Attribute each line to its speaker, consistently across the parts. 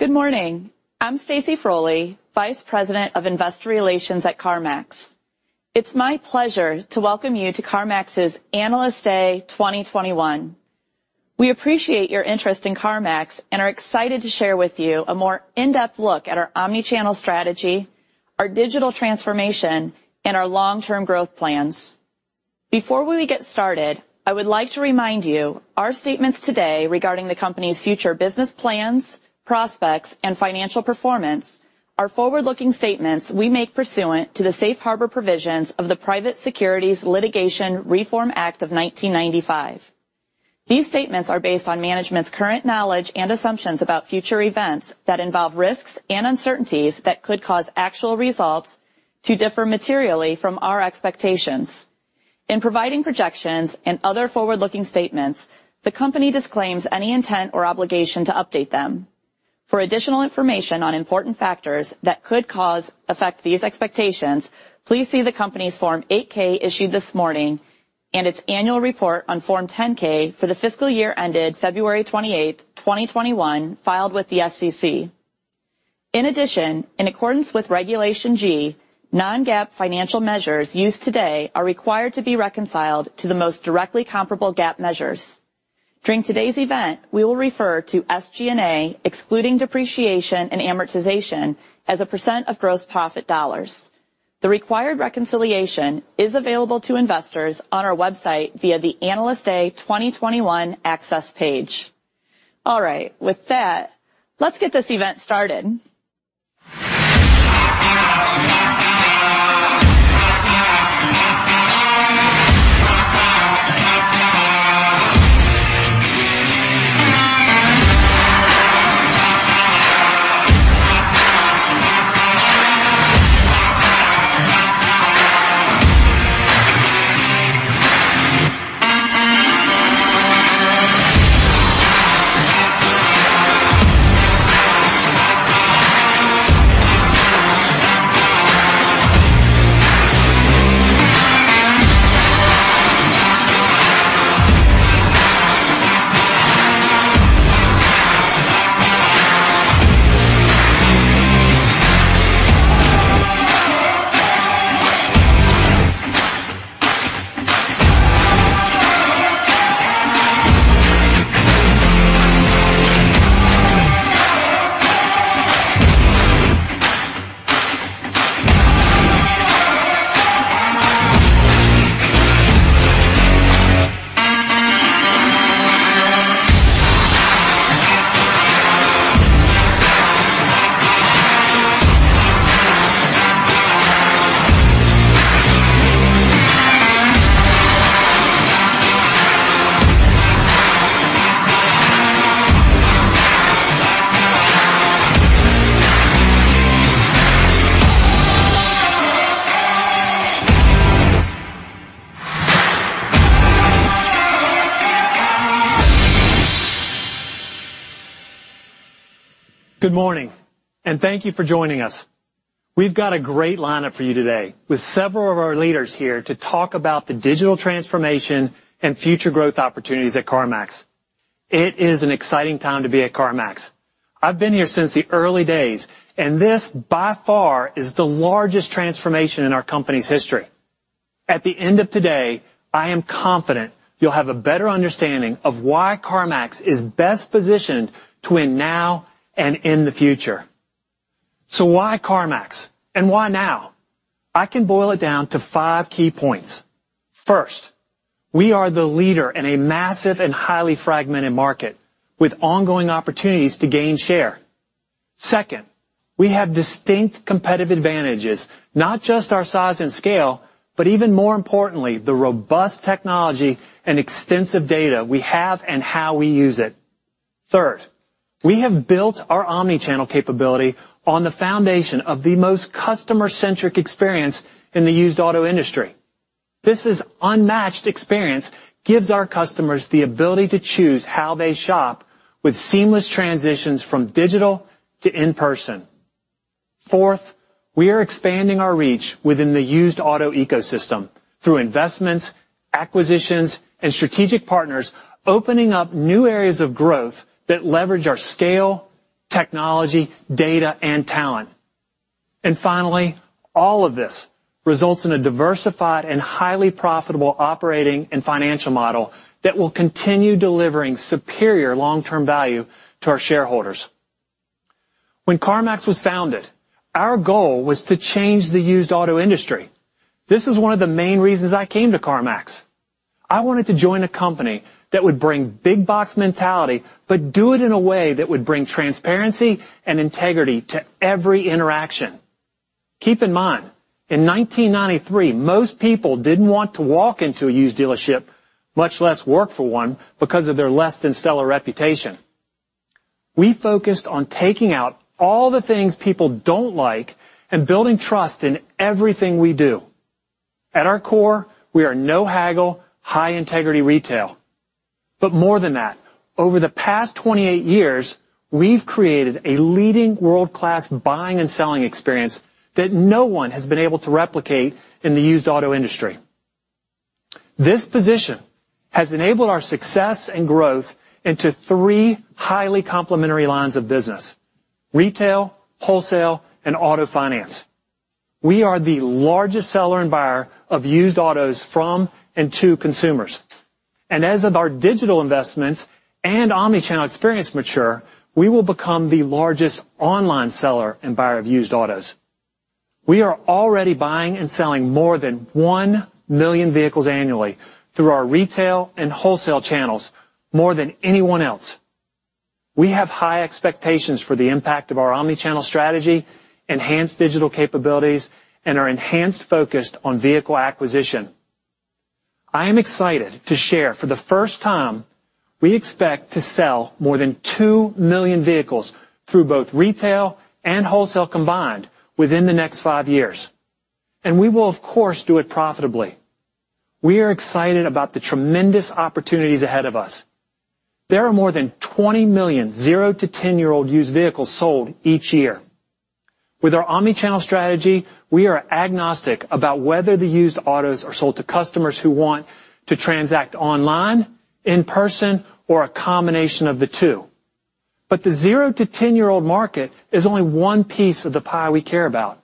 Speaker 1: Good morning. I'm Stacy Frole, Vice President of Investor Relations at CarMax. It's my pleasure to welcome you to CarMax's Analyst Day 2021. We appreciate your interest in CarMax and are excited to share with you a more in-depth look at our omni-channel strategy, our digital transformation, and our long-term growth plans. Before we get started, I would like to remind you, our statements today regarding the company's future business plans, prospects, and financial performance are forward-looking statements we make pursuant to the Safe Harbor provisions of the Private Securities Litigation Reform Act of 1995. These statements are based on management's current knowledge and assumptions about future events that involve risks and uncertainties that could cause actual results to differ materially from our expectations. In providing projections and other forward-looking statements, the company disclaims any intent or obligation to update them. For additional information on important factors that could affect these expectations, please see the company's Form 8-K issued this morning and its annual report on Form 10-K for the fiscal year ended February 28th, 2021, filed with the SEC. In addition, in accordance with Regulation G, non-GAAP financial measures used today are required to be reconciled to the most directly comparable GAAP measures. During today's event, we will refer to SG&A, excluding depreciation and amortization, as a percent of gross profit dollars. The required reconciliation is available to investors on our website via the Analyst Day 2021 access page. All right. With that, let's get this event started.
Speaker 2: Good morning, thank you for joining us. We've got a great lineup for you today, with several of our leaders here to talk about the digital transformation and future growth opportunities at CarMax. It is an exciting time to be at CarMax. I've been here since the early days, and this, by far, is the largest transformation in our company's history. At the end of today, I am confident you'll have a better understanding of why CarMax is best positioned to win now and in the future. Why CarMax, and why now? I can boil it down to five key points. First, we are the leader in a massive and highly fragmented market with ongoing opportunities to gain share. Second, we have distinct competitive advantages, not just our size and scale, but even more importantly, the robust technology and extensive data we have and how we use it. Third, we have built our omni-channel capability on the foundation of the most customer-centric experience in the used auto industry. This is unmatched experience gives our customers the ability to choose how they shop with seamless transitions from digital to in-person. Fourth, we are expanding our reach within the used auto ecosystem through investments, acquisitions, and strategic partners, opening up new areas of growth that leverage our scale, technology, data, and talent. Finally, all of this results in a diversified and highly profitable operating and financial model that will continue delivering superior long-term value to our shareholders. When CarMax was founded, our goal was to change the used auto industry. This is one of the main reasons I came to CarMax. I wanted to join a company that would bring big box mentality, but do it in a way that would bring transparency and integrity to every interaction. Keep in mind, in 1993, most people didn't want to walk into a used dealership, much less work for one, because of their less than stellar reputation. We focused on taking out all the things people don't like and building trust in everything we do. At our core, we are no haggle, high-integrity retail. More than that, over the past 28 years, we've created a leading world-class buying and selling experience that no one has been able to replicate in the used auto industry. This position has enabled our success and growth into three highly complementary lines of business, retail, wholesale, and auto finance. We are the largest seller and buyer of used autos from and to consumers. As of our digital investments and omnichannel experience mature, we will become the largest online seller and buyer of used autos. We are already buying and selling more than 1 million vehicles annually through our retail and wholesale channels, more than anyone else. We have high expectations for the impact of our omnichannel strategy, enhanced digital capabilities, and our enhanced focus on vehicle acquisition. I am excited to share, for the first time, we expect to sell more than 2 million vehicles through both retail and wholesale combined within the next five years, and we will, of course, do it profitably. We are excited about the tremendous opportunities ahead of us. There are more than 20 million 0 to 10-year-old used vehicles sold each year. With our omnichannel strategy, we are agnostic about whether the used autos are sold to customers who want to transact online, in person, or a combination of the two. But the 0 to 10-year-old market is only one piece of the pie we care about.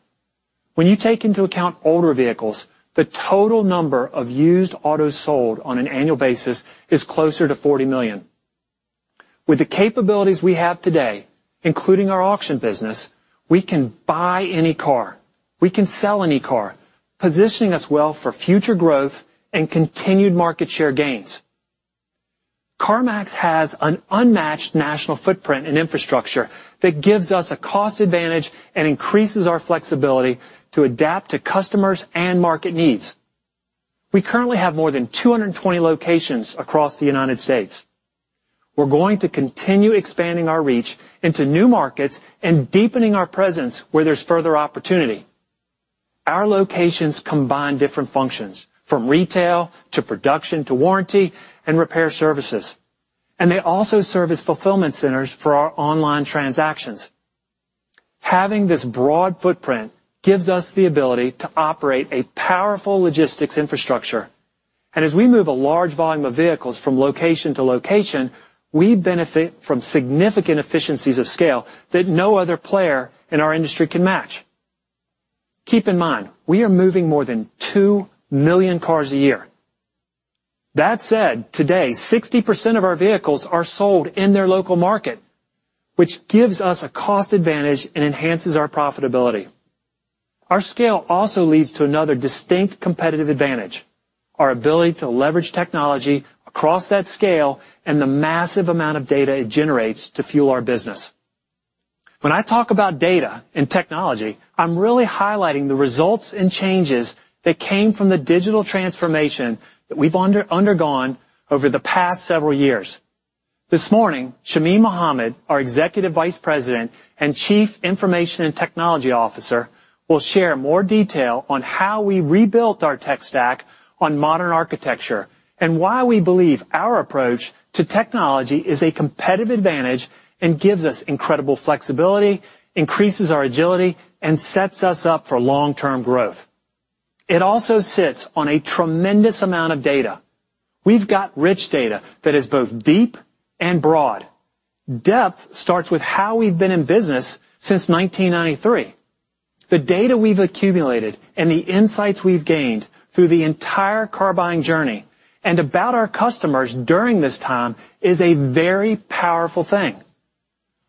Speaker 2: When you take into account older vehicles, the total number of used autos sold on an annual basis is closer to 40 million. With the capabilities we have today, including our auction business, we can buy any car, we can sell any car, positioning us well for future growth and continued market share gains. CarMax has an unmatched national footprint and infrastructure that gives us a cost advantage and increases our flexibility to adapt to customers and market needs. We currently have more than 220 locations across the United States. We're going to continue expanding our reach into new markets and deepening our presence where there's further opportunity. Our locations combine different functions, from retail to production to warranty and repair services, and they also serve as fulfillment centers for our online transactions. Having this broad footprint gives us the ability to operate a powerful logistics infrastructure. As we move a large volume of vehicles from location to location, we benefit from significant efficiencies of scale that no other player in our industry can match. Keep in mind, we are moving more than 2 million cars a year. That said, today, 60% of our vehicles are sold in their local market, which gives us a cost advantage and enhances our profitability. Our scale also leads to another distinct competitive advantage, our ability to leverage technology across that scale and the massive amount of data it generates to fuel our business. When I talk about data and technology, I'm really highlighting the results and changes that came from the digital transformation that we've undergone over the past several years. This morning, Shamim Mohammad, our Executive Vice President and Chief Information and Technology Officer, will share more detail on how we rebuilt our tech stack on modern architecture and why we believe our approach to technology is a competitive advantage and gives us incredible flexibility, increases our agility, and sets us up for long-term growth. It also sits on a tremendous amount of data. We've got rich data that is both deep and broad. Depth starts with how we've been in business since 1993. The data we've accumulated and the insights we've gained through the entire car-buying journey and about our customers during this time is a very powerful thing.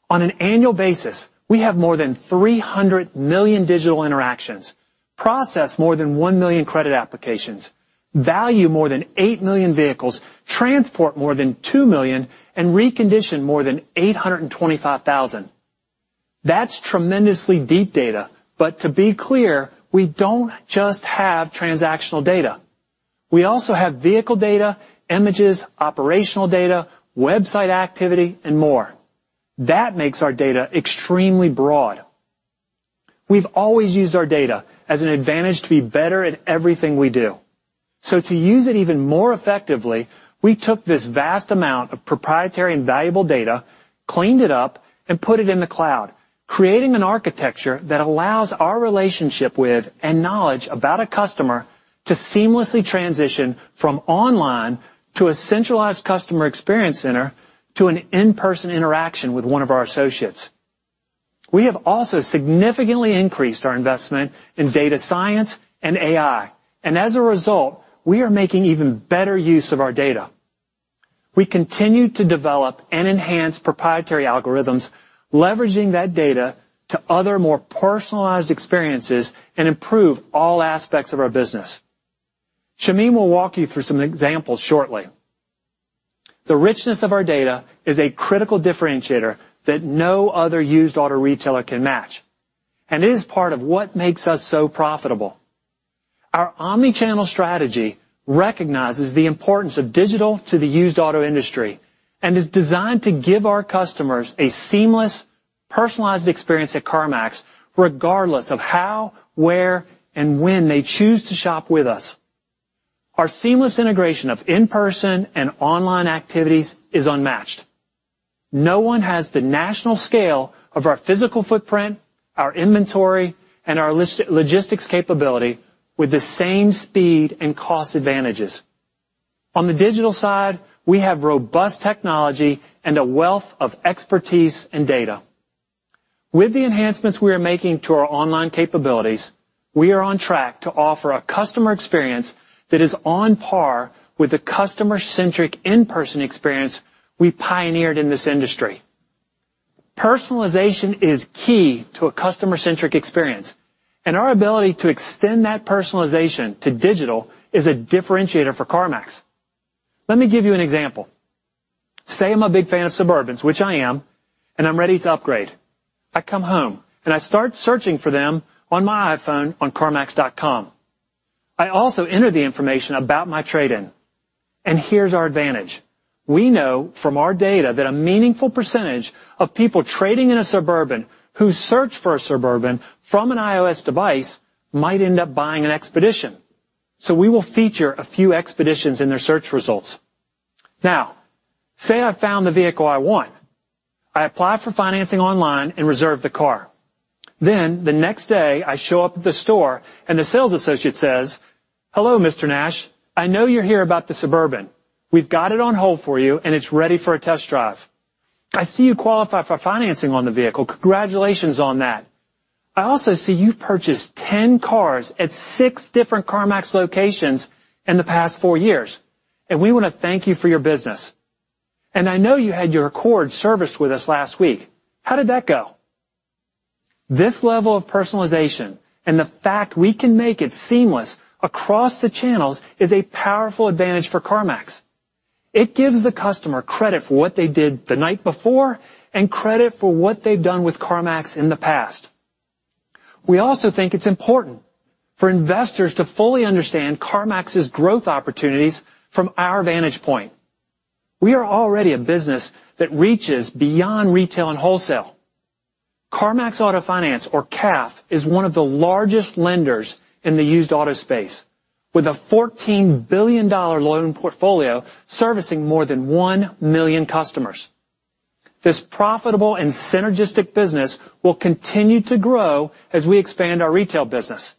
Speaker 2: On an annual basis, we have more than 300 million digital interactions, process more than 1 million credit applications, value more than 8 million vehicles, transport more than 2 million, and recondition more than 825,000. That's tremendously deep data, but to be clear, we don't just have transactional data. We also have vehicle data, images, operational data, website activity, and more. That makes our data extremely broad. We've always used our data as an advantage to be better at everything we do. To use it even more effectively, we took this vast amount of proprietary and valuable data, cleaned it up, and put it in the cloud, creating an architecture that allows our relationship with and knowledge about a customer to seamlessly transition from online to a centralized customer experience center to an in-person interaction with one of our associates. We have also significantly increased our investment in data science and AI, and as a result, we are making even better use of our data. We continue to develop and enhance proprietary algorithms, leveraging that data to other, more personalized experiences and improve all aspects of our business. Shamim will walk you through some examples shortly. The richness of our data is a critical differentiator that no other used auto retailer can match. It is part of what makes us so profitable. Our omnichannel strategy recognizes the importance of digital to the used auto industry and is designed to give our customers a seamless, personalized experience at CarMax, regardless of how, where, and when they choose to shop with us. Our seamless integration of in-person and online activities is unmatched. No one has the national scale of our physical footprint, our inventory, and our logistics capability with the same speed and cost advantages. On the digital side, we have robust technology and a wealth of expertise and data. With the enhancements we are making to our online capabilities, we are on track to offer a customer experience that is on par with the customer-centric in-person experience we pioneered in this industry. Personalization is key to a customer-centric experience, and our ability to extend that personalization to digital is a differentiator for CarMax. Let me give you an example. Say I'm a big fan of Suburbans, which I am, and I'm ready to upgrade. I come home and I start searching for them on my iPhone on carmax.com. I also enter the information about my trade-in. Here's our advantage. We know from our data that a meaningful percentage of people trading in a Suburban who search for a Suburban from an iOS device might end up buying an Expedition. We will feature a few Expeditions in their search results. Now, say I've found the vehicle I want. I apply for financing online and reserve the car. The next day, I show up at the store and the sales associate says, "Hello, Mr. Nash. I know you're here about the Suburban. We've got it on hold for you, and it's ready for a test drive. I see you qualify for financing on the vehicle. Congratulations on that. I also see you've purchased 10 cars at six different CarMax locations in the past four years, and we want to thank you for your business. I know you had your Accord serviced with us last week. How did that go?" This level of personalization and the fact we can make it seamless across the channels is a powerful advantage for CarMax. It gives the customer credit for what they did the night before and credit for what they've done with CarMax in the past. We also think it's important for investors to fully understand CarMax's growth opportunities from our vantage point. We are already a business that reaches beyond retail and wholesale. CarMax Auto Finance, or CAF, is one of the largest lenders in the used auto space, with a $14 billion loan portfolio servicing more than 1 million customers. This profitable and synergistic business will continue to grow as we expand our retail business.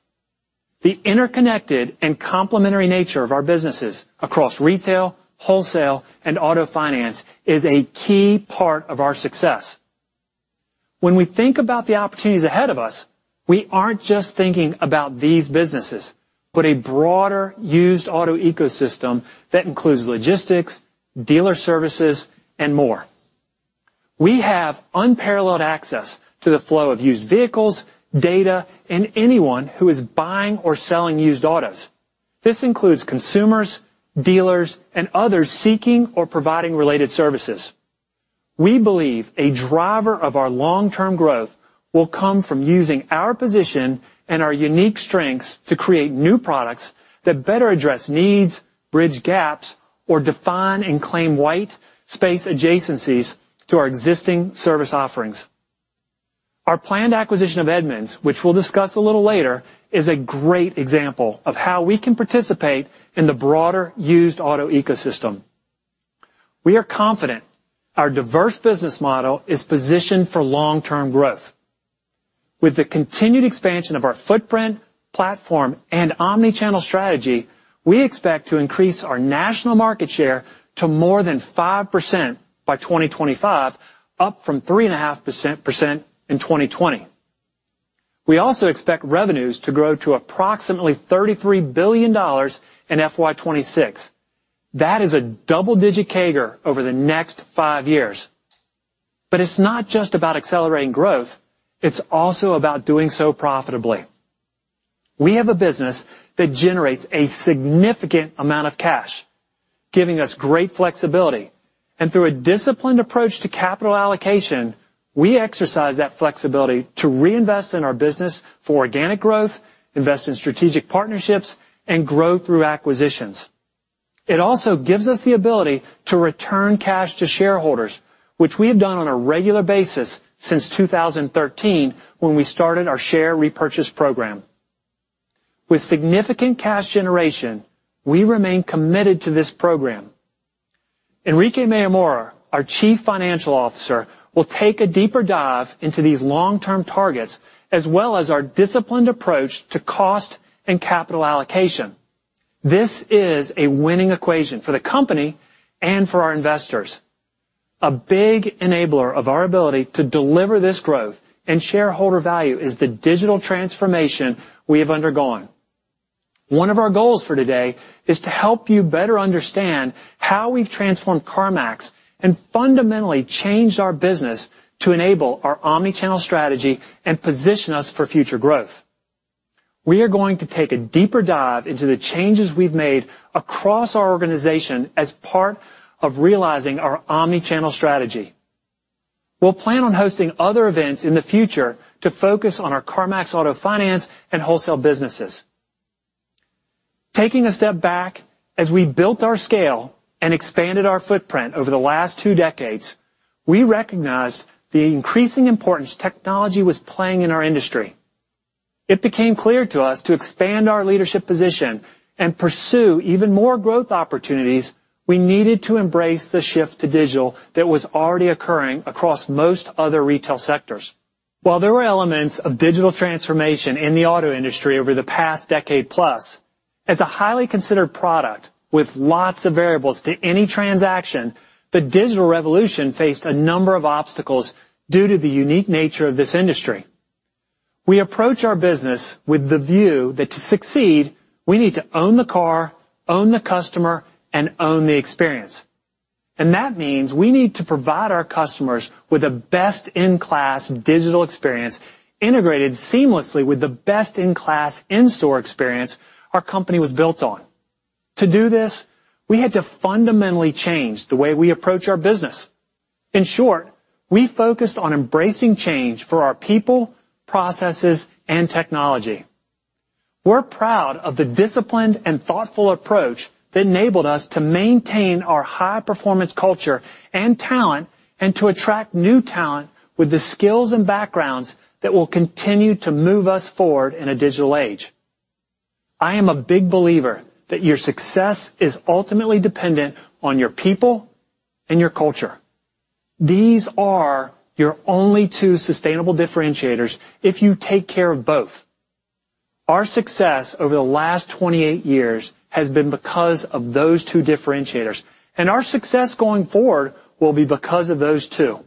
Speaker 2: The interconnected and complementary nature of our businesses across retail, wholesale, and auto finance is a key part of our success. When we think about the opportunities ahead of us, we aren't just thinking about these businesses, but a broader used auto ecosystem that includes logistics, dealer services, and more. We have unparalleled access to the flow of used vehicles, data, and anyone who is buying or selling used autos. This includes consumers, dealers, and others seeking or providing related services. We believe a driver of our long-term growth will come from using our position and our unique strengths to create new products that better address needs, bridge gaps, or define and claim white space adjacencies to our existing service offerings. Our planned acquisition of Edmunds, which we'll discuss a little later, is a great example of how we can participate in the broader used auto ecosystem. We are confident our diverse business model is positioned for long-term growth. With the continued expansion of our footprint, platform, and omnichannel strategy, we expect to increase our national market share to more than 5% by 2025, up from 3.5% in 2020. We also expect revenues to grow to approximately $33 billion in FY 2026. That is a double-digit CAGR over the next five years. It's not just about accelerating growth, it's also about doing so profitably. We have a business that generates a significant amount of cash, giving us great flexibility. Through a disciplined approach to capital allocation, we exercise that flexibility to reinvest in our business for organic growth, invest in strategic partnerships, and grow through acquisitions. It also gives us the ability to return cash to shareholders, which we have done on a regular basis since 2013 when we started our share repurchase program. With significant cash generation, we remain committed to this program. Enrique Mayor-Mora, our Chief Financial Officer, will take a deeper dive into these long-term targets, as well as our disciplined approach to cost and capital allocation. This is a winning equation for the company and for our investors. A big enabler of our ability to deliver this growth and shareholder value is the digital transformation we have undergone. One of our goals for today is to help you better understand how we've transformed CarMax and fundamentally changed our business to enable our omnichannel strategy and position us for future growth. We are going to take a deeper dive into the changes we've made across our organization as part of realizing our omnichannel strategy. We'll plan on hosting other events in the future to focus on our CarMax Auto Finance and wholesale businesses. Taking a step back, as we built our scale and expanded our footprint over the last two decades, we recognized the increasing importance technology was playing in our industry. It became clear to us to expand our leadership position and pursue even more growth opportunities, we needed to embrace the shift to digital that was already occurring across most other retail sectors. While there were elements of digital transformation in the auto industry over the past decade-plus, as a highly considered product with lots of variables to any transaction, the digital revolution faced a number of obstacles due to the unique nature of this industry. We approach our business with the view that to succeed, we need to own the car, own the customer, and own the experience. That means we need to provide our customers with the best-in-class digital experience integrated seamlessly with the best-in-class in-store experience our company was built on. To do this, we had to fundamentally change the way we approach our business. In short, we focused on embracing change for our people, processes, and technology. We're proud of the disciplined and thoughtful approach that enabled us to maintain our high-performance culture and talent and to attract new talent with the skills and backgrounds that will continue to move us forward in a digital age. I am a big believer that your success is ultimately dependent on your people and your culture. These are your only two sustainable differentiators if you take care of both. Our success over the last 28 years has been because of those two differentiators, and our success going forward will be because of those two.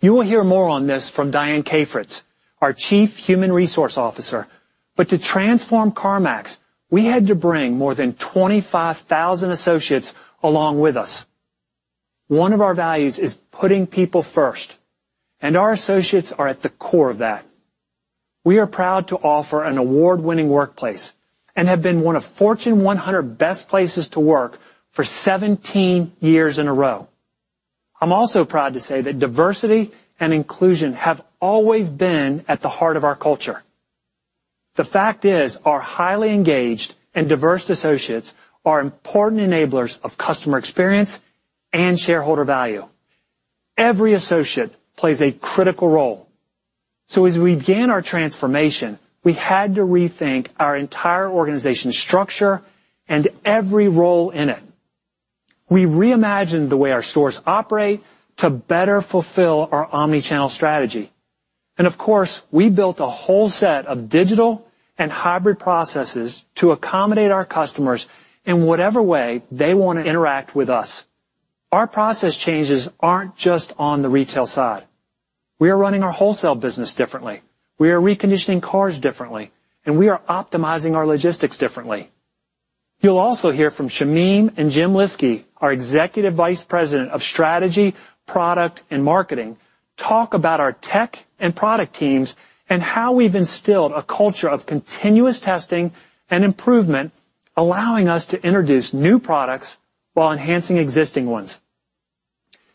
Speaker 2: You will hear more on this from Diane Cafritz, our Chief Human Resource Officer. To transform CarMax, we had to bring more than 25,000 associates along with us. One of our values is putting people first, and our associates are at the core of that. We are proud to offer an award-winning workplace and have been one of Fortune 100 Best Companies to Work For for 17 years in a row. I'm also proud to say that diversity and inclusion have always been at the heart of our culture. The fact is, our highly engaged and diverse associates are important enablers of customer experience and shareholder value. Every associate plays a critical role. As we began our transformation, we had to rethink our entire organization structure and every role in it. We reimagined the way our stores operate to better fulfill our omnichannel strategy. Of course, we built a whole set of digital and hybrid processes to accommodate our customers in whatever way they want to interact with us. Our process changes aren't just on the retail side. We are running our wholesale business differently. We are reconditioning cars differently, and we are optimizing our logistics differently. You'll also hear from Shamim and Jim Lyski, our Executive Vice President of Strategy, Product, and Marketing, talk about our tech and product teams and how we've instilled a culture of continuous testing and improvement, allowing us to introduce new products while enhancing existing ones.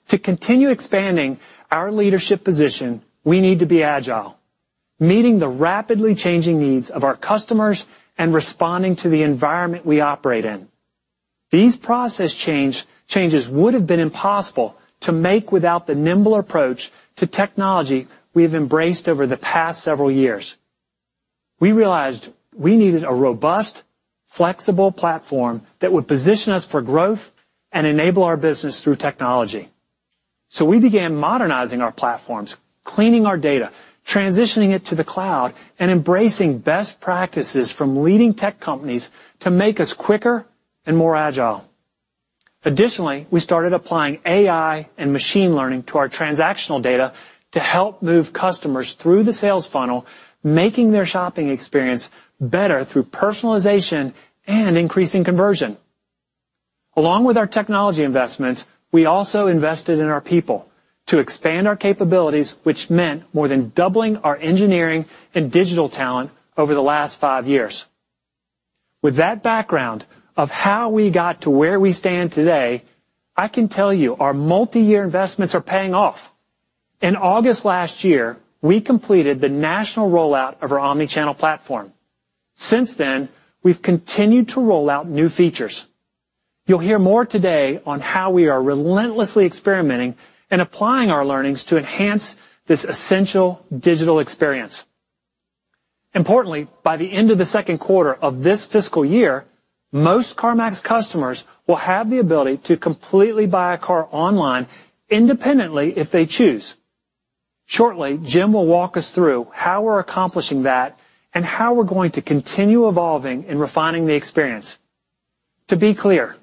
Speaker 2: To continue expanding our leadership position, we need to be agile, meeting the rapidly changing needs of our customers and responding to the environment we operate in. These process changes would have been impossible to make without the nimble approach to technology we have embraced over the past several years. We realized we needed a robust, flexible platform that would position us for growth and enable our business through technology. We began modernizing our platforms, cleaning our data, transitioning it to the cloud, and embracing best practices from leading tech companies to make us quicker and more agile. Additionally, we started applying AI and machine learning to our transactional data to help move customers through the sales funnel, making their shopping experience better through personalization and increasing conversion. Along with our technology investments, we also invested in our people to expand our capabilities, which meant more than doubling our engineering and digital talent over the last five years. With that background of how we got to where we stand today, I can tell you our multiyear investments are paying off. In August last year, we completed the national rollout of our omnichannel platform. Since then, we've continued to roll out new features. You'll hear more today on how we are relentlessly experimenting and applying our learnings to enhance this essential digital experience. Importantly, by the end of the second quarter of this fiscal year, most CarMax customers will have the ability to completely buy a car online independently if they choose. Shortly, Jim will walk us through how we're accomplishing that and how we're going to continue evolving and refining the experience. To be clear,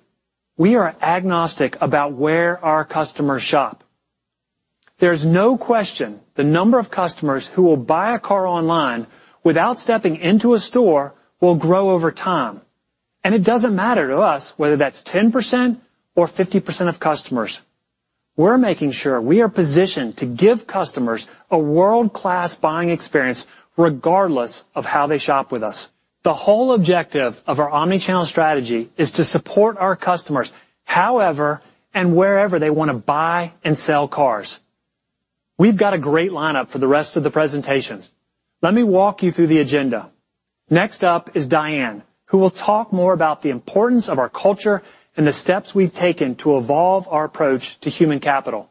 Speaker 2: we are agnostic about where our customers shop. There's no question the number of customers who will buy a car online without stepping into a store will grow over time, and it doesn't matter to us whether that's 10% or 50% of customers. We're making sure we are positioned to give customers a world-class buying experience regardless of how they shop with us. The whole objective of our omnichannel strategy is to support our customers however and wherever they want to buy and sell cars. We've got a great lineup for the rest of the presentations. Let me walk you through the agenda. Next up is Diane, who will talk more about the importance of our culture and the steps we've taken to evolve our approach to human capital.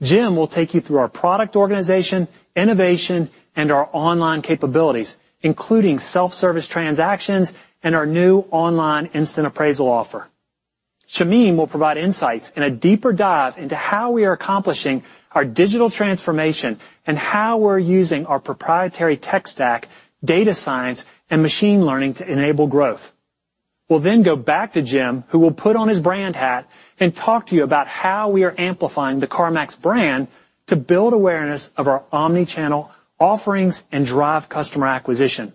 Speaker 2: Jim will take you through our product organization, innovation, and our online capabilities, including self-service transactions and our new online instant appraisal offer. Shamim will provide insights and a deeper dive into how we are accomplishing our digital transformation and how we're using our proprietary tech stack, data science, and machine learning to enable growth. We'll then go back to Jim, who will put on his brand hat and talk to you about how we are amplifying the CarMax brand to build awareness of our omni-channel offerings and drive customer acquisition.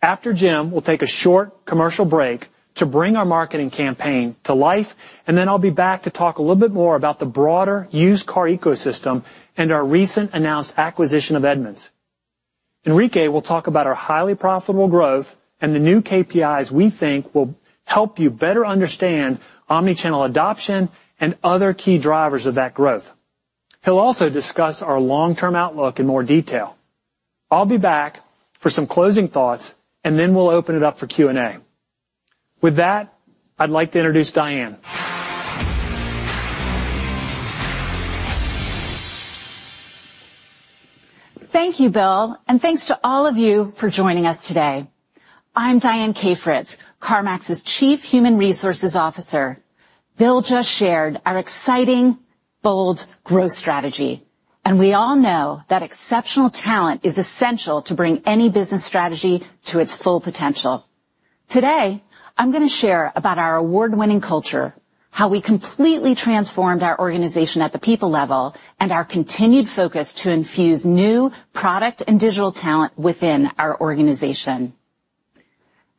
Speaker 2: After Jim, we'll take a short commercial break to bring our marketing campaign to life. I'll be back to talk a little bit more about the broader used car ecosystem and our recent announced acquisition of Edmunds. Enrique will talk about our highly profitable growth and the new KPIs we think will help you better understand omni-channel adoption and other key drivers of that growth. He'll also discuss our long-term outlook in more detail. I'll be back for some closing thoughts. We'll open it up for Q&A. With that, I'd like to introduce Diane.
Speaker 3: Thank you, Bill, and thanks to all of you for joining us today. I'm Diane Cafritz, CarMax's Chief Human Resources Officer. Bill just shared our exciting, bold growth strategy, and we all know that exceptional talent is essential to bring any business strategy to its full potential. Today, I'm going to share about our award-winning culture, how we completely transformed our organization at the people level, and our continued focus to infuse new product and digital talent within our organization.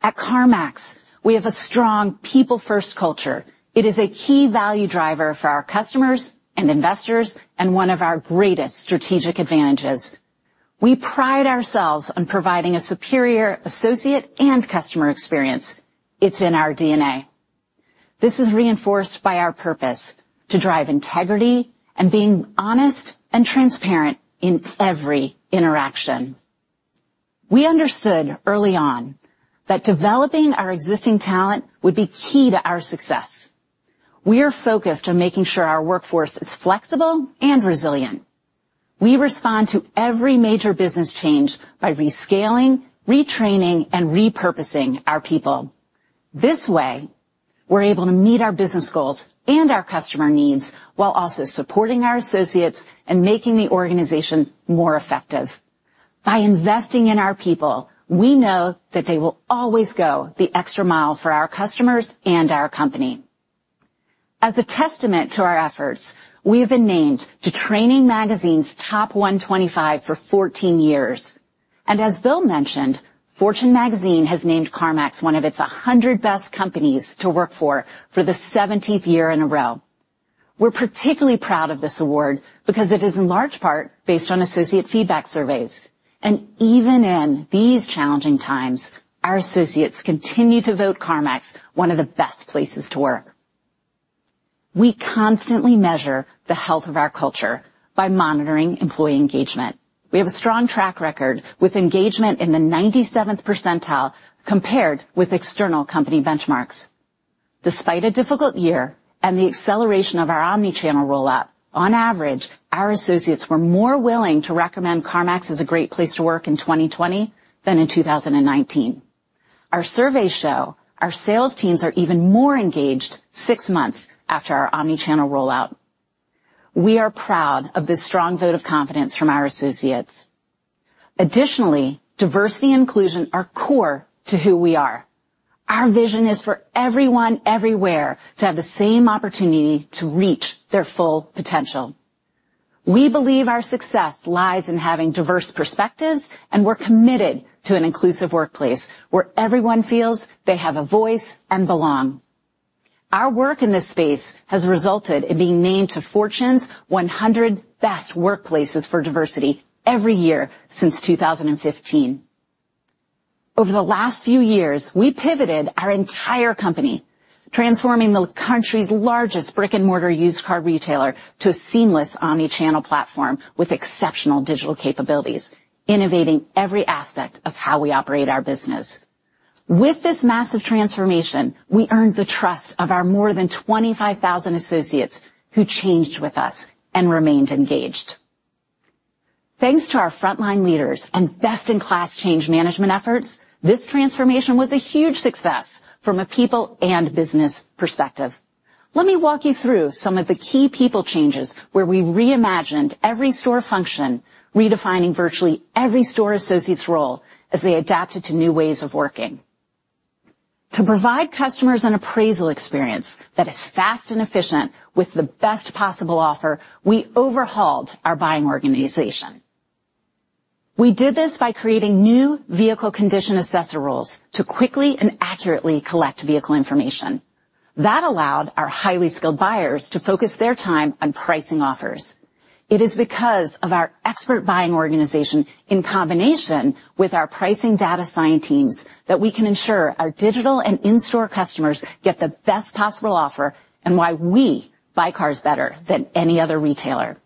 Speaker 3: At CarMax, we have a strong people-first culture. It is a key value driver for our customers and investors, and one of our greatest strategic advantages. We pride ourselves on providing a superior associate and customer experience. It's in our DNA. This is reinforced by our purpose to drive integrity and being honest and transparent in every interaction. We understood early on that developing our existing talent would be key to our success. We are focused on making sure our workforce is flexible and resilient. We respond to every major business change by rescaling, retraining, and repurposing our people. This way, we're able to meet our business goals and our customer needs while also supporting our associates and making the organization more effective. By investing in our people, we know that they will always go the extra mile for our customers and our company. As a testament to our efforts, we have been named to Training Magazine's Top 125 for 14 years. As Bill mentioned, Fortune Magazine has named CarMax one of its 100 Best Companies to Work For, for the 17th year in a row. We're particularly proud of this award because it is in large part based on associate feedback surveys. Even in these challenging times, our associates continue to vote CarMax one of the best places to work. We constantly measure the health of our culture by monitoring employee engagement. We have a strong track record with engagement in the 97th percentile compared with external company benchmarks. Despite a difficult year and the acceleration of our omni-channel rollout, on average, our associates were more willing to recommend CarMax as a great place to work in 2020 than in 2019. Our surveys show our sales teams are even more engaged six months after our omni-channel rollout. We are proud of this strong vote of confidence from our associates. Additionally, diversity and inclusion are core to who we are. Our vision is for everyone everywhere to have the same opportunity to reach their full potential. We believe our success lies in having diverse perspectives, and we're committed to an inclusive workplace where everyone feels they have a voice and belong. Our work in this space has resulted in being named to Fortune 100 Best Workplaces for Diversity every year since 2015. Over the last few years, we pivoted our entire company, transforming the country's largest brick-and-mortar used car retailer to a seamless omni-channel platform with exceptional digital capabilities, innovating every aspect of how we operate our business. With this massive transformation, we earned the trust of our more than 25,000 associates who changed with us and remained engaged. Thanks to our frontline leaders and best-in-class change management efforts, this transformation was a huge success from a people and business perspective. Let me walk you through some of the key people changes, where we reimagined every store function, redefining virtually every store associate's role as they adapted to new ways of working. To provide customers an appraisal experience that is fast and efficient with the best possible offer, we overhauled our buying organization. We did this by creating new vehicle condition assessor roles to quickly and accurately collect vehicle information. That allowed our highly skilled buyers to focus their time on pricing offers. It is because of our expert buying organization in combination with our pricing data science teams that we can ensure our digital and in-store customers get the best possible offer, and why we buy cars better than any other retailer.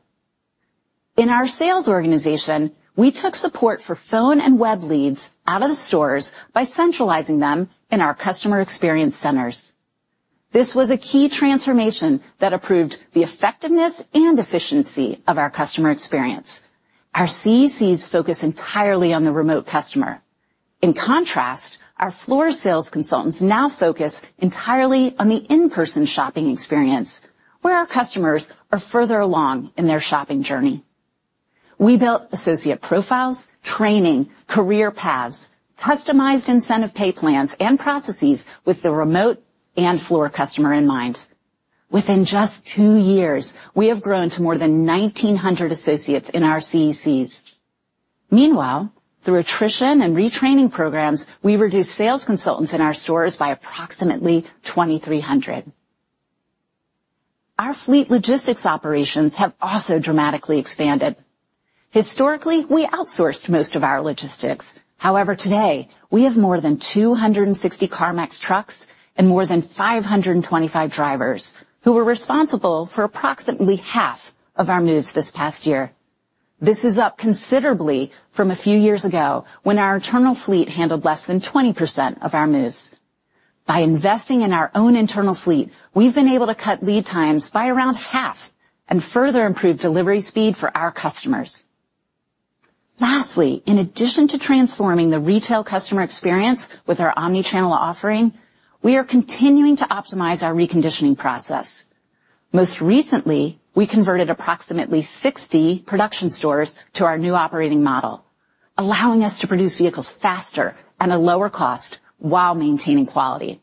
Speaker 3: In our sales organization, we took support for phone and web leads out of the stores by centralizing them in our Customer Experience Centers. This was a key transformation that improved the effectiveness and efficiency of our customer experience. Our CECs focus entirely on the remote customer. Our floor sales consultants now focus entirely on the in-person shopping experience, where our customers are further along in their shopping journey. We built associate profiles, training, career paths, customized incentive pay plans and processes with the remote and floor customer in mind. Within just two years, we have grown to more than 1,900 associates in our CECs. Through attrition and retraining programs, we reduced sales consultants in our stores by approximately 2,300. Our fleet logistics operations have also dramatically expanded. Historically, we outsourced most of our logistics. Today, we have more than 260 CarMax trucks and more than 525 drivers who were responsible for approximately half of our moves this past year. This is up considerably from a few years ago, when our internal fleet handled less than 20% of our moves. By investing in our own internal fleet, we've been able to cut lead times by around half and further improve delivery speed for our customers. Lastly, in addition to transforming the retail customer experience with our omnichannel offering, we are continuing to optimize our reconditioning process. Most recently, we converted approximately 60 production stores to our new operating model, allowing us to produce vehicles faster and at lower cost while maintaining quality.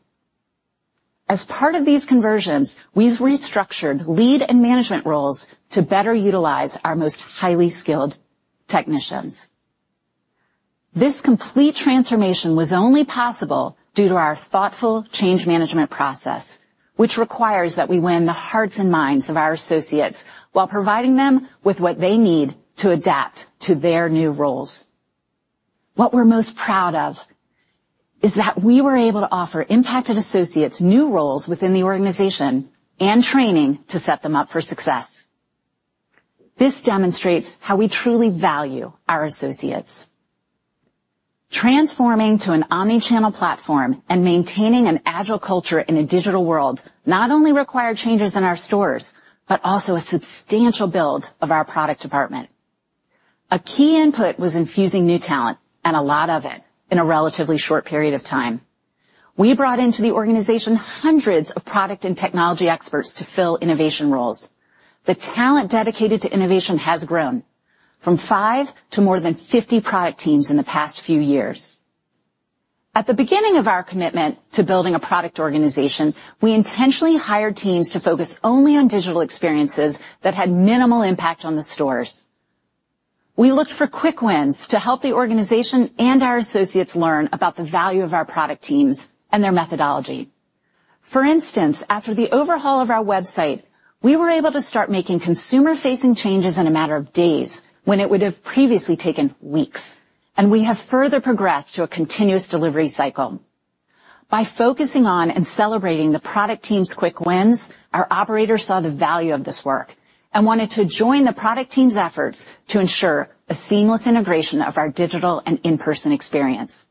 Speaker 3: As part of these conversions, we've restructured lead and management roles to better utilize our most highly skilled technicians. This complete transformation was only possible due to our thoughtful change management process, which requires that we win the hearts and minds of our associates while providing them with what they need to adapt to their new roles. What we're most proud of is that we were able to offer impacted associates new roles within the organization and training to set them up for success. This demonstrates how we truly value our associates. Transforming to an omnichannel platform and maintaining an agile culture in a digital world not only required changes in our stores, but also a substantial build of our product department. A key input was infusing new talent and a lot of it in a relatively short period of time. We brought into the organization hundreds of product and technology experts to fill innovation roles. The talent dedicated to innovation has grown from five to more than 50 product teams in the past few years. At the beginning of our commitment to building a product organization, we intentionally hired teams to focus only on digital experiences that had minimal impact on the stores. We looked for quick wins to help the organization and our associates learn about the value of our product teams and their methodology. For instance, after the overhaul of our website, we were able to start making consumer-facing changes in a matter of days when it would have previously taken weeks, and we have further progressed to a continuous delivery cycle. By focusing on and celebrating the product team's quick wins, our operators saw the value of this work and wanted to join the product team's efforts to ensure a seamless integration of our digital and in-person experience.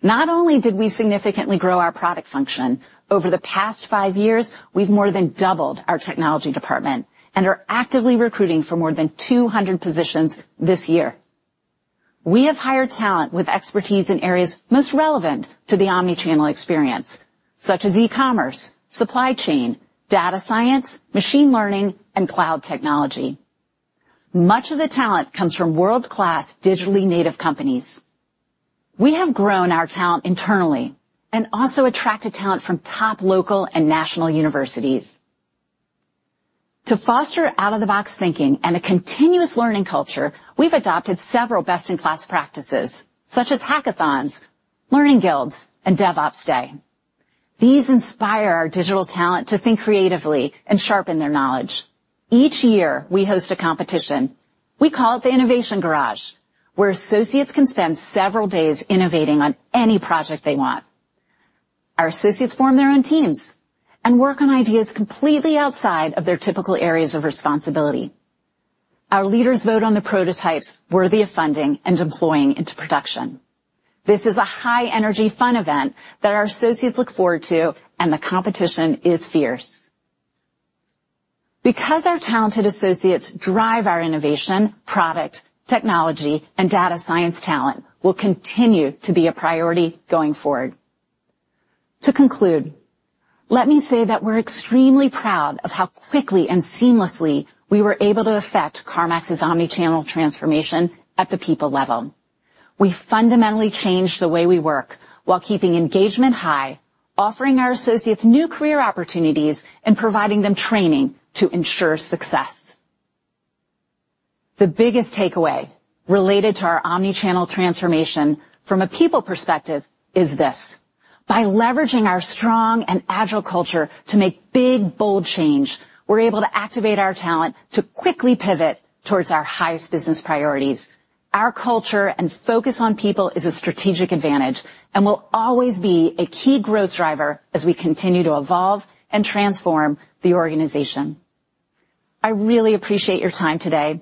Speaker 3: Not only did we significantly grow our product function, over the past five years, we've more than doubled our technology department and are actively recruiting for more than 200 positions this year. We have hired talent with expertise in areas most relevant to the omnichannel experience, such as e-commerce, supply chain, data science, machine learning, and cloud technology. Much of the talent comes from world-class digitally native companies. We have grown our talent internally and also attracted talent from top local and national universities. To foster out-of-the-box thinking and a continuous learning culture, we've adopted several best-in-class practices, such as hackathons, learning guilds, and DevOps Day. These inspire our digital talent to think creatively and sharpen their knowledge. Each year, we host a competition, we call it the Innovation Garage, where associates can spend several days innovating on any project they want. Our associates form their own teams and work on ideas completely outside of their typical areas of responsibility. Our leaders vote on the prototypes worthy of funding and deploying into production. This is a high-energy fun event that our associates look forward to, and the competition is fierce. Because our talented associates drive our innovation, product, technology, and data science talent will continue to be a priority going forward. To conclude, let me say that we're extremely proud of how quickly and seamlessly we were able to affect CarMax's omnichannel transformation at the people level. We fundamentally changed the way we work while keeping engagement high, offering our associates new career opportunities, and providing them training to ensure success. The biggest takeaway related to our omnichannel transformation from a people perspective is this: By leveraging our strong and agile culture to make big, bold change, we're able to activate our talent to quickly pivot towards our highest business priorities. Our culture and focus on people is a strategic advantage and will always be a key growth driver as we continue to evolve and transform the organization. I really appreciate your time today.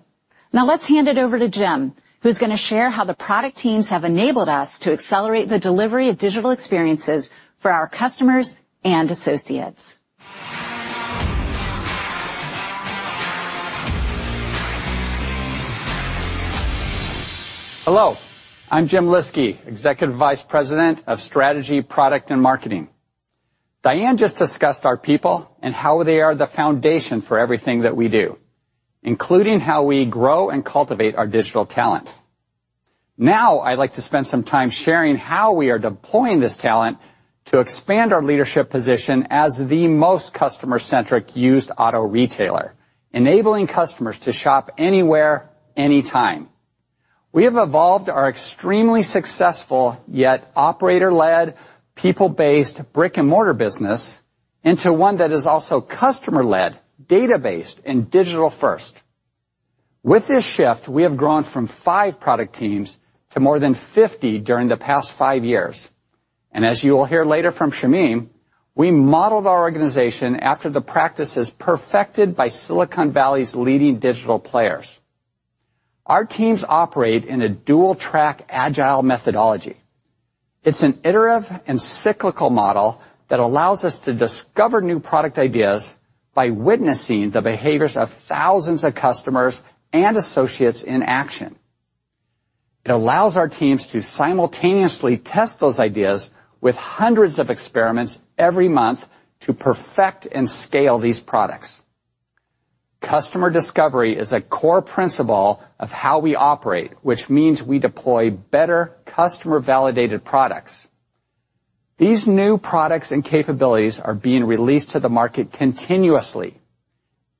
Speaker 3: Let's hand it over to Jim, who's going to share how the product teams have enabled us to accelerate the delivery of digital experiences for our customers and associates.
Speaker 4: Hello, I'm Jim Lyski, Executive Vice President of Strategy, Product, and Marketing. Diane Cafritz just discussed our people and how they are the foundation for everything that we do, including how we grow and cultivate our digital talent. Now I'd like to spend some time sharing how we are deploying this talent to expand our leadership position as the most customer-centric used auto retailer, enabling customers to shop anywhere, anytime. We have evolved our extremely successful, yet operator-led, people-based, brick-and-mortar business into one that is also customer-led, data-based, and digital first. With this shift, we have grown from five product teams to more than 50 during the past five years. As you will hear later from Shamim Mohammad, we modeled our organization after the practices perfected by Silicon Valley's leading digital players. Our teams operate in a dual-track agile methodology. It's an iterative and cyclical model that allows us to discover new product ideas by witnessing the behaviors of thousands of customers and associates in action. It allows our teams to simultaneously test those ideas with hundreds of experiments every month to perfect and scale these products. Customer discovery is a core principle of how we operate, which means we deploy better customer-validated products. These new products and capabilities are being released to the market continuously.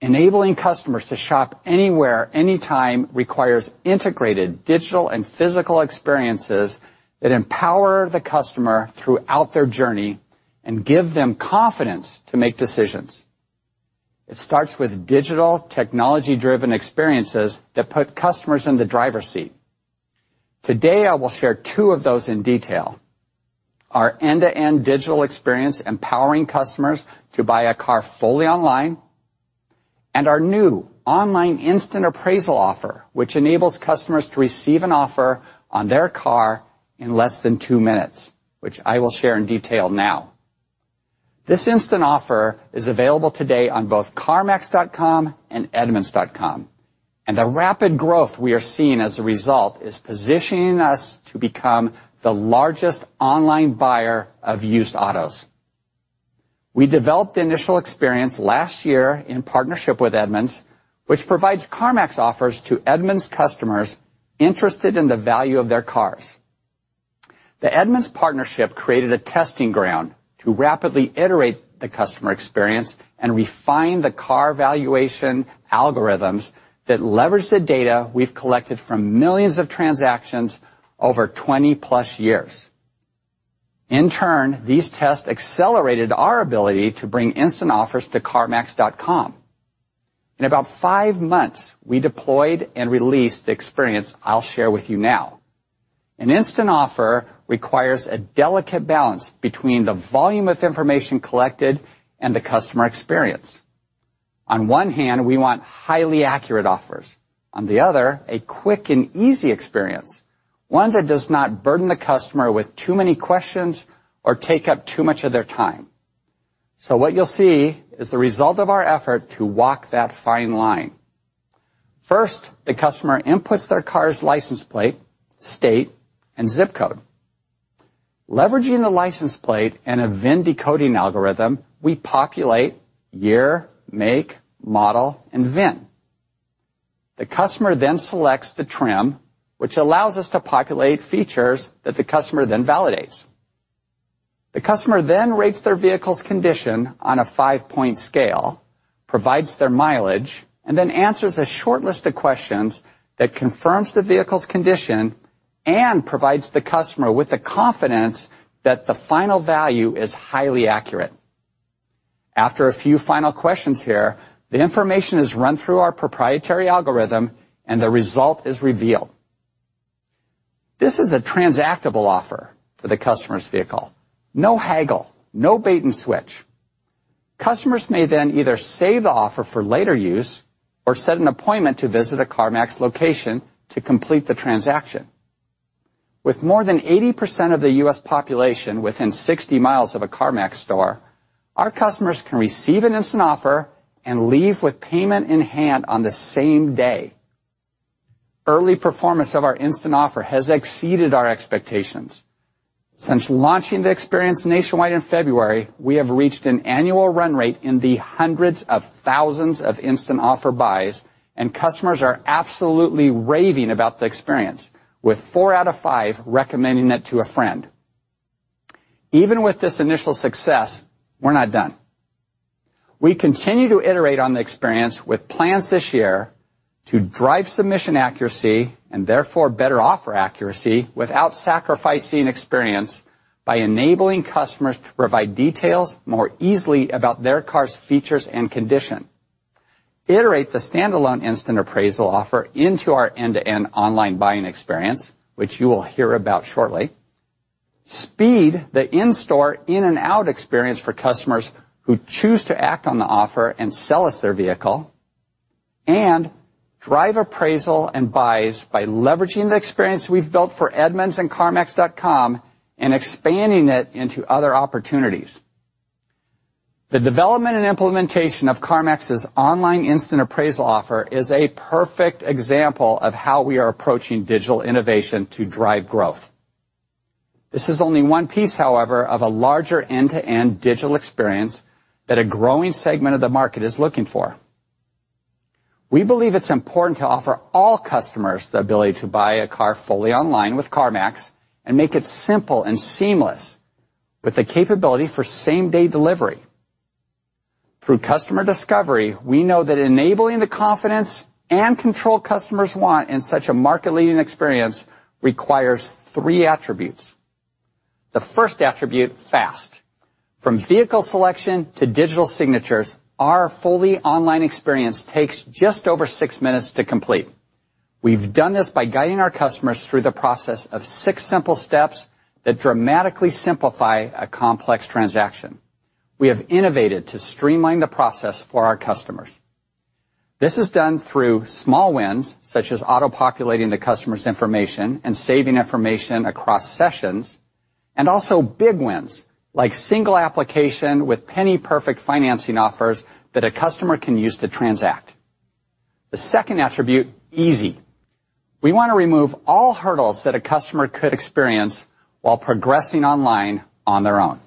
Speaker 4: Enabling customers to shop anywhere, anytime requires integrated digital and physical experiences that empower the customer throughout their journey and give them confidence to make decisions. It starts with digital technology-driven experiences that put customers in the driver's seat. Today, I will share two of those in detail. Our end-to-end digital experience empowering customers to buy a car fully online, and our new online instant appraisal offer, which enables customers to receive an offer on their car in less than two minutes, which I will share in detail now. This instant offer is available today on both carmax.com and edmunds.com. The rapid growth we are seeing as a result is positioning us to become the largest online buyer of used autos. We developed the initial experience last year in partnership with Edmunds, which provides CarMax offers to Edmunds customers interested in the value of their cars. The Edmunds partnership created a testing ground to rapidly iterate the customer experience and refine the car valuation algorithms that leverage the data we've collected from millions of transactions over 20-plus years. In turn, these tests accelerated our ability to bring instant offers to carmax.com. In about five months, we deployed and released the experience I'll share with you now. An instant offer requires a delicate balance between the volume of information collected and the customer experience. On one hand, we want highly accurate offers, on the other, a quick and easy experience, one that does not burden the customer with too many questions or take up too much of their time. What you'll see is the result of our effort to walk that fine line. First, the customer inputs their car's license plate, state, and zip code. Leveraging the license plate and a VIN decoding algorithm, we populate year, make, model, and VIN. The customer then selects the trim, which allows us to populate features that the customer then validates. The customer then rates their vehicle's condition on a five-point scale, provides their mileage, and then answers a short list of questions that confirms the vehicle's condition and provides the customer with the confidence that the final value is highly accurate. A few final questions here, the information is run through our proprietary algorithm and the result is revealed. This is a transactable offer for the customer's vehicle. No haggle, no bait and switch. Customers may then either save the offer for later use or set an appointment to visit a CarMax location to complete the transaction. With more than 80% of the U.S. population within 60 mi of a CarMax store, our customers can receive an instant offer and leave with payment in hand on the same day. Early performance of our instant offer has exceeded our expectations. Since launching the experience nationwide in February, we have reached an annual run rate in the hundreds of thousands of instant offer buys. Customers are absolutely raving about the experience, with four out of five recommending it to a friend. Even with this initial success, we're not done. We continue to iterate on the experience with plans this year to drive submission accuracy and therefore better offer accuracy without sacrificing experience by enabling customers to provide details more easily about their car's features and condition. Iterate the standalone instant appraisal offer into our end-to-end online buying experience, which you will hear about shortly. Speed the in-store in-and-out experience for customers who choose to act on the offer and sell us their vehicle. Drive appraisal and buys by leveraging the experience we've built for Edmunds and carmax.com and expanding it into other opportunities. The development and implementation of CarMax's online instant appraisal offer is a perfect example of how we are approaching digital innovation to drive growth. This is only one piece, however, of a larger end-to-end digital experience that a growing segment of the market is looking for. We believe it's important to offer all customers the ability to buy a car fully online with CarMax and make it simple and seamless, with the capability for same-day delivery. Through customer discovery, we know that enabling the confidence and control customers want in such a market-leading experience requires three attributes. The first attribute, fast. From vehicle selection to digital signatures, our fully online experience takes just over six minutes to complete. We've done this by guiding our customers through the process of six simple steps that dramatically simplify a complex transaction. We have innovated to streamline the process for our customers. This is done through small wins, such as auto-populating the customer's information and saving information across sessions, and also big wins, like single application with penny-perfect financing offers that a customer can use to transact. The second attribute, easy. We want to remove all hurdles that a customer could experience while progressing online on their own.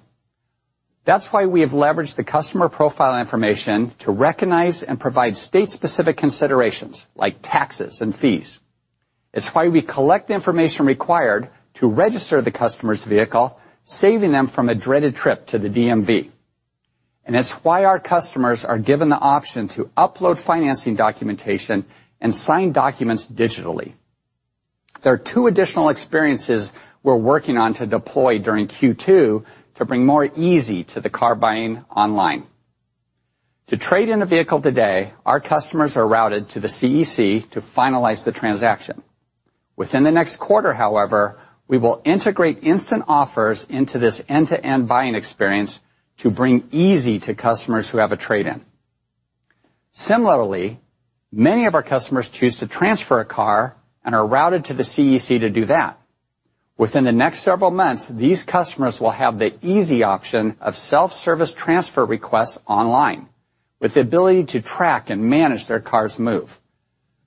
Speaker 4: That's why we have leveraged the customer profile information to recognize and provide state-specific considerations, like taxes and fees. It's why we collect the information required to register the customer's vehicle, saving them from a dreaded trip to the DMV. It's why our customers are given the option to upload financing documentation and sign documents digitally. There are two additional experiences we're working on to deploy during Q2 to bring more easy to the car buying online. To trade in a vehicle today, our customers are routed to the CEC to finalize the transaction. Within the next quarter, however, we will integrate instant offers into this end-to-end buying experience to bring easy to customers who have a trade-in. Similarly, many of our customers choose to transfer a car and are routed to the CEC to do that. Within the next several months, these customers will have the easy option of self-service transfer requests online, with the ability to track and manage their car's move.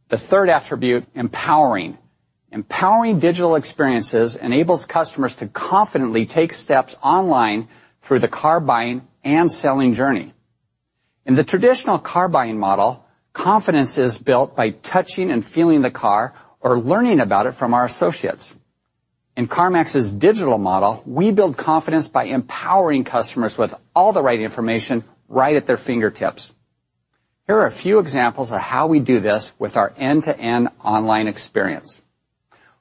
Speaker 4: The third attribute, empowering. Empowering digital experiences enables customers to confidently take steps online through the car buying and selling journey. In the traditional car buying model, confidence is built by touching and feeling the car or learning about it from our associates. In CarMax's digital model, we build confidence by empowering customers with all the right information right at their fingertips. Here are a few examples of how we do this with our end-to-end online experience.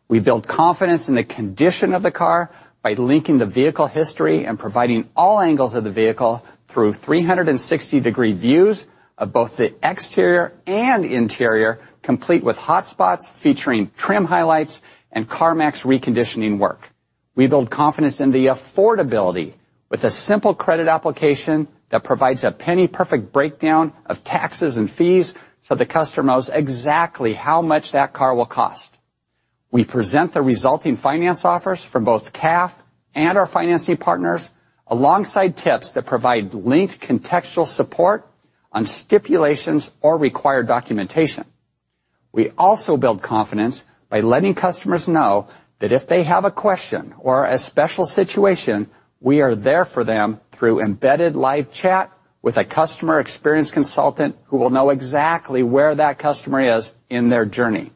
Speaker 4: We build confidence in the condition of the car by linking the vehicle history and providing all angles of the vehicle through 360-degree views of both the exterior and interior, complete with hotspots featuring trim highlights and CarMax reconditioning work. We build confidence in the affordability with a simple credit application that provides a penny-perfect breakdown of taxes and fees so the customer knows exactly how much that car will cost. We present the resulting finance offers from both CAF and our financing partners alongside tips that provide linked contextual support on stipulations or required documentation. We also build confidence by letting customers know that if they have a question or a special situation, we are there for them through embedded live chat with a customer experience consultant who will know exactly where that customer is in their journey.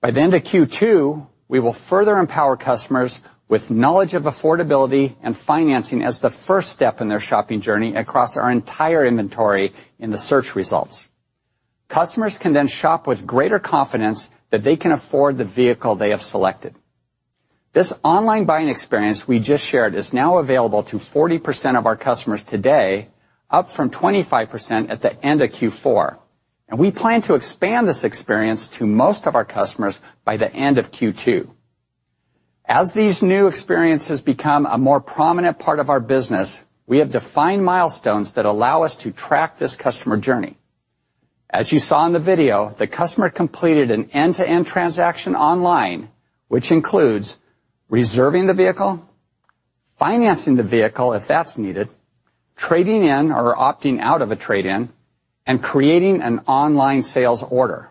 Speaker 4: By the end of Q2, we will further empower customers with knowledge of affordability and financing as the first step in their shopping journey across our entire inventory in the search results. Customers can then shop with greater confidence that they can afford the vehicle they have selected. This online buying experience we just shared is now available to 40% of our customers today, up from 25% at the end of Q4. We plan to expand this experience to most of our customers by the end of Q2. As these new experiences become a more prominent part of our business, we have defined milestones that allow us to track this customer journey. As you saw in the video, the customer completed an end-to-end transaction online, which includes reserving the vehicle, financing the vehicle if that's needed, trading in or opting out of a trade-in, and creating an online sales order.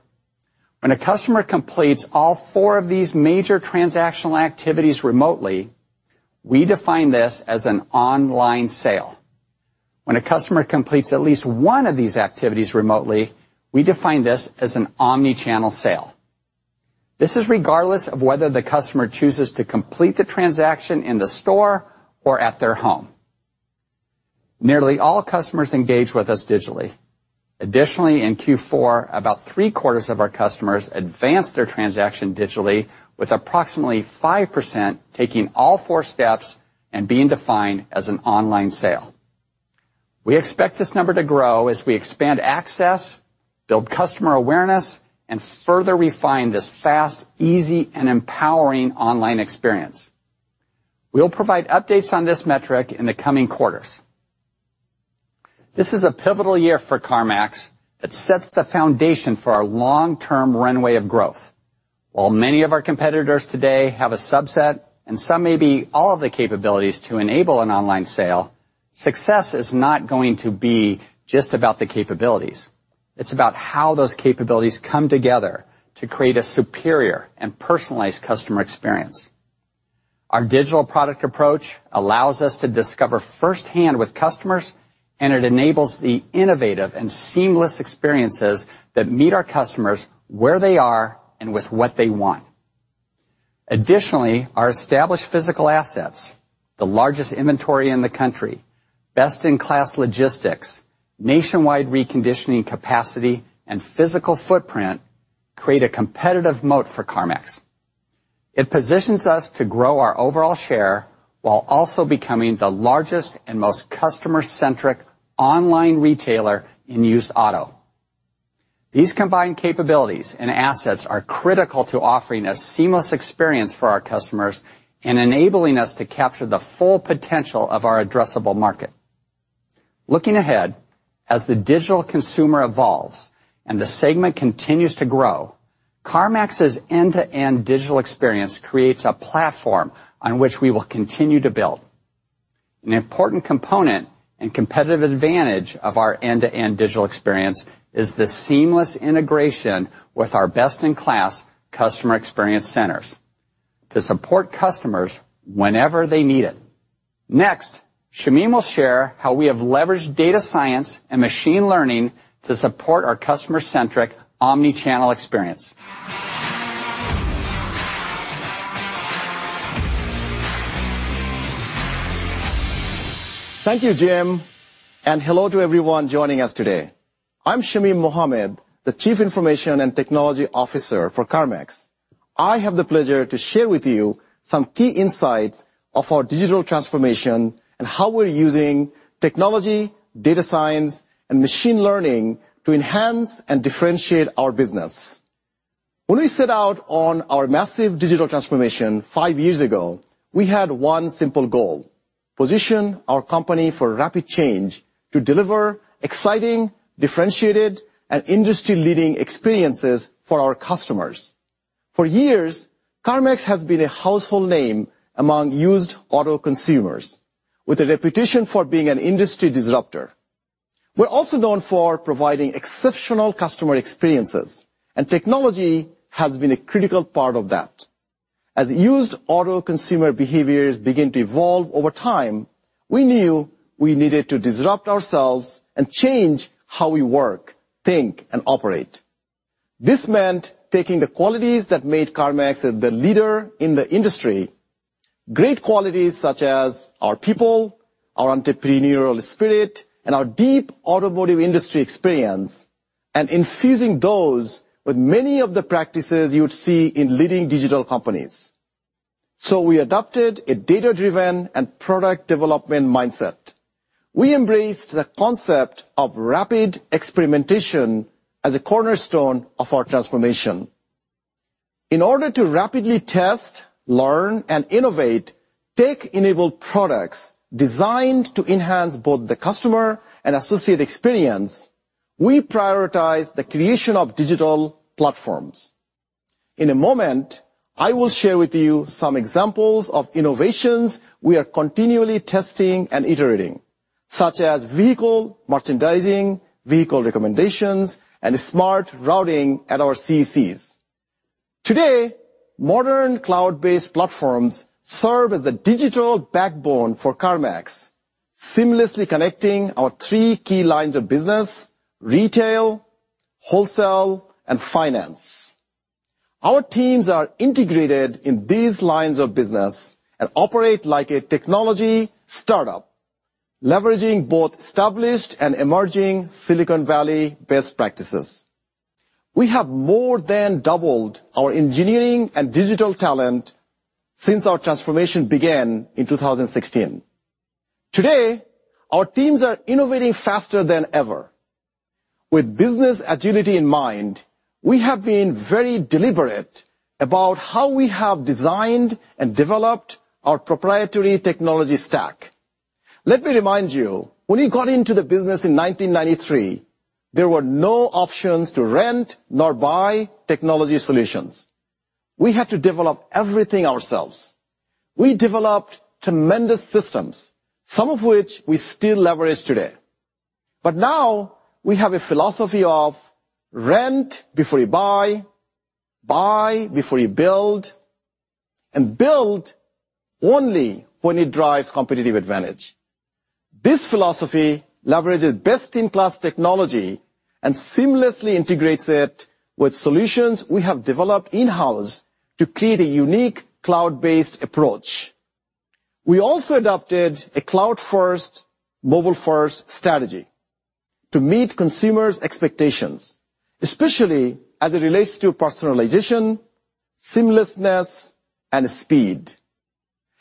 Speaker 4: When a customer completes all four of these major transactional activities remotely, we define this as an online sale. When a customer completes at least one of these activities remotely, we define this as an omni-channel sale. This is regardless of whether the customer chooses to complete the transaction in the store or at their home. Nearly all customers engage with us digitally. In Q4, about three-quarters of our customers advanced their transaction digitally, with approximately 5% taking all four steps and being defined as an online sale. We expect this number to grow as we expand access, build customer awareness, and further refine this fast, easy, and empowering online experience. We'll provide updates on this metric in the coming quarters. This is a pivotal year for CarMax that sets the foundation for our long-term runway of growth. While many of our competitors today have a subset, and some may be all of the capabilities to enable an online sale, success is not going to be just about the capabilities. It's about how those capabilities come together to create a superior and personalized customer experience. Our digital product approach allows us to discover firsthand with customers, and it enables the innovative and seamless experiences that meet our customers where they are and with what they want. Additionally, our established physical assets, the largest inventory in the country, best-in-class logistics, nationwide reconditioning capacity, and physical footprint create a competitive moat for CarMax. It positions us to grow our overall share while also becoming the largest and most customer-centric online retailer in used auto. These combined capabilities and assets are critical to offering a seamless experience for our customers and enabling us to capture the full potential of our addressable market. Looking ahead, as the digital consumer evolves and the segment continues to grow, CarMax's end-to-end digital experience creates a platform on which we will continue to build. An important component and competitive advantage of our end-to-end digital experience is the seamless integration with our best-in-class customer experience centers to support customers whenever they need it. Next, Shamim will share how we have leveraged data science and machine learning to support our customer-centric omni-channel experience.
Speaker 5: Thank you, Jim, and hello to everyone joining us today. I'm Shamim Mohammad, the Chief Information and Technology Officer for CarMax. I have the pleasure to share with you some key insights of our digital transformation and how we're using technology, data science, and machine learning to enhance and differentiate our business. When we set out on our massive digital transformation five years ago, we had one simple goal: position our company for rapid change to deliver exciting, differentiated, and industry-leading experiences for our customers. For years, CarMax has been a household name among used auto consumers with a reputation for being an industry disruptor. We're also known for providing exceptional customer experiences, and technology has been a critical part of that. As used auto consumer behaviors began to evolve over time, we knew we needed to disrupt ourselves and change how we work, think, and operate. This meant taking the qualities that made CarMax the leader in the industry, great qualities such as our people, our entrepreneurial spirit, and our deep automotive industry experience, and infusing those with many of the practices you would see in leading digital companies. We adopted a data-driven and product development mindset. We embraced the concept of rapid experimentation as a cornerstone of our transformation. In order to rapidly test, learn, and innovate, tech-enabled products designed to enhance both the customer and associate experience, we prioritize the creation of digital platforms. In a moment, I will share with you some examples of innovations we are continually testing and iterating, such as vehicle merchandising, vehicle recommendations, and smart routing at our CECs. Today, modern cloud-based platforms serve as the digital backbone for CarMax, seamlessly connecting our three key lines of business, retail, wholesale, and finance. Our teams are integrated in these lines of business and operate like a technology startup, leveraging both established and emerging Silicon Valley best practices. We have more than doubled our engineering and digital talent since our transformation began in 2016. Today, our teams are innovating faster than ever. With business agility in mind, we have been very deliberate about how we have designed and developed our proprietary technology stack. Let me remind you, when we got into the business in 1993, there were no options to rent nor buy technology solutions. We had to develop everything ourselves. We developed tremendous systems, some of which we still leverage today. Now we have a philosophy of rent before you buy before you build, and build only when it drives competitive advantage. This philosophy leverages best-in-class technology and seamlessly integrates it with solutions we have developed in-house to create a unique cloud-based approach. We also adopted a cloud first, mobile first strategy. To meet consumers' expectations, especially as it relates to personalization, seamlessness, and speed.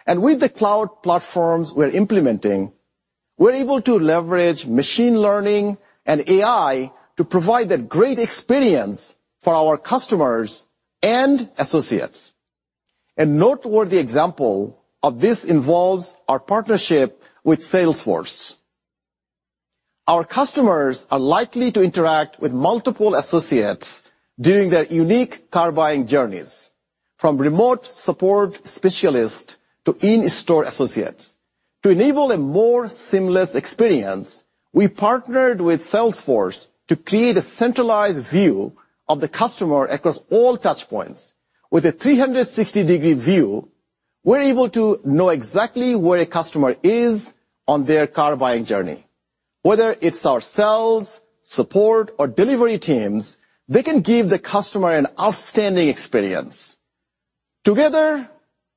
Speaker 5: With the cloud platforms we're implementing, we're able to leverage machine learning and AI to provide that great experience for our customers and associates. A noteworthy example of this involves our partnership with Salesforce. Our customers are likely to interact with multiple associates during their unique car buying journeys, from remote support specialists to in-store associates. To enable a more seamless experience, we partnered with Salesforce to create a centralized view of the customer across all touch points. With a 360-degree view, we're able to know exactly where a customer is on their car-buying journey. Whether it's our sales, support, or delivery teams, they can give the customer an outstanding experience. Together,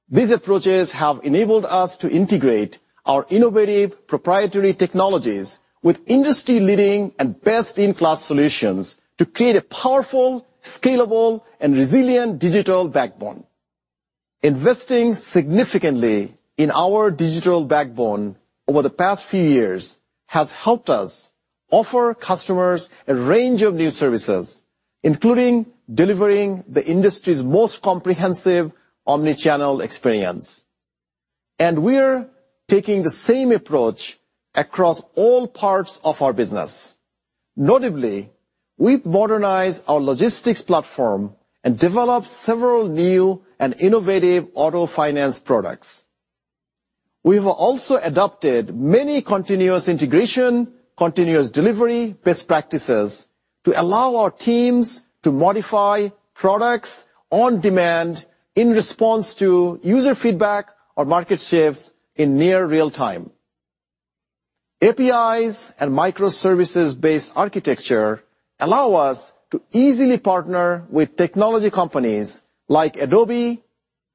Speaker 5: these approaches have enabled us to integrate our innovative proprietary technologies with industry-leading and best-in-class solutions to create a powerful, scalable, and resilient digital backbone. Investing significantly in our digital backbone over the past few years has helped us offer customers a range of new services, including delivering the industry's most comprehensive omni-channel experience. We're taking the same approach across all parts of our business. Notably, we've modernized our logistics platform and developed several new and innovative auto finance products. We've also adopted many continuous integration, continuous delivery best practices to allow our teams to modify products on demand in response to user feedback or market shifts in near real time. APIs and microservices-based architecture allow us to easily partner with technology companies like Adobe,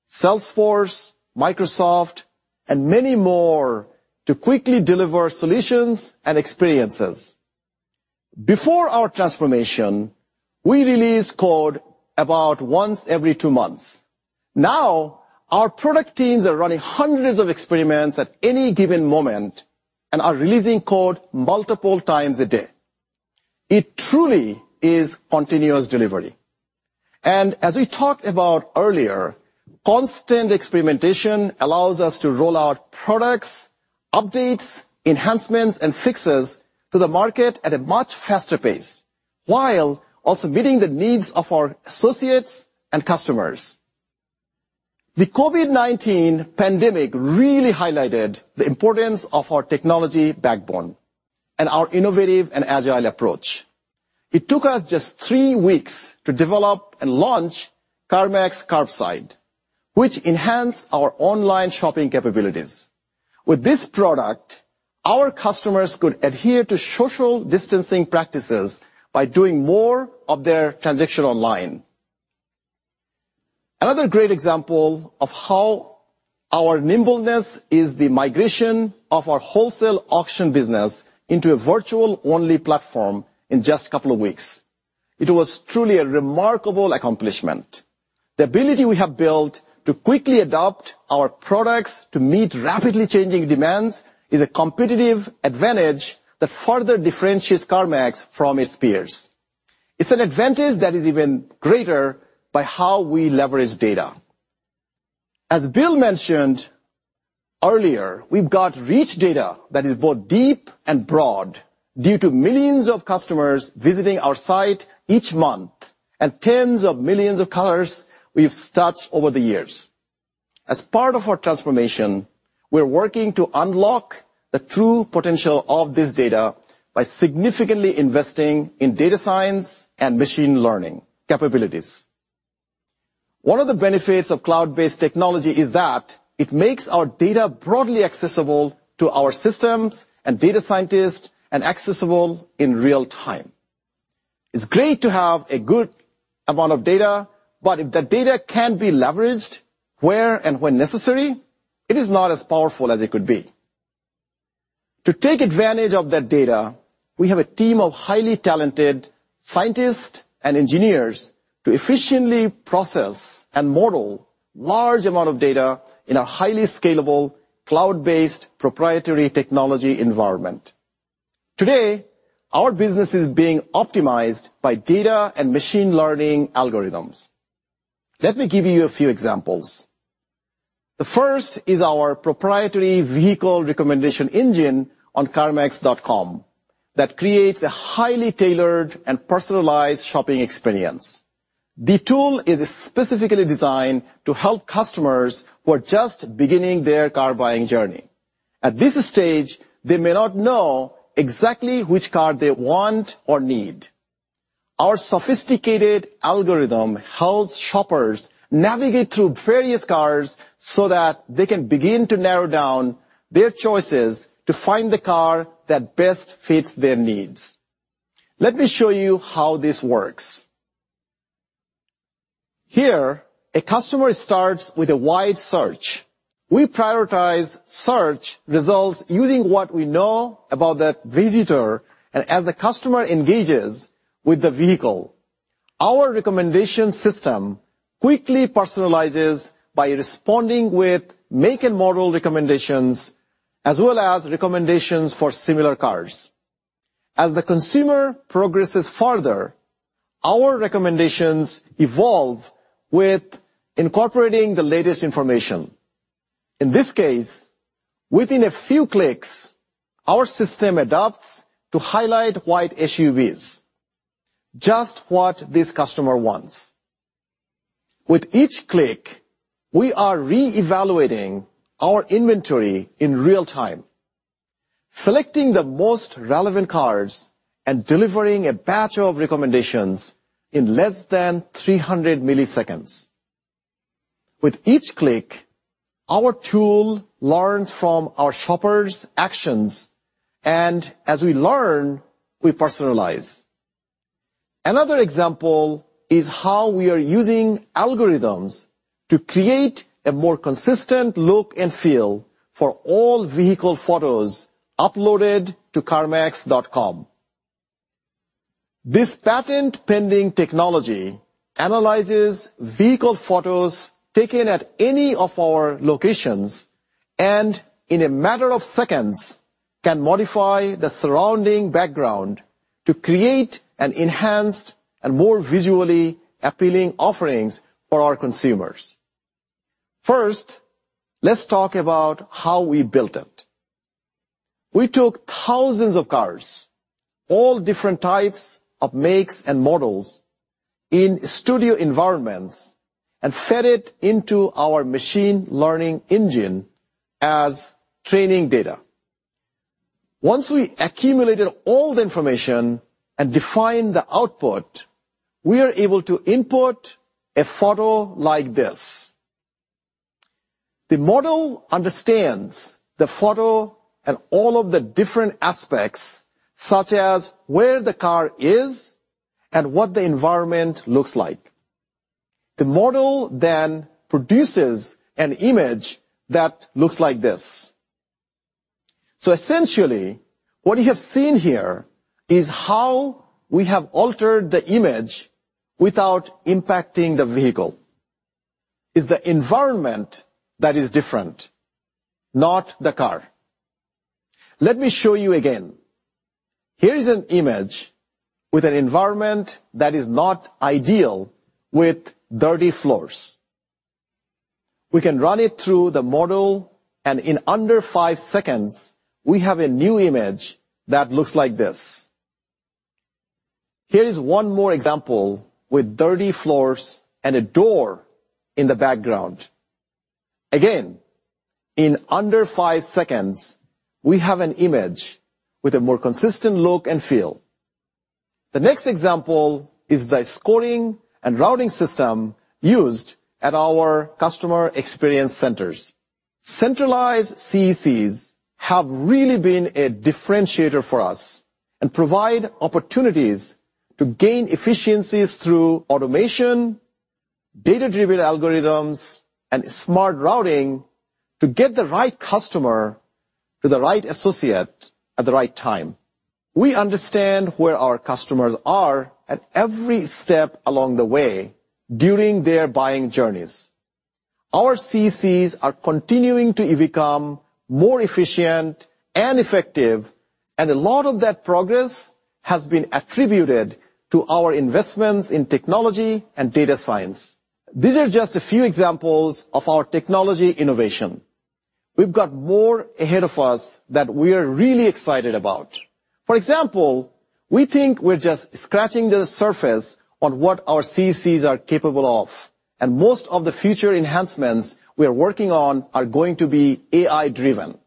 Speaker 5: Salesforce, Microsoft, and many more to quickly deliver solutions and experiences. Before our transformation, we released code about once every two months. Now, our product teams are running hundreds of experiments at any given moment and are releasing code multiple times a day. It truly is continuous delivery. As we talked about earlier, constant experimentation allows us to roll out products, updates, enhancements, and fixes to the market at a much faster pace while also meeting the needs of our associates and customers. The COVID-19 pandemic really highlighted the importance of our technology backbone and our innovative and agile approach. It took us just three weeks to develop and launch CarMax Curbside, which enhanced our online shopping capabilities. With this product, our customers could adhere to social distancing practices by doing more of their transaction online. Another great example of how our nimbleness is the migration of our wholesale auction business into a virtual-only platform in just a couple of weeks. It was truly a remarkable accomplishment. The ability we have built to quickly adapt our products to meet rapidly changing demands is a competitive advantage that further differentiates CarMax from its peers. It's an advantage that is even greater by how we leverage data. As Bill mentioned earlier, we've got rich data that is both deep and broad due to millions of customers visiting our site each month and tens of millions of cars we've touched over the years. As part of our transformation, we're working to unlock the true potential of this data by significantly investing in data science and machine learning capabilities. One of the benefits of cloud-based technology is that it makes our data broadly accessible to our systems and data scientists and accessible in real time. If the data can't be leveraged where and when necessary, it is not as powerful as it could be. To take advantage of that data, we have a team of highly talented scientists and engineers to efficiently process and model large amount of data in a highly scalable, cloud-based proprietary technology environment. Today, our business is being optimized by data and machine learning algorithms. Let me give you a few examples. The first is our proprietary vehicle recommendation engine on carmax.com that creates a highly tailored and personalized shopping experience. The tool is specifically designed to help customers who are just beginning their car-buying journey. At this stage, they may not know exactly which car they want or need. Our sophisticated algorithm helps shoppers navigate through various cars so that they can begin to narrow down their choices to find the car that best fits their needs. Let me show you how this works. Here, a customer starts with a wide search. We prioritize search results using what we know about that visitor. As the customer engages with the vehicle, our recommendation system quickly personalizes by responding with make and model recommendations, as well as recommendations for similar cars. As the consumer progresses further, our recommendations evolve with incorporating the latest information. In this case, within a few clicks, our system adapts to highlight white SUVs, just what this customer wants. With each click, we are re-evaluating our inventory in real-time, selecting the most relevant cars, and delivering a batch of recommendations in less than 300 milliseconds. With each click, our tool learns from our shopper's actions, and as we learn, we personalize. Another example is how we are using algorithms to create a more consistent look and feel for all vehicle photos uploaded to carmax.com. This patent-pending technology analyzes vehicle photos taken at any of our locations, and in a matter of seconds, can modify the surrounding background to create an enhanced and more visually appealing offerings for our consumers. First, let's talk about how we built it. We took thousands of cars, all different types of makes and models in studio environments, and fed it into our machine learning engine as training data. Once we accumulated all the information and defined the output, we are able to input a photo like this. The model understands the photo and all of the different aspects, such as where the car is and what the environment looks like. The model then produces an image that looks like this. Essentially, what you have seen here is how we have altered the image without impacting the vehicle. It's the environment that is different, not the car. Let me show you again. Here is an image with an environment that is not ideal with dirty floors. We can run it through the model, and in under five seconds, we have a new image that looks like this. Here is one more example with dirty floors and a door in the background. Again, in under five seconds, we have an image with a more consistent look and feel. The next example is the scoring and routing system used at our customer experience centers. Centralized CECs have really been a differentiator for us and provide opportunities to gain efficiencies through automation, data-driven algorithms, and smart routing to get the right customer to the right associate at the right time. We understand where our customers are at every step along the way during their buying journeys. Our CECs are continuing to become more efficient and effective, and a lot of that progress has been attributed to our investments in technology and data science. These are just a few examples of our technology innovation. We've got more ahead of us that we are really excited about. For example, we think we're just scratching the surface on what our CECs are capable of, and most of the future enhancements we are working on are going to be AI-driven.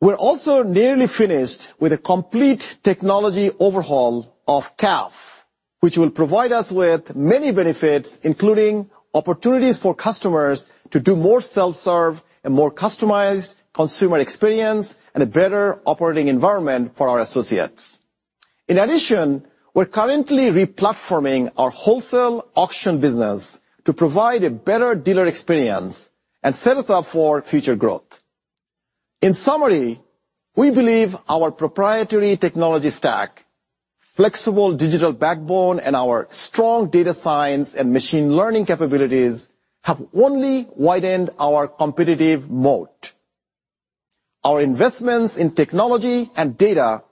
Speaker 5: We're also nearly finished with a complete technology overhaul of CAF, which will provide us with many benefits, including opportunities for customers to do more self-serve and more customized consumer experience, and a better operating environment for our associates. In addition, we're currently re-platforming our wholesale auction business to provide a better dealer experience and set us up for future growth. In summary, we believe our proprietary technology stack, flexible digital backbone, and our strong data science and machine learning capabilities have only widened our competitive moat. Our investments in technology and data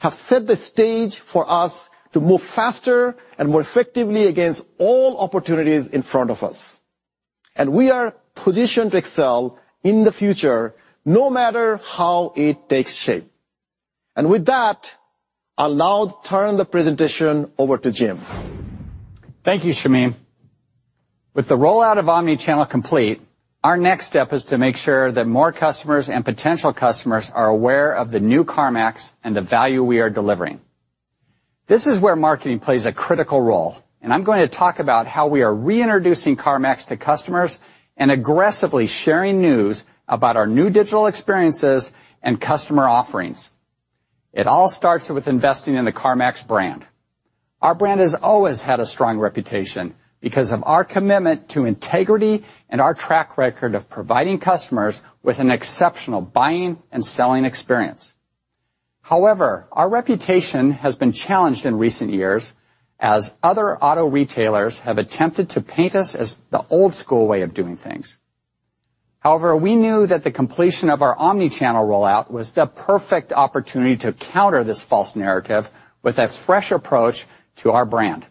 Speaker 5: have set the stage for us to move faster and more effectively against all opportunities in front of us, and we are positioned to excel in the future no matter how it takes shape. With that, I'll now turn the presentation over to Jim.
Speaker 4: Thank you, Shamim. With the rollout of omnichannel complete, our next step is to make sure that more customers and potential customers are aware of the new CarMax and the value we are delivering. This is where marketing plays a critical role. I'm going to talk about how we are reintroducing CarMax to customers and aggressively sharing news about our new digital experiences and customer offerings. It all starts with investing in the CarMax brand. Our brand has always had a strong reputation because of our commitment to integrity and our track record of providing customers with an exceptional buying and selling experience. However, our reputation has been challenged in recent years as other auto retailers have attempted to paint us as the old-school way of doing things. However, we knew that the completion of our omnichannel rollout was the perfect opportunity to counter this false narrative with a fresh approach to our brand.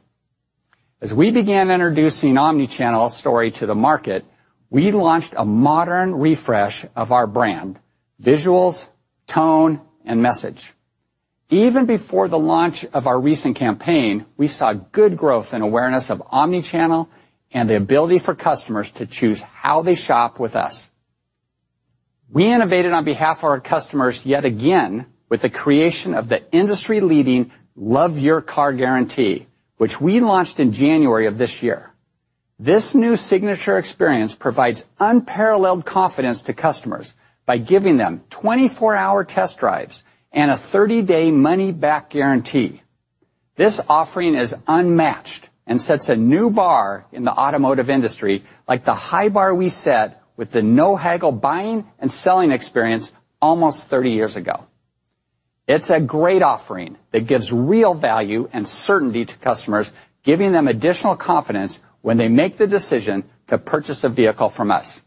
Speaker 4: As we began introducing omnichannel story to the market, we launched a modern refresh of our brand, visuals, tone, and message. Even before the launch of our recent campaign, we saw good growth and awareness of omnichannel and the ability for customers to choose how they shop with us. We innovated on behalf of our customers yet again with the creation of the industry-leading Love Your Car Guarantee, which we launched in January of this year. This new signature experience provides unparalleled confidence to customers by giving them 24-hour test drives and a 30-day money-back guarantee. This offering is unmatched and sets a new bar in the automotive industry, like the high bar we set with the no-haggle buying and selling experience almost 30 years ago. It's a great offering that gives real value and certainty to customers, giving them additional confidence when they make the decision to purchase a vehicle from us.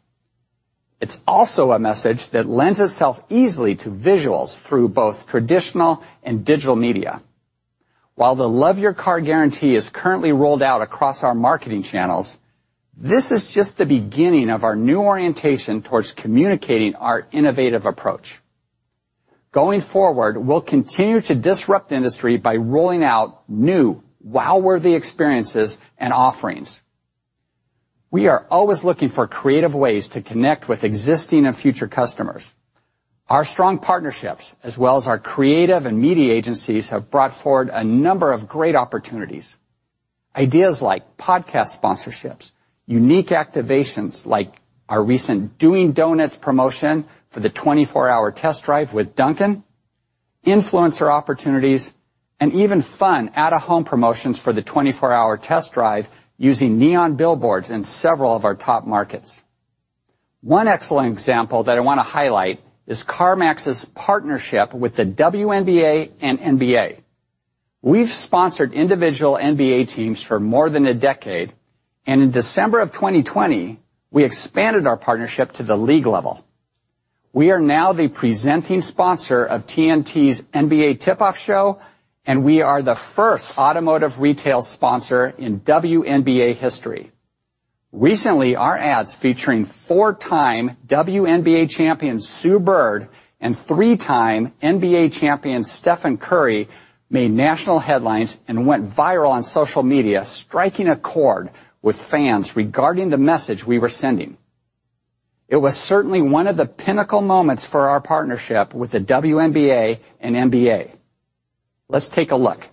Speaker 4: It's also a message that lends itself easily to visuals through both traditional and digital media. While the Love Your Car Guarantee is currently rolled out across our marketing channels, this is just the beginning of our new orientation towards communicating our innovative approach. Going forward, we'll continue to disrupt the industry by rolling out new wow-worthy experiences and offerings. We are always looking for creative ways to connect with existing and future customers. Our strong partnerships, as well as our creative and media agencies, have brought forward a number of great opportunities, ideas like podcast sponsorships, unique activations like our recent Doing Donuts promotion for the 24-hour test drive with Dunkin', influencer opportunities, and even fun out-of-home promotions for the 24-hour test drive using neon billboards in several of our top markets. One excellent example that I want to highlight is CarMax's partnership with the WNBA and NBA. We've sponsored individual NBA teams for more than a decade, and in December of 2020, we expanded our partnership to the league level. We are now the presenting sponsor of TNT's NBA Tip-Off Show, and we are the first automotive retail sponsor in WNBA history. Recently, our ads featuring four-time WNBA champion Sue Bird and three-time NBA champion Stephen Curry made national headlines and went viral on social media, striking a chord with fans regarding the message we were sending. It was certainly one of the pinnacle moments for our partnership with the WNBA and NBA. Let's take a look.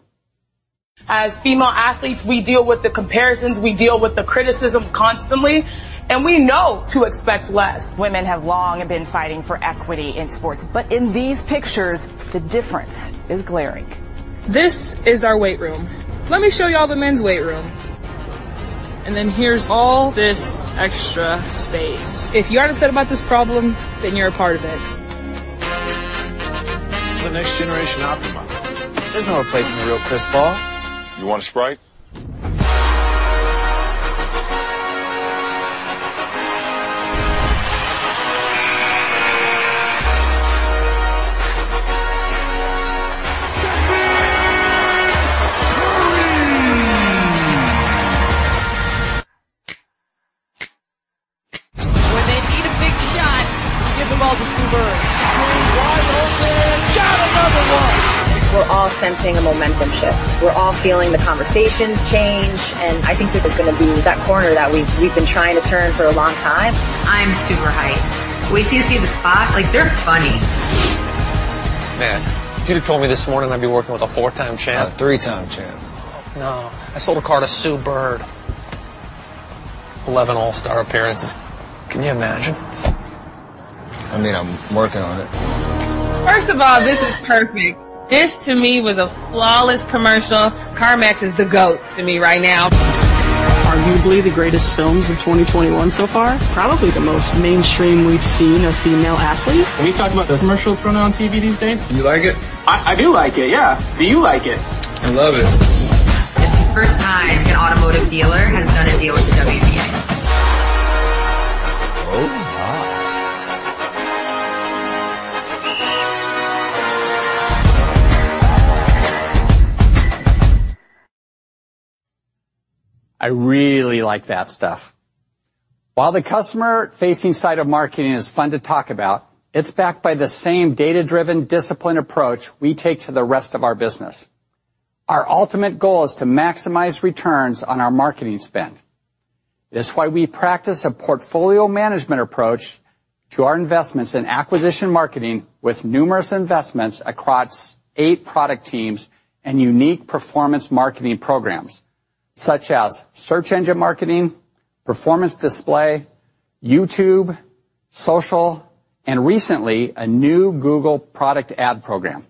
Speaker 6: As female athletes, we deal with the comparisons, we deal with the criticisms constantly, and we know to expect less. Women have long been fighting for equity in sports, but in these pictures, the difference is glaring. This is our weight room. Let me show y'all the men's weight room. Here's all this extra space. If you aren't upset about this problem, then you're a part of it. The next generation Optima. There's no replacing a real crisp ball.
Speaker 7: You want a Sprite?
Speaker 6: Stephen Curry. When they need a big shot, you give the ball to Sue Bird. Sue wide open. Got another one. We're all sensing a momentum shift. We're all feeling the conversation change, and I think this is going to be that corner that we've been trying to turn for a long time. I'm super hyped. Wait till you see the spot. Like, they're funny. Man, if you'd have told me this morning I'd be working with a four-time champion.
Speaker 7: A three-time champ.
Speaker 6: No, I sold a car to Sue Bird. 11 All-Star appearances. Can you imagine?
Speaker 7: I mean, I'm working on it.
Speaker 6: First of all, this is perfect. This, to me, was a flawless commercial. CarMax is the GOAT to me right now. Arguably the greatest films of 2021 so far. Probably the most mainstream we've seen of female athletes. When you talk about the commercials running on TV these days.
Speaker 7: You like it?
Speaker 6: I do like it, yeah. Do you like it?
Speaker 7: I love it.
Speaker 6: It's the first time an automotive dealer has done a deal with the WNBA. Oh, my.
Speaker 4: I really like that stuff. While the customer-facing side of marketing is fun to talk about, it's backed by the same data-driven, disciplined approach we take to the rest of our business. Our ultimate goal is to maximize returns on our marketing spend. It is why we practice a portfolio management approach to our investments in acquisition marketing with numerous investments across eight product teams and unique performance marketing programs, such as search engine marketing, performance display, YouTube, social, and recently, a new Google product ad program.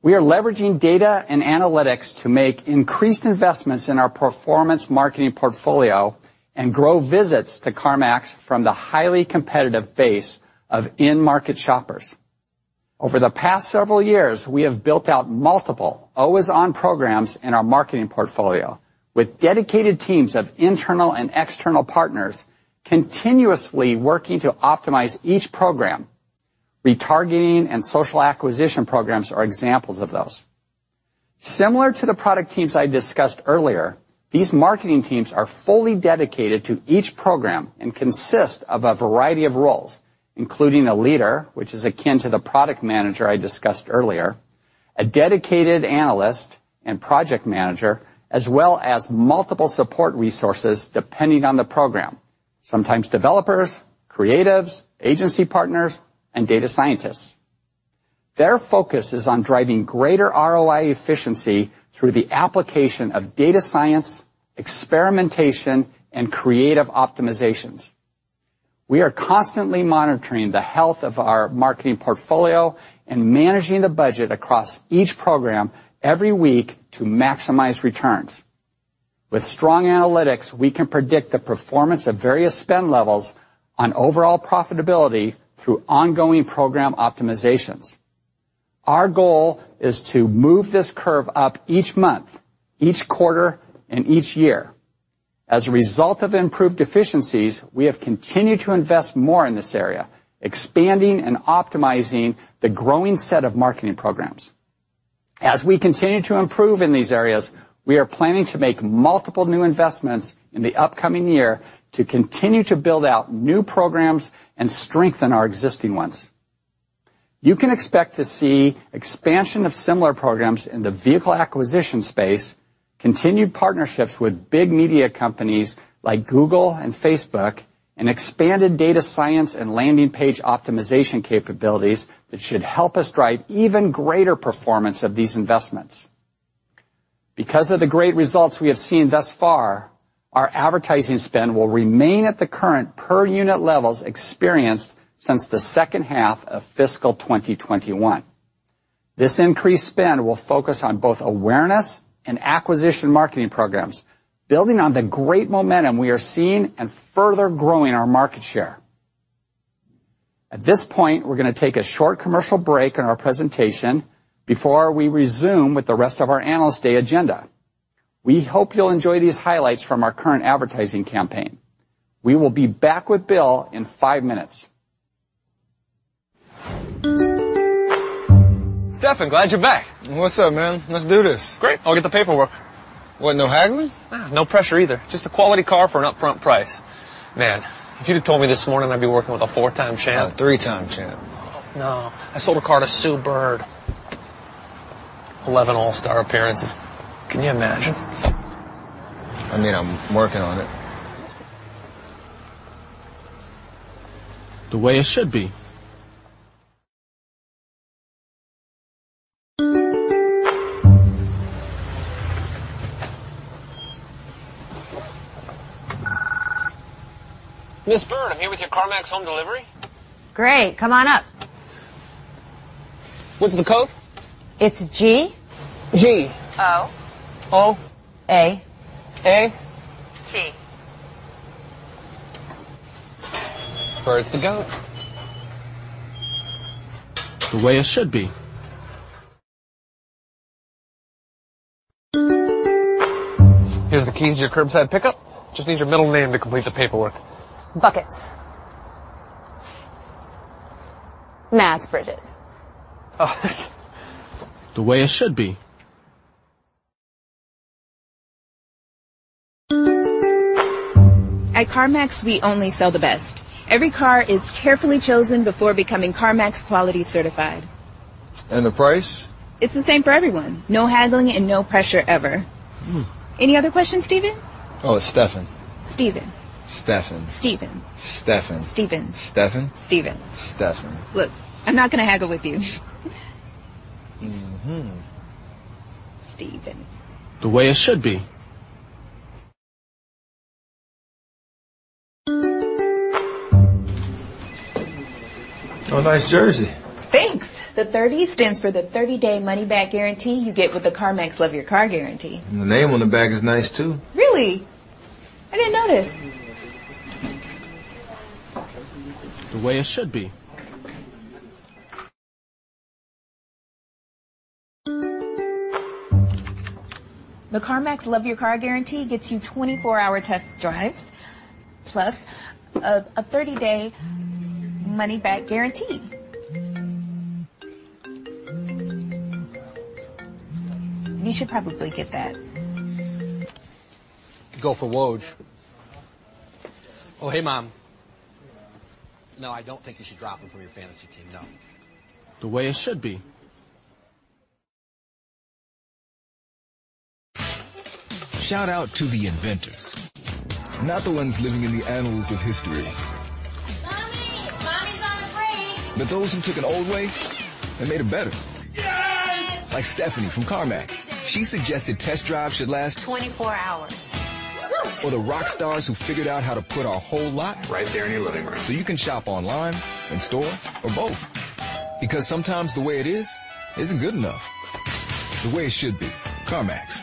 Speaker 4: We are leveraging data and analytics to make increased investments in our performance marketing portfolio and grow visits to CarMax from the highly competitive base of in-market shoppers. Over the past several years, we have built out multiple always-on programs in our marketing portfolio, with dedicated teams of internal and external partners continuously working to optimize each program. Retargeting and social acquisition programs are examples of those. Similar to the product teams I discussed earlier, these marketing teams are fully dedicated to each program and consist of a variety of roles, including a leader, which is akin to the product manager I discussed earlier, a dedicated analyst and project manager, as well as multiple support resources depending on the program, sometimes developers, creatives, agency partners, and data scientists. Their focus is on driving greater ROI efficiency through the application of data science, experimentation, and creative optimizations. We are constantly monitoring the health of our marketing portfolio and managing the budget across each program every week to maximize returns. With strong analytics, we can predict the performance of various spend levels on overall profitability through ongoing program optimizations. Our goal is to move this curve up each month, each quarter, and each year. As a result of improved efficiencies, we have continued to invest more in this area, expanding and optimizing the growing set of marketing programs. As we continue to improve in these areas, we are planning to make multiple new investments in the upcoming year to continue to build out new programs and strengthen our existing ones. You can expect to see expansion of similar programs in the vehicle acquisition space, continued partnerships with big media companies like Google and Facebook, and expanded data science and landing page optimization capabilities that should help us drive even greater performance of these investments. Because of the great results we have seen thus far, our advertising spend will remain at the current per-unit levels experienced since the second half of fiscal 2021. This increased spend will focus on both awareness and acquisition marketing programs, building on the great momentum we are seeing and further growing our market share. At this point, we're going to take a short commercial break in our presentation before we resume with the rest of our Analyst Day agenda. We hope you'll enjoy these highlights from our current advertising campaign. We will be back with Bill in five minutes.
Speaker 6: Stephen, glad you're back.
Speaker 7: What's up, man? Let's do this.
Speaker 6: Great. I'll get the paperwork.
Speaker 7: What, no haggling?
Speaker 6: No pressure either, just a quality car for an upfront price. Man, if you'd have told me this morning I'd be working with a four-time champ.
Speaker 7: A three-time champ.
Speaker 6: No. I sold a car to Sue Bird. 11 All-Star appearances. Can you imagine?
Speaker 7: I mean, I'm working on it.
Speaker 6: The way it should be. Ms. Bird, I'm here with your CarMax home delivery. Great. Come on up. What's the code? It's G O A T. Bird the GOAT.
Speaker 7: The way it should be.
Speaker 6: Here's the keys to your curbside pickup. Just need your middle name to complete the paperwork. Buckets. Nah, it's Brigit. Oh
Speaker 7: The way it should be.
Speaker 6: At CarMax, we only sell the best. Every car is carefully chosen before becoming CarMax Quality Certified.
Speaker 7: The price?
Speaker 6: It's the same for everyone. No haggling and no pressure ever. Any other questions, Steven?
Speaker 7: Oh, it's Stephen.
Speaker 6: Steven.
Speaker 7: Stephen.
Speaker 6: Steven.
Speaker 7: Stephen.
Speaker 6: Steven.
Speaker 7: Stephen.
Speaker 6: Steven.
Speaker 7: Stephen.
Speaker 6: Look, I'm not going to haggle with you. Steven.
Speaker 7: The way it should be. Oh, nice jersey.
Speaker 6: Thanks. The 30 stands for the 30-day money-back guarantee you get with the CarMax Love Your Car Guarantee.
Speaker 7: The name on the back is nice, too.
Speaker 6: Really? I didn't notice.
Speaker 7: The way it should be.
Speaker 6: The CarMax Love Your Car Guarantee gets you 24-hour test drives, plus a 30-day money-back guarantee. You should probably get that. Go for Woj. Oh, hey, Mom. No, I don't think you should drop him from your fantasy team, no.
Speaker 7: The way it should be. Shout out to the inventors. Not the ones living in the annals of history but those who took an old way and made it better. Like Stephanie from CarMax. She suggested test drives should last.
Speaker 6: 24 hours. Woo-hoo.
Speaker 7: the rock stars who figured out how to put our whole
Speaker 6: Right there in your living room.
Speaker 7: You can shop online, in store, or both. Sometimes the way it is isn't good enough. The way it should be. CarMax.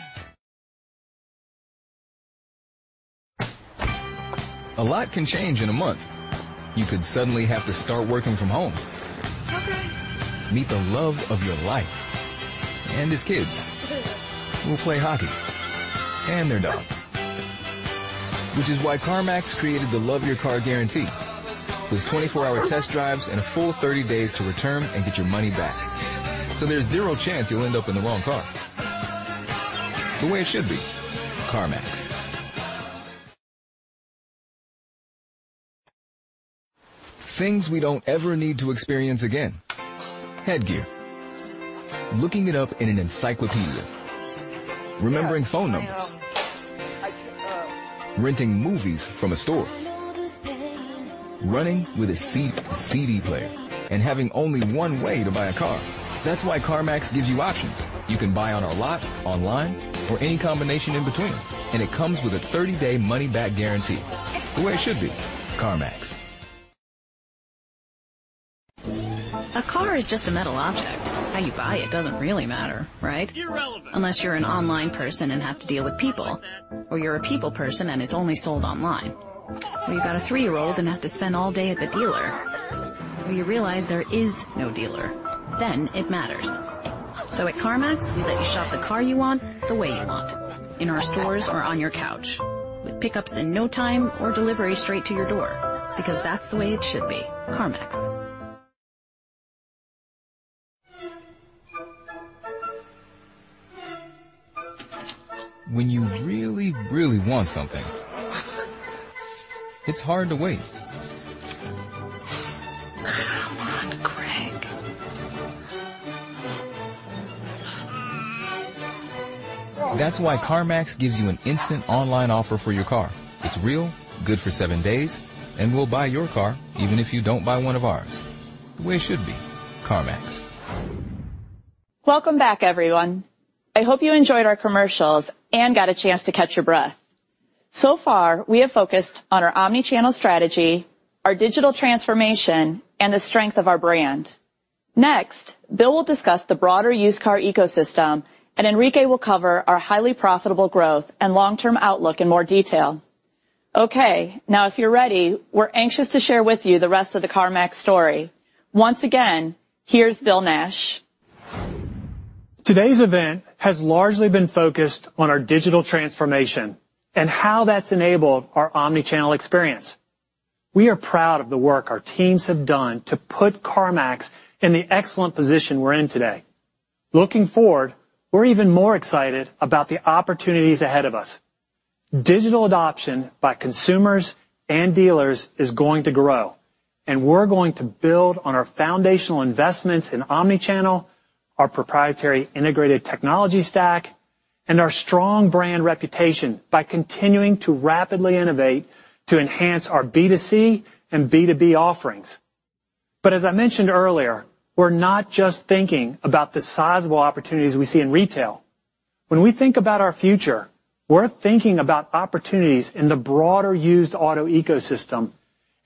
Speaker 7: A lot can change in a month. You could suddenly have to start working from home.
Speaker 6: Okay.
Speaker 7: Meet the love of your life, and his kids, who play hockey, and their dog. Which is why CarMax created the Love Your Car Guarantee, with 24-hour test drives and a full 30 days to return and get your money back, so there's zero chance you'll end up in the wrong car. The way it should be. CarMax. Things we don't ever need to experience again: headgear, looking it up in an encyclopedia, remembering phone numbers, renting movies from a store, running with a CD player, and having only one way to buy a car. That's why CarMax gives you options. You can buy on our lot, online, or any combination in between, and it comes with a 30-day money-back guarantee. The way it should be. CarMax.
Speaker 6: A car is just a metal object. How you buy it doesn't really matter, right? Unless you're an online person and have to deal with people, or you're a people person and it's only sold online, or you've got a three-year-old and have to spend all day at the dealer, or you realize there is no dealer. It matters. At CarMax, we let you shop the car you want the way you want, in our stores or on your couch, with pickups in no time or delivery straight to your door, because that's the way it should be. CarMax.
Speaker 7: When you really, really want something, it's hard to wait. That's why CarMax gives you an instant online offer for your car. It's real, good for seven days, and we'll buy your car even if you don't buy one of ours. The way it should be. CarMax.
Speaker 1: Welcome back, everyone. I hope you enjoyed our commercials and got a chance to catch your breath. So far, we have focused on our omnichannel strategy, our digital transformation, and the strength of our brand. Next, Bill will discuss the broader used car ecosystem, and Enrique will cover our highly profitable growth and long-term outlook in more detail. Okay, now if you're ready, we're anxious to share with you the rest of the CarMax story. Once again, here's Bill Nash.
Speaker 2: Today's event has largely been focused on our digital transformation and how that's enabled our omnichannel experience. We are proud of the work our teams have done to put CarMax in the excellent position we're in today. Looking forward, we're even more excited about the opportunities ahead of us. Digital adoption by consumers and dealers is going to grow, and we're going to build on our foundational investments in omnichannel, our proprietary integrated technology stack, and our strong brand reputation by continuing to rapidly innovate to enhance our B2C and B2B offerings. As I mentioned earlier, we're not just thinking about the sizable opportunities we see in retail. When we think about our future, we're thinking about opportunities in the broader used auto ecosystem,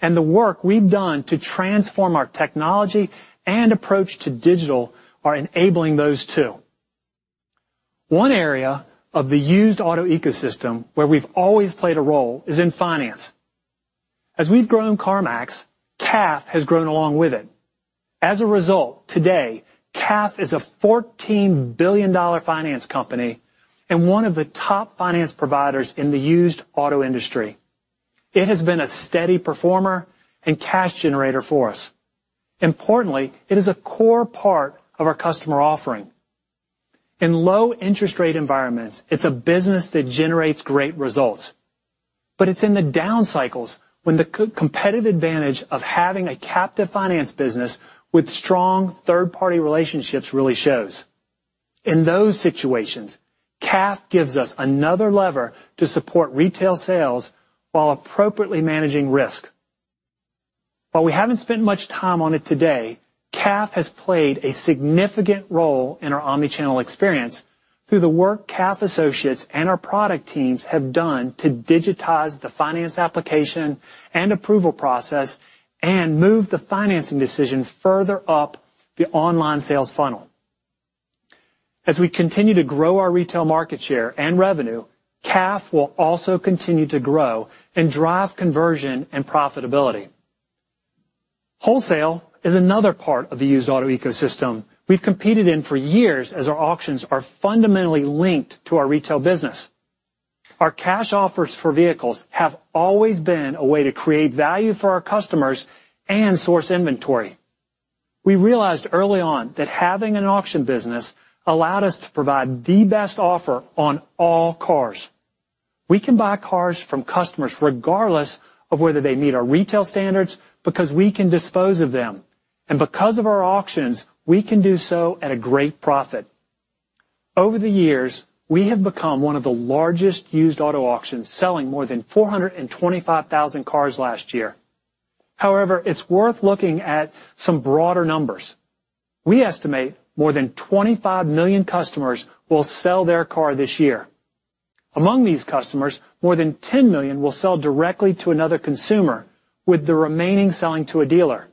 Speaker 2: and the work we've done to transform our technology and approach to digital are enabling those, too. One area of the used auto ecosystem where we've always played a role is in finance. As we've grown CarMax, CAF has grown along with it. As a result, today, CAF is a $14 billion finance company and one of the top finance providers in the used auto industry. It has been a steady performer and cash generator for us. Importantly, it is a core part of our customer offering. In low interest rate environments, it's a business that generates great results, but it's in the down cycles when the competitive advantage of having a captive finance business with strong third-party relationships really shows. In those situations, CAF gives us another lever to support retail sales while appropriately managing risk. While we haven't spent much time on it today, CAF has played a significant role in our omnichannel experience through the work CAF associates and our product teams have done to digitize the finance application and approval process and move the financing decision further up the online sales funnel. As we continue to grow our retail market share and revenue, CAF will also continue to grow and drive conversion and profitability. Wholesale is another part of the used auto ecosystem we've competed in for years, as our auctions are fundamentally linked to our retail business. Our cash offers for vehicles have always been a way to create value for our customers and source inventory. We realized early on that having an auction business allowed us to provide the best offer on all cars. We can buy cars from customers regardless of whether they meet our retail standards because we can dispose of them, and because of our auctions, we can do so at a great profit. Over the years, we have become one of the largest used auto auctions, selling more than 425,000 cars last year. However, it's worth looking at some broader numbers. We estimate more than 25 million customers will sell their car this year. Among these customers, more than 10 million will sell directly to another consumer, with the remaining selling to a dealer.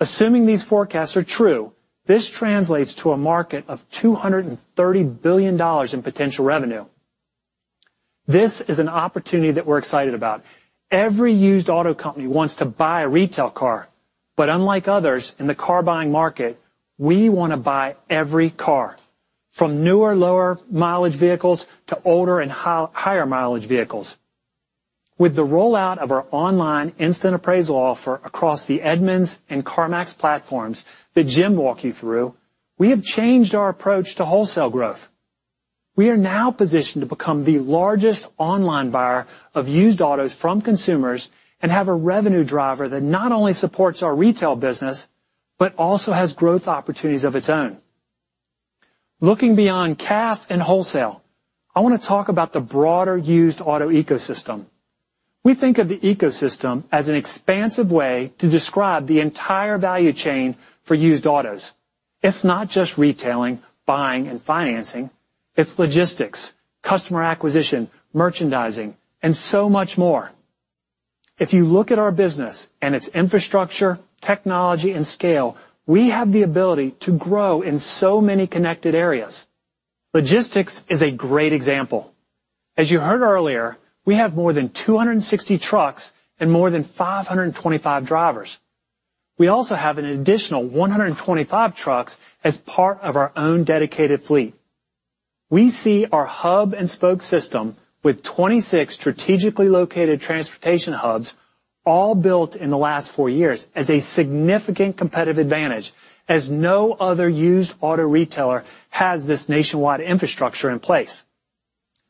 Speaker 2: Assuming these forecasts are true, this translates to a market of $230 billion in potential revenue. This is an opportunity that we're excited about. Every used auto company wants to buy a retail car. Unlike others in the car-buying market, we want to buy every car, from newer, lower-mileage vehicles to older and higher-mileage vehicles. With the rollout of our online instant appraisal offer across the Edmunds and CarMax platforms that Jim walked you through, we have changed our approach to wholesale growth. We are now positioned to become the largest online buyer of used autos from consumers and have a revenue driver that not only supports our retail business, but also has growth opportunities of its own. Looking beyond CAF and wholesale, I want to talk about the broader used auto ecosystem. We think of the ecosystem as an expansive way to describe the entire value chain for used autos. It's not just retailing, buying, and financing. It's logistics, customer acquisition, merchandising, and so much more. If you look at our business and its infrastructure, technology, and scale, we have the ability to grow in so many connected areas. Logistics is a great example. As you heard earlier, we have more than 260 trucks and more than 525 drivers. We also have an additional 125 trucks as part of our own dedicated fleet. We see our hub-and-spoke system with 26 strategically located transportation hubs, all built in the last four years, as a significant competitive advantage, as no other used auto retailer has this nationwide infrastructure in place.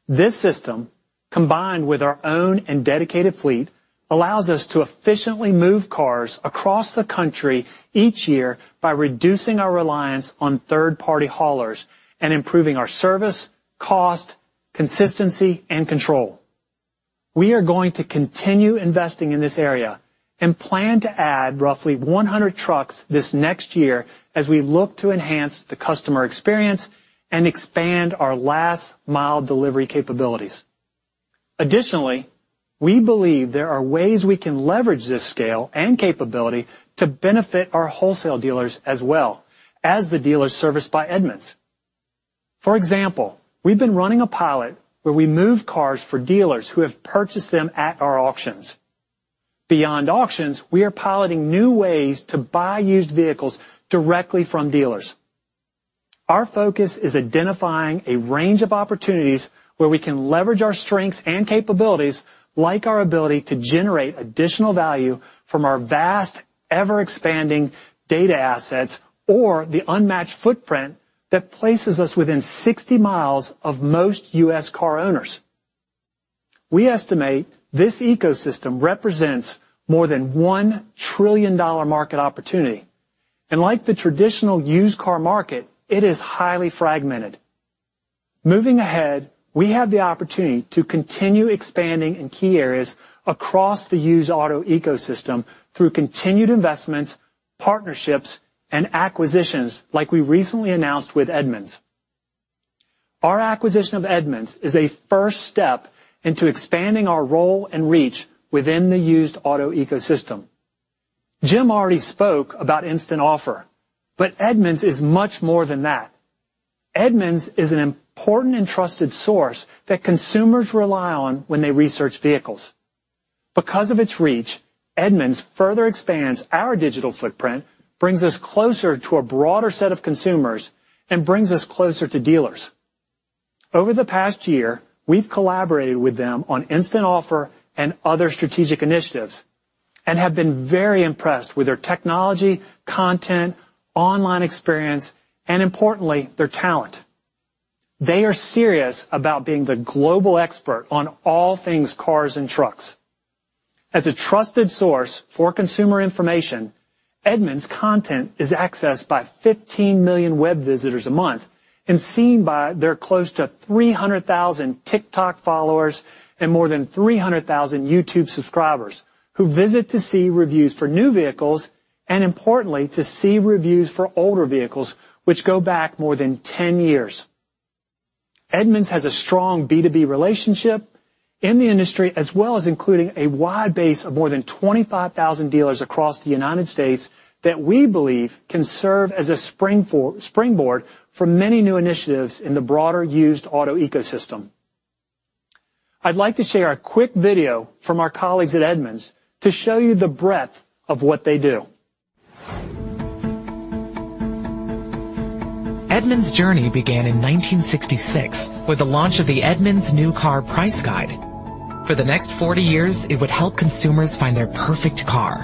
Speaker 2: This system, combined with our own and dedicated fleet, allows us to efficiently move cars across the country each year by reducing our reliance on third-party haulers and improving our service, cost, consistency, and control. We are going to continue investing in this area and plan to add roughly 100 trucks this next year as we look to enhance the customer experience and expand our last-mile delivery capabilities. Additionally, we believe there are ways we can leverage this scale and capability to benefit our wholesale dealers, as well as the dealers serviced by Edmunds. For example, we've been running a pilot where we move cars for dealers who have purchased them at our auctions. Beyond auctions, we are piloting new ways to buy used vehicles directly from dealers. Our focus is identifying a range of opportunities where we can leverage our strengths and capabilities, like our ability to generate additional value from our vast, ever-expanding data assets or the unmatched footprint that places us within 60 mi of most U.S. car owners. We estimate this ecosystem represents more than $1 trillion market opportunity. Like the traditional used car market, it is highly fragmented. Moving ahead, we have the opportunity to continue expanding in key areas across the used auto ecosystem through continued investments, partnerships, and acquisitions like we recently announced with Edmunds. Our acquisition of Edmunds is a first step into expanding our role and reach within the used auto ecosystem. Jim already spoke about Instant Offer, but Edmunds is much more than that. Edmunds is an important and trusted source that consumers rely on when they research vehicles. Because of its reach, Edmunds further expands our digital footprint, brings us closer to a broader set of consumers, and brings us closer to dealers. Over the past year, we've collaborated with them on Instant Offer and other strategic initiatives and have been very impressed with their technology, content, online experience, and importantly, their talent. They are serious about being the global expert on all things cars and trucks. As a trusted source for consumer information, Edmunds' content is accessed by 15 million web visitors a month and seen by their close to 300,000 TikTok followers and more than 300,000 YouTube subscribers who visit to see reviews for new vehicles and, importantly, to see reviews for older vehicles, which go back more than 10 years. Edmunds has a strong B2B relationship in the industry, as well as including a wide base of more than 25,000 dealers across the United States that we believe can serve as a springboard for many new initiatives in the broader used auto ecosystem. I'd like to share a quick video from our colleagues at Edmunds to show you the breadth of what they do.
Speaker 8: Edmunds' journey began in 1966 with the launch of the Edmunds New Car Price Guide. For the next 40 years, it would help consumers find their perfect car.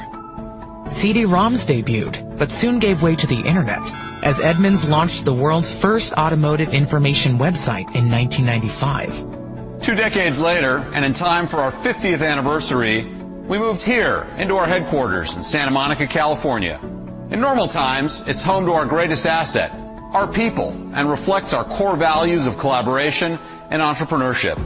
Speaker 8: CD-ROMs debuted, but soon gave way to the internet as Edmunds launched the world's first automotive information website in 1995. Two decades later, in time for our 50th anniversary, we moved here into our headquarters in Santa Monica, California. In normal times, it's home to our greatest asset, our people, and reflects our core values of collaboration and entrepreneurship.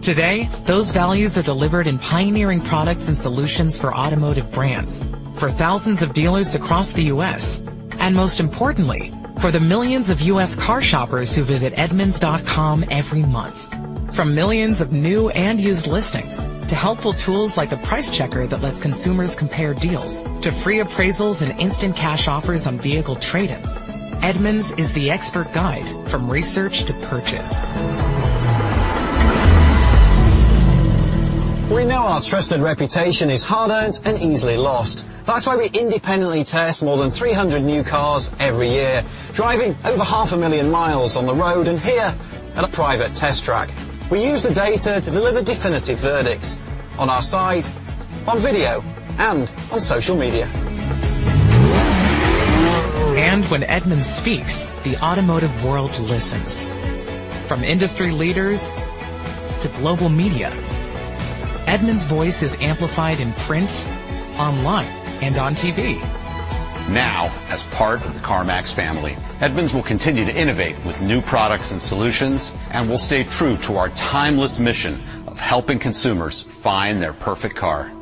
Speaker 8: Today, those values are delivered in pioneering products and solutions for automotive brands, for thousands of dealers across the U.S., and most importantly, for the millions of U.S. car shoppers who visit edmunds.com every month. From millions of new and used listings to helpful tools like the price checker that lets consumers compare deals to free appraisals and instant cash offers on vehicle trade-ins, Edmunds is the expert guide from research to purchase. We know our trusted reputation is hard-earned and easily lost. That is why we independently test more than 300 new cars every year, driving over half a million miles on the road and here at a private test track. We use the data to deliver definitive verdicts on our site, on video, and on social media. When Edmunds speaks, the automotive world listens. From industry leaders to global media, Edmunds' voice is amplified in print, online, and on TV. As part of the CarMax family, Edmunds will continue to innovate with new products and solutions, and will stay true to our timeless mission of helping consumers find their perfect car.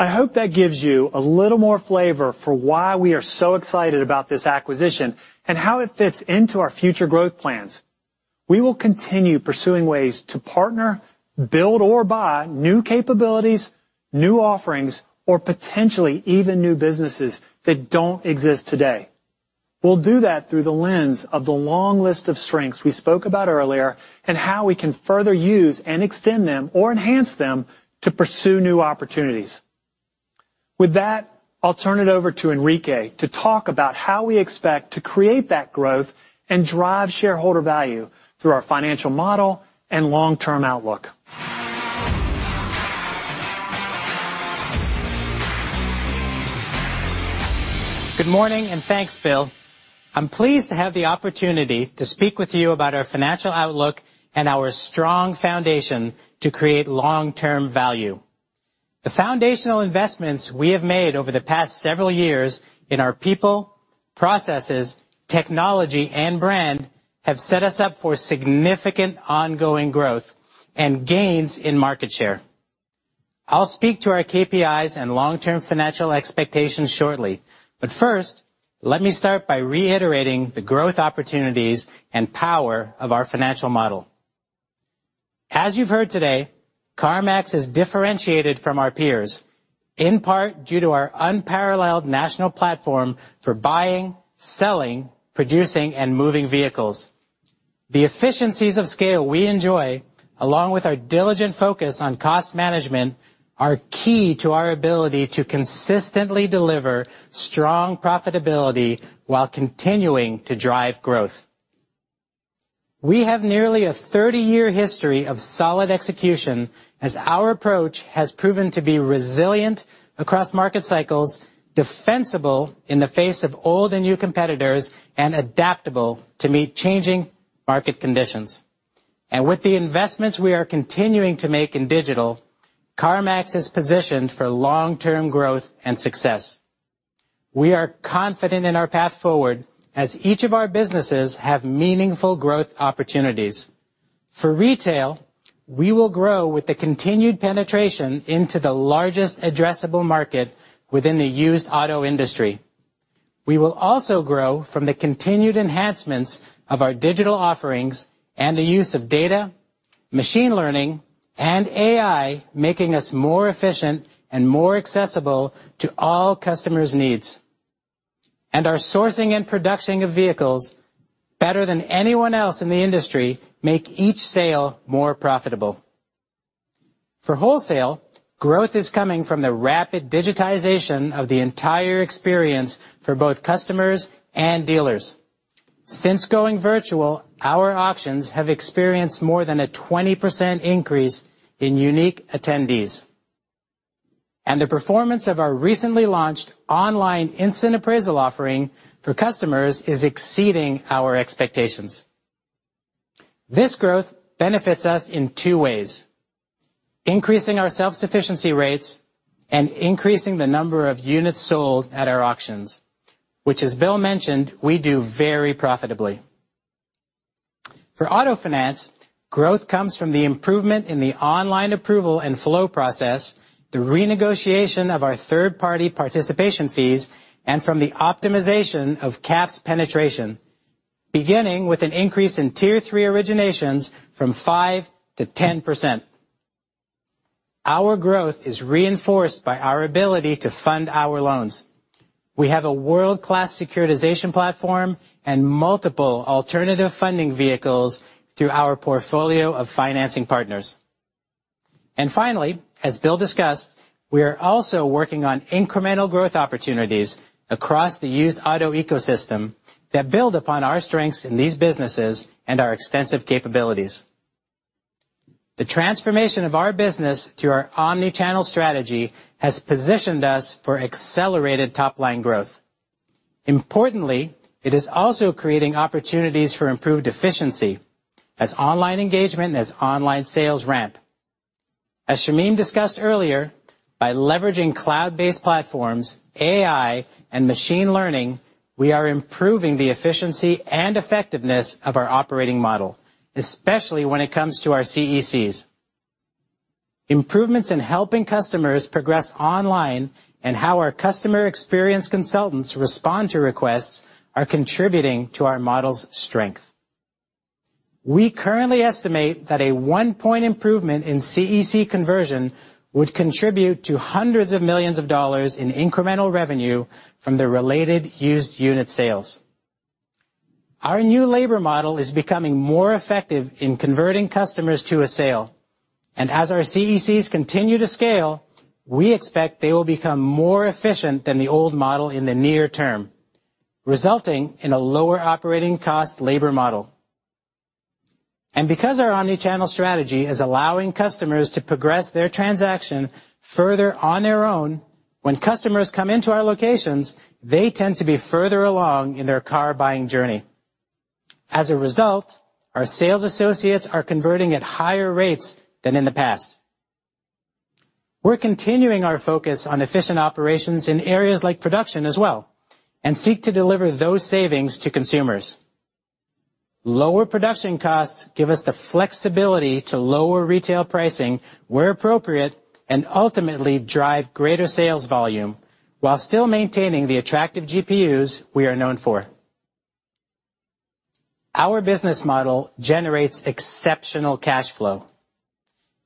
Speaker 2: I hope that gives you a little more flavor for why we are so excited about this acquisition and how it fits into our future growth plans. We will continue pursuing ways to partner, build, or buy new capabilities, new offerings, or potentially even new businesses that don't exist today. We'll do that through the lens of the long list of strengths we spoke about earlier and how we can further use and extend them or enhance them to pursue new opportunities. With that, I'll turn it over to Enrique to talk about how we expect to create that growth and drive shareholder value through our financial model and long-term outlook.
Speaker 9: Good morning. Thanks, Bill. I'm pleased to have the opportunity to speak with you about our financial outlook and our strong foundation to create long-term value. The foundational investments we have made over the past several years in our people, processes, technology, and brand have set us up for significant ongoing growth and gains in market share. I'll speak to our KPIs and long-term financial expectations shortly. First, let me start by reiterating the growth opportunities and power of our financial model. As you've heard today, CarMax has differentiated from our peers in part due to our unparalleled national platform for buying, selling, producing, and moving vehicles. The efficiencies of scale we enjoy, along with our diligent focus on cost management, are key to our ability to consistently deliver strong profitability while continuing to drive growth. We have nearly a 30-year history of solid execution as our approach has proven to be resilient across market cycles, defensible in the face of old and new competitors, and adaptable to meet changing market conditions. With the investments we are continuing to make in digital, CarMax is positioned for long-term growth and success. We are confident in our path forward as each of our businesses have meaningful growth opportunities. For retail, we will grow with the continued penetration into the largest addressable market within the used auto industry. We will also grow from the continued enhancements of our digital offerings and the use of data, machine learning, and AI, making us more efficient and more accessible to all customers' needs. Our sourcing and production of vehicles, better than anyone else in the industry, make each sale more profitable. For wholesale, growth is coming from the rapid digitization of the entire experience for both customers and dealers. Since going virtual, our auctions have experienced more than a 20% increase in unique attendees. The performance of our recently launched online instant appraisal offering for customers is exceeding our expectations. This growth benefits us in two ways, increasing our self-sufficiency rates and increasing the number of units sold at our auctions, which, as Bill mentioned, we do very profitably. For auto finance, growth comes from the improvement in the online approval and flow process, the renegotiation of our third-party participation fees, and from the optimization of CAF's penetration, beginning with an increase in Tier 3 originations from 5% to 10%. Our growth is reinforced by our ability to fund our loans. We have a world-class securitization platform and multiple alternative funding vehicles through our portfolio of financing partners. Finally, as Bill discussed, we are also working on incremental growth opportunities across the used auto ecosystem that build upon our strengths in these businesses and our extensive capabilities. The transformation of our business through our omni-channel strategy has positioned us for accelerated top-line growth. Importantly, it is also creating opportunities for improved efficiency as online engagement and as online sales ramp. As Shamim discussed earlier, by leveraging cloud-based platforms, AI, and machine learning, we are improving the efficiency and effectiveness of our operating model, especially when it comes to our CECs. Improvements in helping customers progress online and how our customer experience consultants respond to requests are contributing to our model's strength. We currently estimate that a one-point improvement in CEC conversion would contribute to hundreds of millions of dollars in incremental revenue from the related used unit sales. Our new labor model is becoming more effective in converting customers to a sale. As our CECs continue to scale, we expect they will become more efficient than the old model in the near term, resulting in a lower operating cost labor model. Because our omni-channel strategy is allowing customers to progress their transaction further on their own, when customers come into our locations, they tend to be further along in their car-buying journey. As a result, our sales associates are converting at higher rates than in the past. We're continuing our focus on efficient operations in areas like production as well and seek to deliver those savings to consumers. Lower production costs give us the flexibility to lower retail pricing where appropriate and ultimately drive greater sales volume while still maintaining the attractive GPUs we are known for. Our business model generates exceptional cash flow.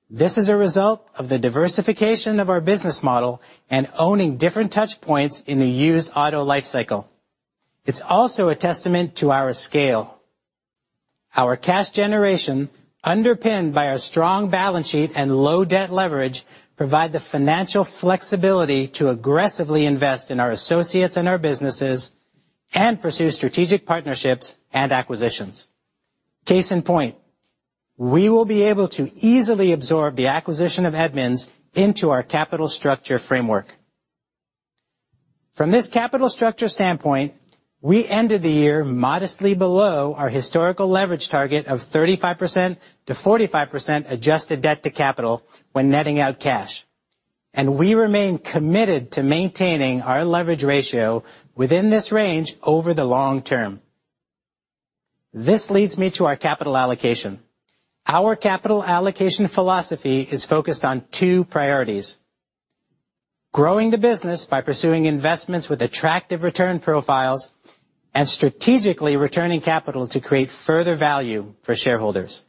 Speaker 9: This is a result of the diversification of our business model and owning different touchpoints in the used auto life cycle. It's also a testament to our scale. Our cash generation, underpinned by our strong balance sheet and low debt leverage, provide the financial flexibility to aggressively invest in our associates and our businesses and pursue strategic partnerships and acquisitions. Case in point, we will be able to easily absorb the acquisition of Edmunds into our capital structure framework. From this capital structure standpoint, we ended the year modestly below our historical leverage target of 35%-45% adjusted debt to capital when netting out cash, and we remain committed to maintaining our leverage ratio within this range over the long term. This leads me to our capital allocation. Our capital allocation philosophy is focused on two priorities: growing the business by pursuing investments with attractive return profiles and strategically returning capital to create further value for shareholders.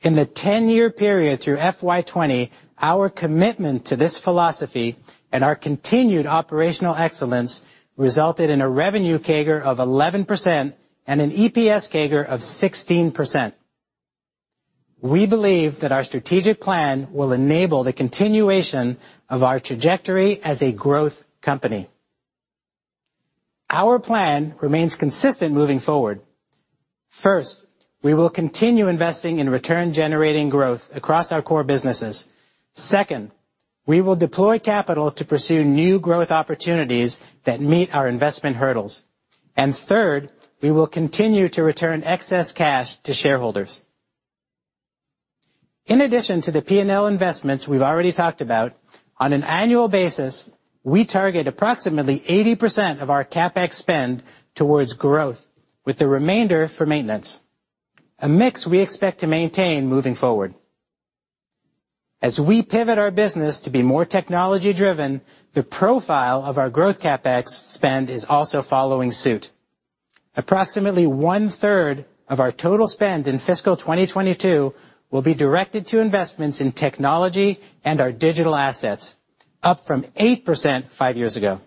Speaker 9: In the 10-year period through FY 2020, our commitment to this philosophy and our continued operational excellence resulted in a revenue CAGR of 11% and an EPS CAGR of 16%. We believe that our strategic plan will enable the continuation of our trajectory as a growth company. Our plan remains consistent moving forward. We will continue investing in return-generating growth across our core businesses. We will deploy capital to pursue new growth opportunities that meet our investment hurdles. We will continue to return excess cash to shareholders. In addition to the P&L investments we've already talked about, on an annual basis, we target approximately 80% of our CapEx spend towards growth, with the remainder for maintenance, a mix we expect to maintain moving forward. As we pivot our business to be more technology-driven, the profile of our growth CapEx spend is also following suit. Approximately one-third of our total spend in fiscal 2022 will be directed to investments in technology and our digital assets, up from 8% five years ago.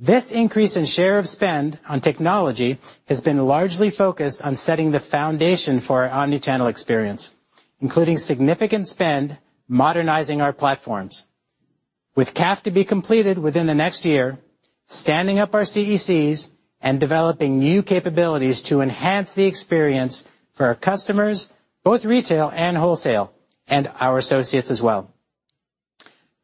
Speaker 9: This increase in share of spend on technology has been largely focused on setting the foundation for our omni-channel experience, including significant spend modernizing our platforms. With CAF to be completed within the next year, standing up our CECs and developing new capabilities to enhance the experience for our customers, both retail and wholesale, and our associates as well.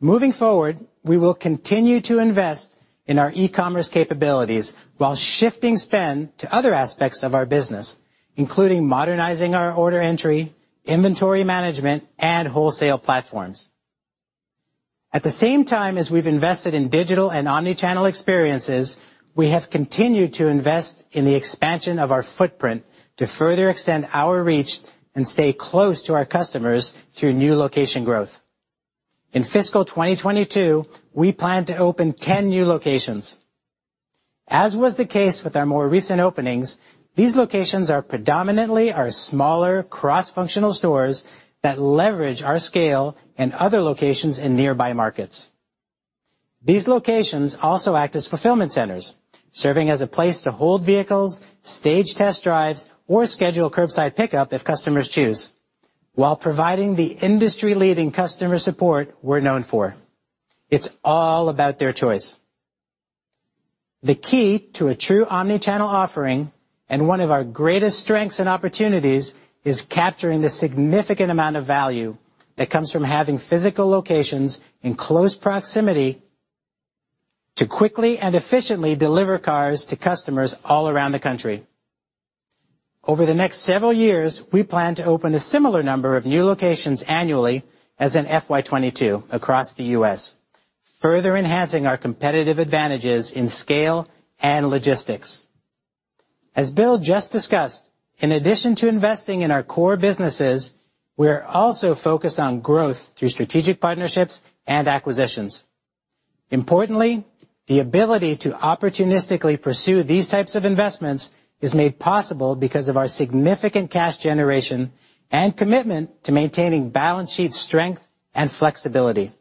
Speaker 9: Moving forward, we will continue to invest in our e-commerce capabilities while shifting spend to other aspects of our business, including modernizing our order entry, inventory management, and wholesale platforms. At the same time as we've invested in digital and omni-channel experiences, we have continued to invest in the expansion of our footprint to further extend our reach and stay close to our customers through new location growth. In fiscal 2022, we plan to open 10 new locations. As was the case with our more recent openings, these locations are predominantly our smaller cross-functional stores that leverage our scale and other locations in nearby markets. These locations also act as fulfillment centers, serving as a place to hold vehicles, stage test drives, or schedule curbside pickup if customers choose while providing the industry-leading customer support we're known for. It's all about their choice. The key to a true omnichannel offering and one of our greatest strengths and opportunities is capturing the significant amount of value that comes from having physical locations in close proximity to quickly and efficiently deliver cars to customers all around the country. Over the next several years, we plan to open a similar number of new locations annually as in FY 2022 across the U.S., further enhancing our competitive advantages in scale and logistics. As Bill just discussed, in addition to investing in our core businesses, we're also focused on growth through strategic partnerships and acquisitions. Importantly, the ability to opportunistically pursue these types of investments is made possible because of our significant cash generation and commitment to maintaining balance sheet strength and flexibility.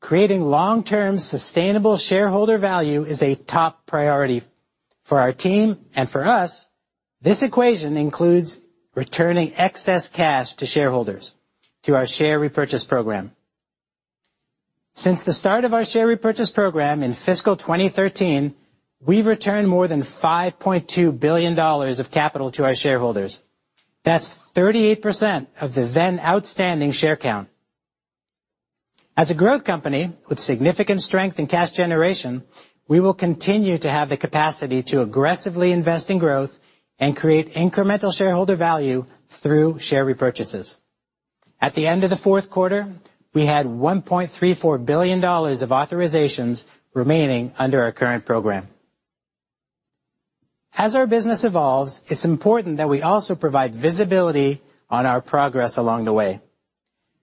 Speaker 9: Creating long-term sustainable shareholder value is a top priority for our team and for us. This equation includes returning excess cash to shareholders through our share repurchase program. Since the start of our share repurchase program in fiscal 2013, we've returned more than $5.2 billion of capital to our shareholders. That's 38% of the then outstanding share count. As a growth company with significant strength in cash generation, we will continue to have the capacity to aggressively invest in growth and create incremental shareholder value through share repurchases. At the end of the fourth quarter, we had $1.34 billion of authorizations remaining under our current program. As our business evolves, it's important that we also provide visibility on our progress along the way.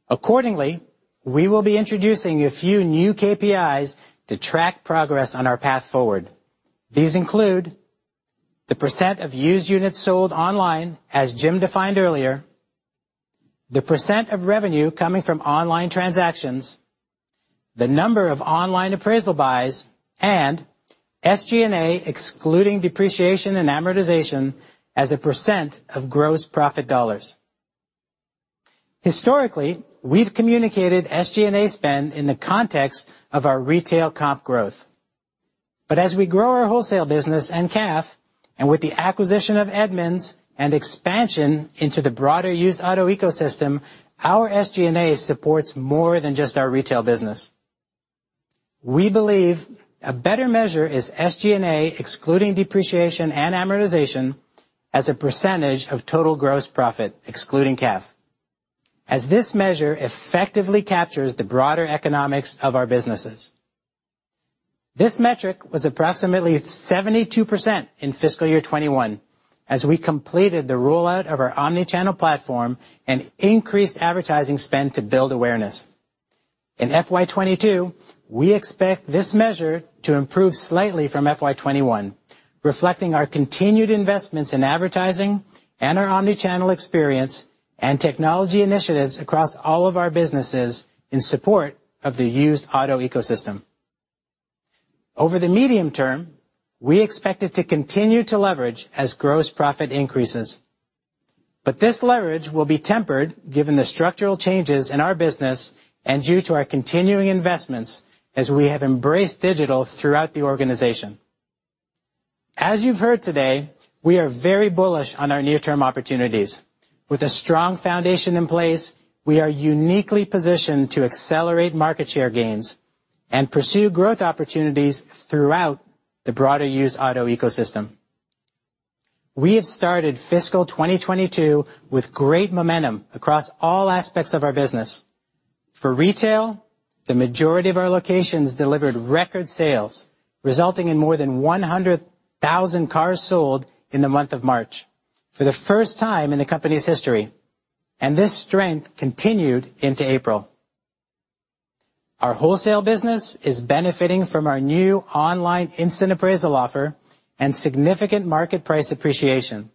Speaker 9: Accordingly, we will be introducing a few new KPIs to track progress on our path forward. These include the percent of used units sold online, as Jim defined earlier, the percent of revenue coming from online transactions, the number of online appraisal buys, and SG&A, excluding depreciation and amortization, as a percent of gross profit dollars. Historically, we've communicated SG&A spend in the context of our retail comp growth. As we grow our wholesale business and CAF, and with the acquisition of Edmunds and expansion into the broader used auto ecosystem, our SG&A supports more than just our retail business. We believe a better measure is SG&A, excluding depreciation and amortization, as a percentage of total gross profit, excluding CAF, as this measure effectively captures the broader economics of our businesses. This metric was approximately 72% in fiscal year 2021, as we completed the rollout of our omnichannel platform and increased advertising spend to build awareness. In FY 2022, we expect this measure to improve slightly from FY 2021, reflecting our continued investments in advertising and our omnichannel experience and technology initiatives across all of our businesses in support of the used auto ecosystem. Over the medium term, we expect it to continue to leverage as gross profit increases. This leverage will be tempered given the structural changes in our business and due to our continuing investments as we have embraced digital throughout the organization. As you've heard today, we are very bullish on our near-term opportunities. With a strong foundation in place, we are uniquely positioned to accelerate market share gains and pursue growth opportunities throughout the broader used auto ecosystem. We have started fiscal 2022 with great momentum across all aspects of our business. For retail, the majority of our locations delivered record sales, resulting in more than 100,000 cars sold in the month of March for the first time in the company's history. This strength continued into April. Our wholesale business is benefiting from our new online instant appraisal offer and significant market price appreciation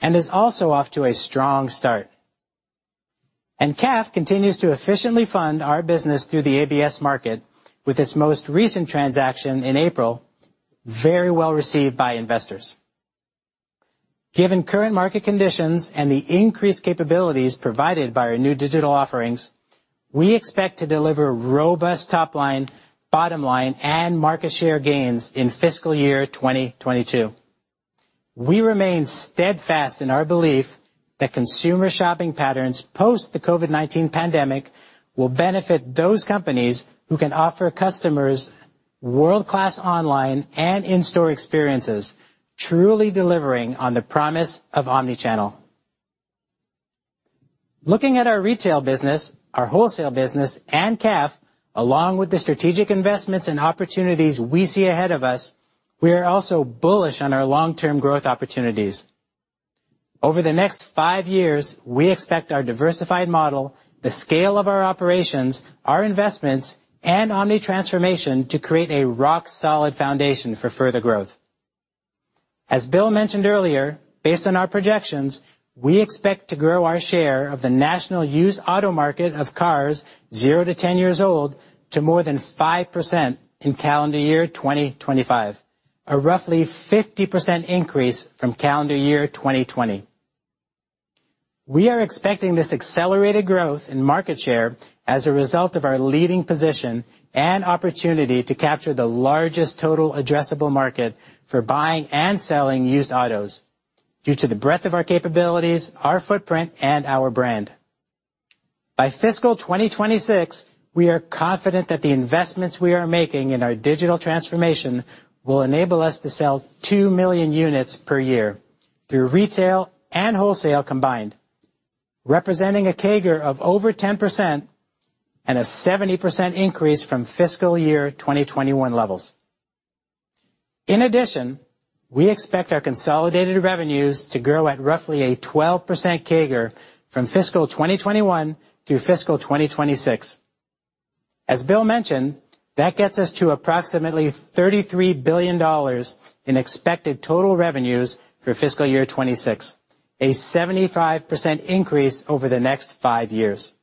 Speaker 9: and is also off to a strong start. CAF continues to efficiently fund our business through the ABS market with its most recent transaction in April, very well-received by investors. Given current market conditions and the increased capabilities provided by our new digital offerings, we expect to deliver robust top line, bottom line, and market share gains in fiscal year 2022. We remain steadfast in our belief that consumer shopping patterns post the COVID-19 pandemic will benefit those companies who can offer customers world-class online and in-store experiences, truly delivering on the promise of omnichannel. Looking at our retail business, our wholesale business, and CAF, along with the strategic investments and opportunities we see ahead of us, we are also bullish on our long-term growth opportunities. Over the next five years, we expect our diversified model, the scale of our operations, our investments, and omni-transformation to create a rock-solid foundation for further growth. As Bill mentioned earlier, based on our projections, we expect to grow our share of the national used auto market of cars zero to 10 years old to more than 5% in calendar year 2025, a roughly 50% increase from calendar year 2020. We are expecting this accelerated growth in market share as a result of our leading position and opportunity to capture the largest total addressable market for buying and selling used autos due to the breadth of our capabilities, our footprint, and our brand. By fiscal 2026, we are confident that the investments we are making in our digital transformation will enable us to sell 2 million units per year through retail and wholesale combined, representing a CAGR of over 10% and a 70% increase from fiscal year 2021 levels. In addition, we expect our consolidated revenues to grow at roughly a 12% CAGR from fiscal 2021 through fiscal 2026. As Bill mentioned, that gets us to approximately $33 billion in expected total revenues for fiscal year 2026, a 75% increase over the next five years.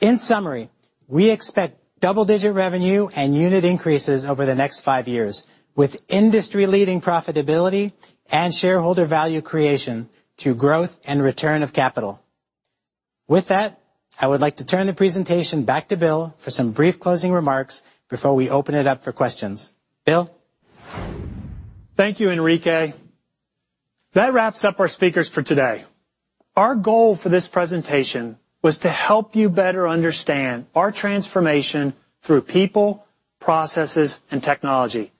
Speaker 9: In summary, we expect double-digit revenue and unit increases over the next five years, with industry-leading profitability and shareholder value creation through growth and return of capital. With that, I would like to turn the presentation back to Bill for some brief closing remarks before we open it up for questions. Bill?
Speaker 2: Thank you, Enrique. That wraps up our speakers for today. Our goal for this presentation was to help you better understand our transformation through people, processes, and technology,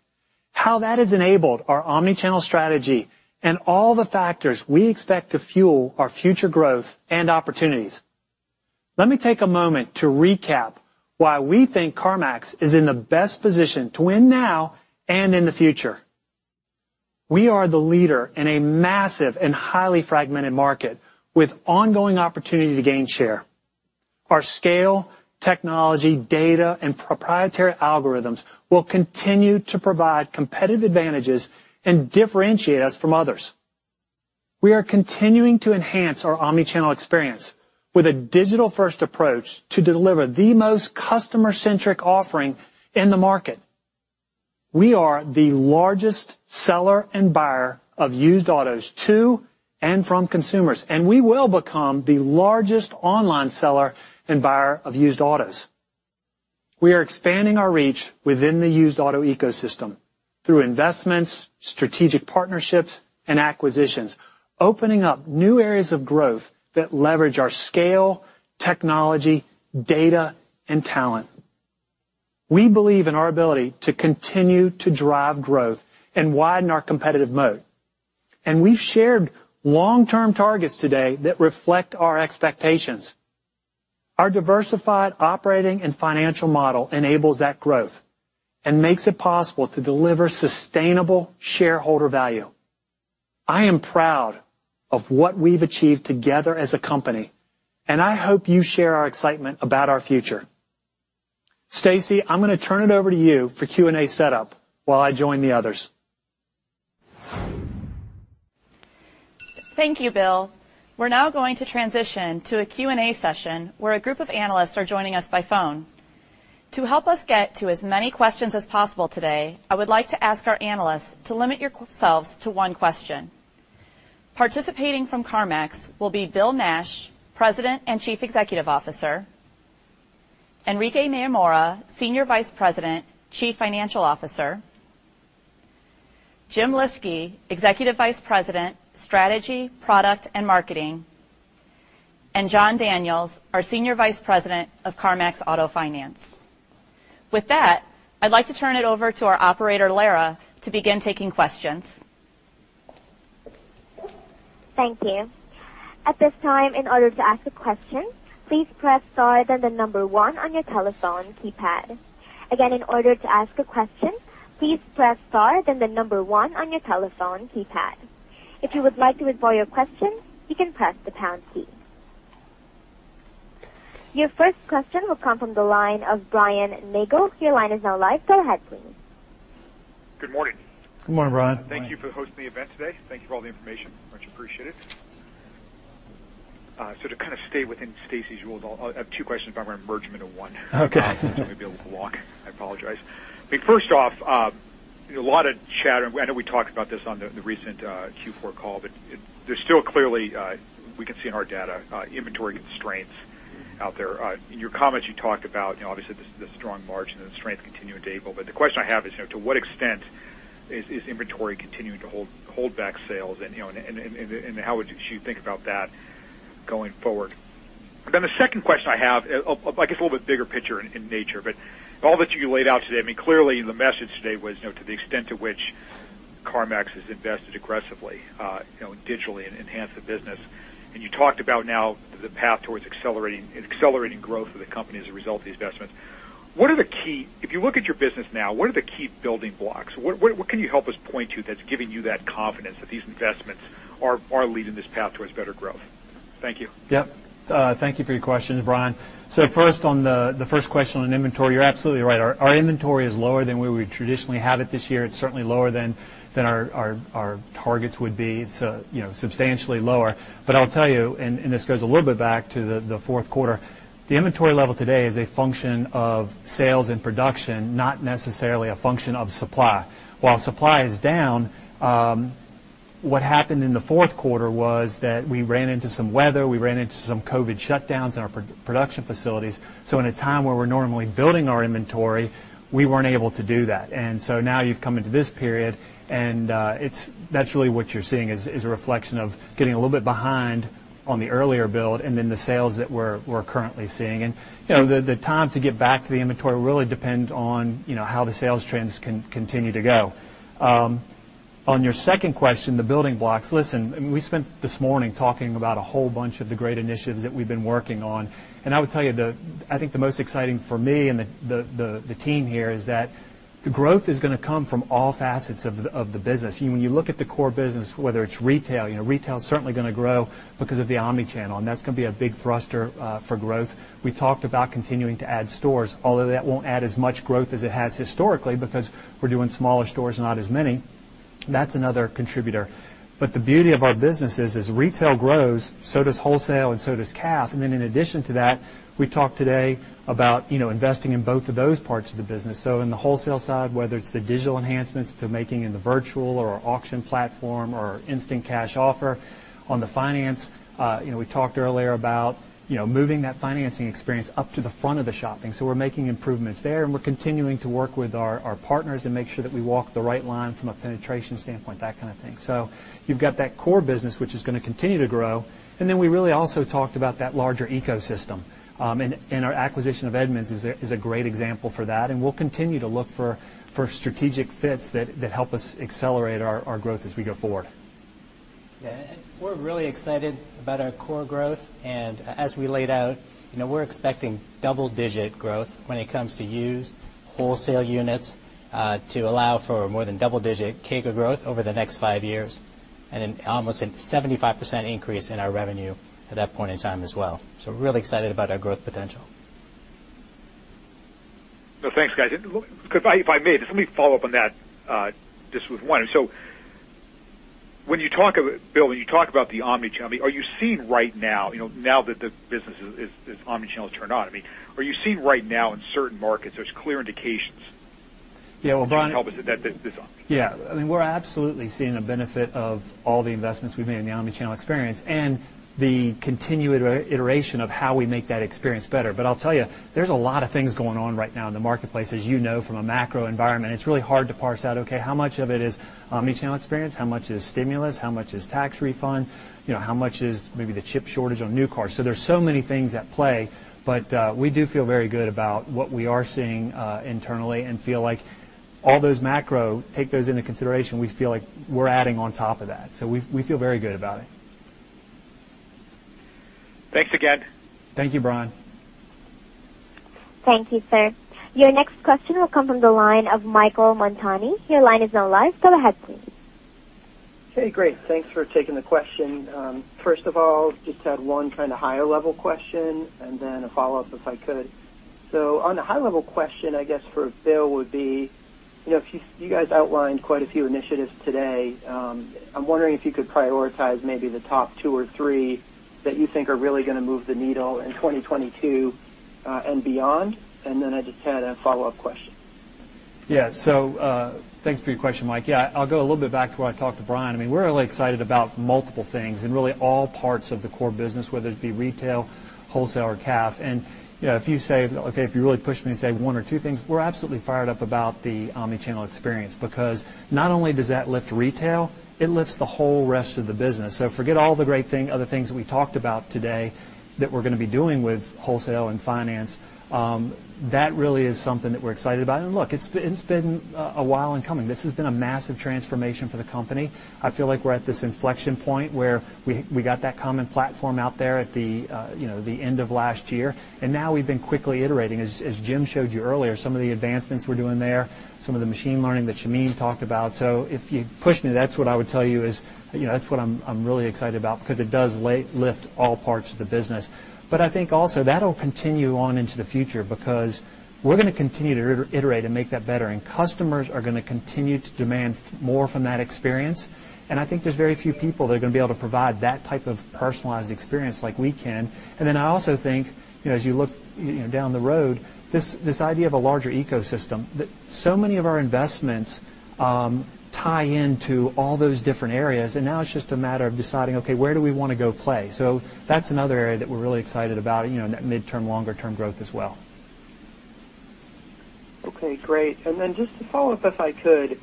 Speaker 2: how that has enabled our omni-channel strategy, and all the factors we expect to fuel our future growth and opportunities. Let me take a moment to recap why we think CarMax is in the best position to win now and in the future. We are the leader in a massive and highly fragmented market with ongoing opportunity to gain share. Our scale, technology, data, and proprietary algorithms will continue to provide competitive advantages and differentiate us from others. We are continuing to enhance our omni-channel experience with a digital-first approach to deliver the most customer-centric offering in the market. We are the largest seller and buyer of used autos to and from consumers, and we will become the largest online seller and buyer of used autos. We are expanding our reach within the used auto ecosystem through investments, strategic partnerships, and acquisitions, opening up new areas of growth that leverage our scale, technology, data, and talent. We believe in our ability to continue to drive growth and widen our competitive moat, and we've shared long-term targets today that reflect our expectations. Our diversified operating and financial model enables that growth and makes it possible to deliver sustainable shareholder value. I am proud of what we've achieved together as a company, and I hope you share our excitement about our future. Stacy, I'm going to turn it over to you for Q&A setup while I join the others.
Speaker 1: Thank you, Bill. We're now going to transition to a Q&A session where a group of analysts are joining us by phone. To help us get to as many questions as possible today, I would like to ask our analysts to limit yourselves to one question. Participating from CarMax will be Bill Nash, President and Chief Executive Officer; Enrique Mayor-Mora, Senior Vice President, Chief Financial Officer; Jim Lyski, Executive Vice President, Strategy, Product, and Marketing; and Jon Daniels, our Senior Vice President of CarMax Auto Finance. With that, I'd like to turn it over to our operator, Lara, to begin taking questions.
Speaker 10: Thank you. At this time, in order to ask a question, please press star, then the number one on your telephone keypad. Again, in order to ask a question, please press star, then the number one on your telephone keypad. If you would like to withdraw your question, you can press the pound key. Your first question will come from the line of Brian Nagel. Your line is now live. Go ahead, please.
Speaker 11: Good morning.
Speaker 2: Good morning, Brian.
Speaker 11: Thank you for hosting the event today. Thank you for all the information. Much appreciated. To kind of stay within Stacy's rules, I have two questions, but I'm going to merge them into one.
Speaker 2: Okay.
Speaker 11: I may be a little long. I apologize. First off, a lot of chatter, and I know we talked about this on the recent Q4 call, but there's still clearly, we can see in our data, inventory constraints out there. In your comments, you talked about, obviously, the strong margin and the strength continuing to able. The question I have is, to what extent is inventory continuing to hold back sales, and how should you think about that going forward? The second question I have, I guess a little bit bigger picture in nature, but all that you laid out today, clearly the message today was to the extent to which CarMax has invested aggressively digitally and enhanced the business. You talked about now the path towards accelerating growth of the company as a result of the investments. If you look at your business now, what are the key building blocks? What can you help us point to that's giving you that confidence that these investments are leading this path towards better growth? Thank you.
Speaker 2: Yep. Thank you for your questions, Brian.
Speaker 11: Thank you.
Speaker 2: First, on the first question on inventory, you're absolutely right. Our inventory is lower than where we traditionally have it this year. It's certainly lower than our targets would be. It's substantially lower. I'll tell you, and this goes a little bit back to the fourth quarter, the inventory level today is a function of sales and production, not necessarily a function of supply. While supply is down. What happened in the fourth quarter was that we ran into some weather, we ran into some COVID shutdowns in our production facilities. In a time where we're normally building our inventory, we weren't able to do that. Now you've come into this period, and that's really what you're seeing is a reflection of getting a little bit behind on the earlier build and then the sales that we're currently seeing. The time to get back to the inventory really depends on how the sales trends continue to go. On your second question, the building blocks. Listen, we spent this morning talking about a whole bunch of the great initiatives that we've been working on. I would tell you, I think the most exciting for me and the team here is that the growth is going to come from all facets of the business. When you look at the core business, whether it's retail is certainly going to grow because of the omni-channel, and that's going to be a big thruster for growth. We talked about continuing to add stores, although that won't add as much growth as it has historically because we're doing smaller stores and not as many. That's another contributor. The beauty of our business is as retail grows, so does wholesale and so does CAF. In addition to that, we talked today about investing in both of those parts of the business. In the wholesale side, whether it's the digital enhancements to making in the virtual or our auction platform or our instant cash offer. On the finance, we talked earlier about moving that financing experience up to the front of the shopping. We're making improvements there and we're continuing to work with our partners and make sure that we walk the right line from a penetration standpoint, that kind of thing. You've got that core business, which is going to continue to grow. We really also talked about that larger ecosystem. Our acquisition of Edmunds is a great example for that, and we'll continue to look for strategic fits that help us accelerate our growth as we go forward.
Speaker 9: Yeah. We're really excited about our core growth. As we laid out, we're expecting double-digit growth when it comes to used wholesale units to allow for more than double-digit CAGR growth over the next five years, and an almost a 75% increase in our revenue at that point in time as well. We're really excited about our growth potential.
Speaker 11: Well, thanks, guys. If I may, just let me follow up on that just with one. Bill, when you talk about the omni-channel, are you seeing right now that the business omni-channel is turned on, are you seeing right now in certain markets?
Speaker 2: Yeah, well, Brian.
Speaker 11: that can help us with this omni-channel?
Speaker 2: We're absolutely seeing a benefit of all the investments we've made in the omni-channel experience and the continued iteration of how we make that experience better. I'll tell you, there's a lot of things going on right now in the marketplace, as you know, from a macro environment. It's really hard to parse out, okay, how much of it is omni-channel experience, how much is stimulus, how much is tax refund, how much is maybe the chip shortage on new cars? There's so many things at play, but we do feel very good about what we are seeing internally and feel like all those macro, take those into consideration. We feel like we're adding on top of that. We feel very good about it.
Speaker 11: Thanks again.
Speaker 2: Thank you, Brian.
Speaker 10: Thank you, sir. Your next question will come from the line of Michael Montani. Your line is now live. Go ahead, please.
Speaker 12: Okay, great. Thanks for taking the question. First of all, just had one kind of higher level question and then a follow-up if I could. On the high level question, I guess for Bill would be, you guys outlined quite a few initiatives today. I'm wondering if you could prioritize maybe the top two or three that you think are really going to move the needle in 2022 and beyond. I just had a follow-up question.
Speaker 2: Thanks for your question, Mike. I'll go a little bit back to what I talked to Brian. We're really excited about multiple things in really all parts of the core business, whether it be retail, wholesale, or CAF. If you really push me to say one or two things, we're absolutely fired up about the omni-channel experience because not only does that lift retail, it lifts the whole rest of the business. Forget all the other things that we talked about today that we're going to be doing with wholesale and finance. That really is something that we're excited about. Look, it's been a while in coming. This has been a massive transformation for the company. I feel like we're at this inflection point where we got that common platform out there at the end of last year. Now we've been quickly iterating, as Jim showed you earlier, some of the advancements we're doing there, some of the machine learning that Shamim talked about. If you push me, that's what I would tell you is, that's what I'm really excited about because it does lift all parts of the business. I think also that'll continue on into the future because we're going to continue to iterate and make that better. Customers are going to continue to demand more from that experience. I think there's very few people that are going to be able to provide that type of personalized experience like we can. I also think, as you look down the road, this idea of a larger ecosystem, that so many of our investments tie into all those different areas, and now it's just a matter of deciding, okay, where do we want to go play? That's another area that we're really excited about, in that midterm, longer-term growth as well.
Speaker 12: Okay, great. Just to follow up, if I could.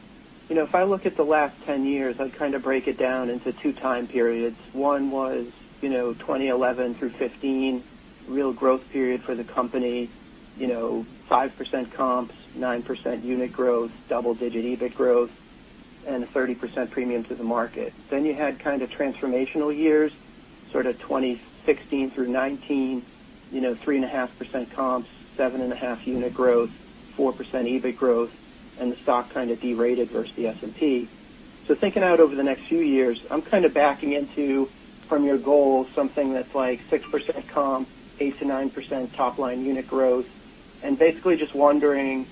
Speaker 12: If I look at the last 10 years, I kind of break it down into two time periods. One was 2011 through 2015, real growth period for the company, 5% comps, 9% unit growth, double-digit EBIT growth, and a 30% premium to the market. You had kind of transformational years, sort of 2016 through 2019, 3.5% comps, 7.5% unit growth, 4% EBIT growth, and the stock kind of derated versus the S&P. Thinking out over the next few years, I'm kind of backing into, from your goal, something that's like 6% comp, 8%-9% top-line unit growth, and basically just wondering,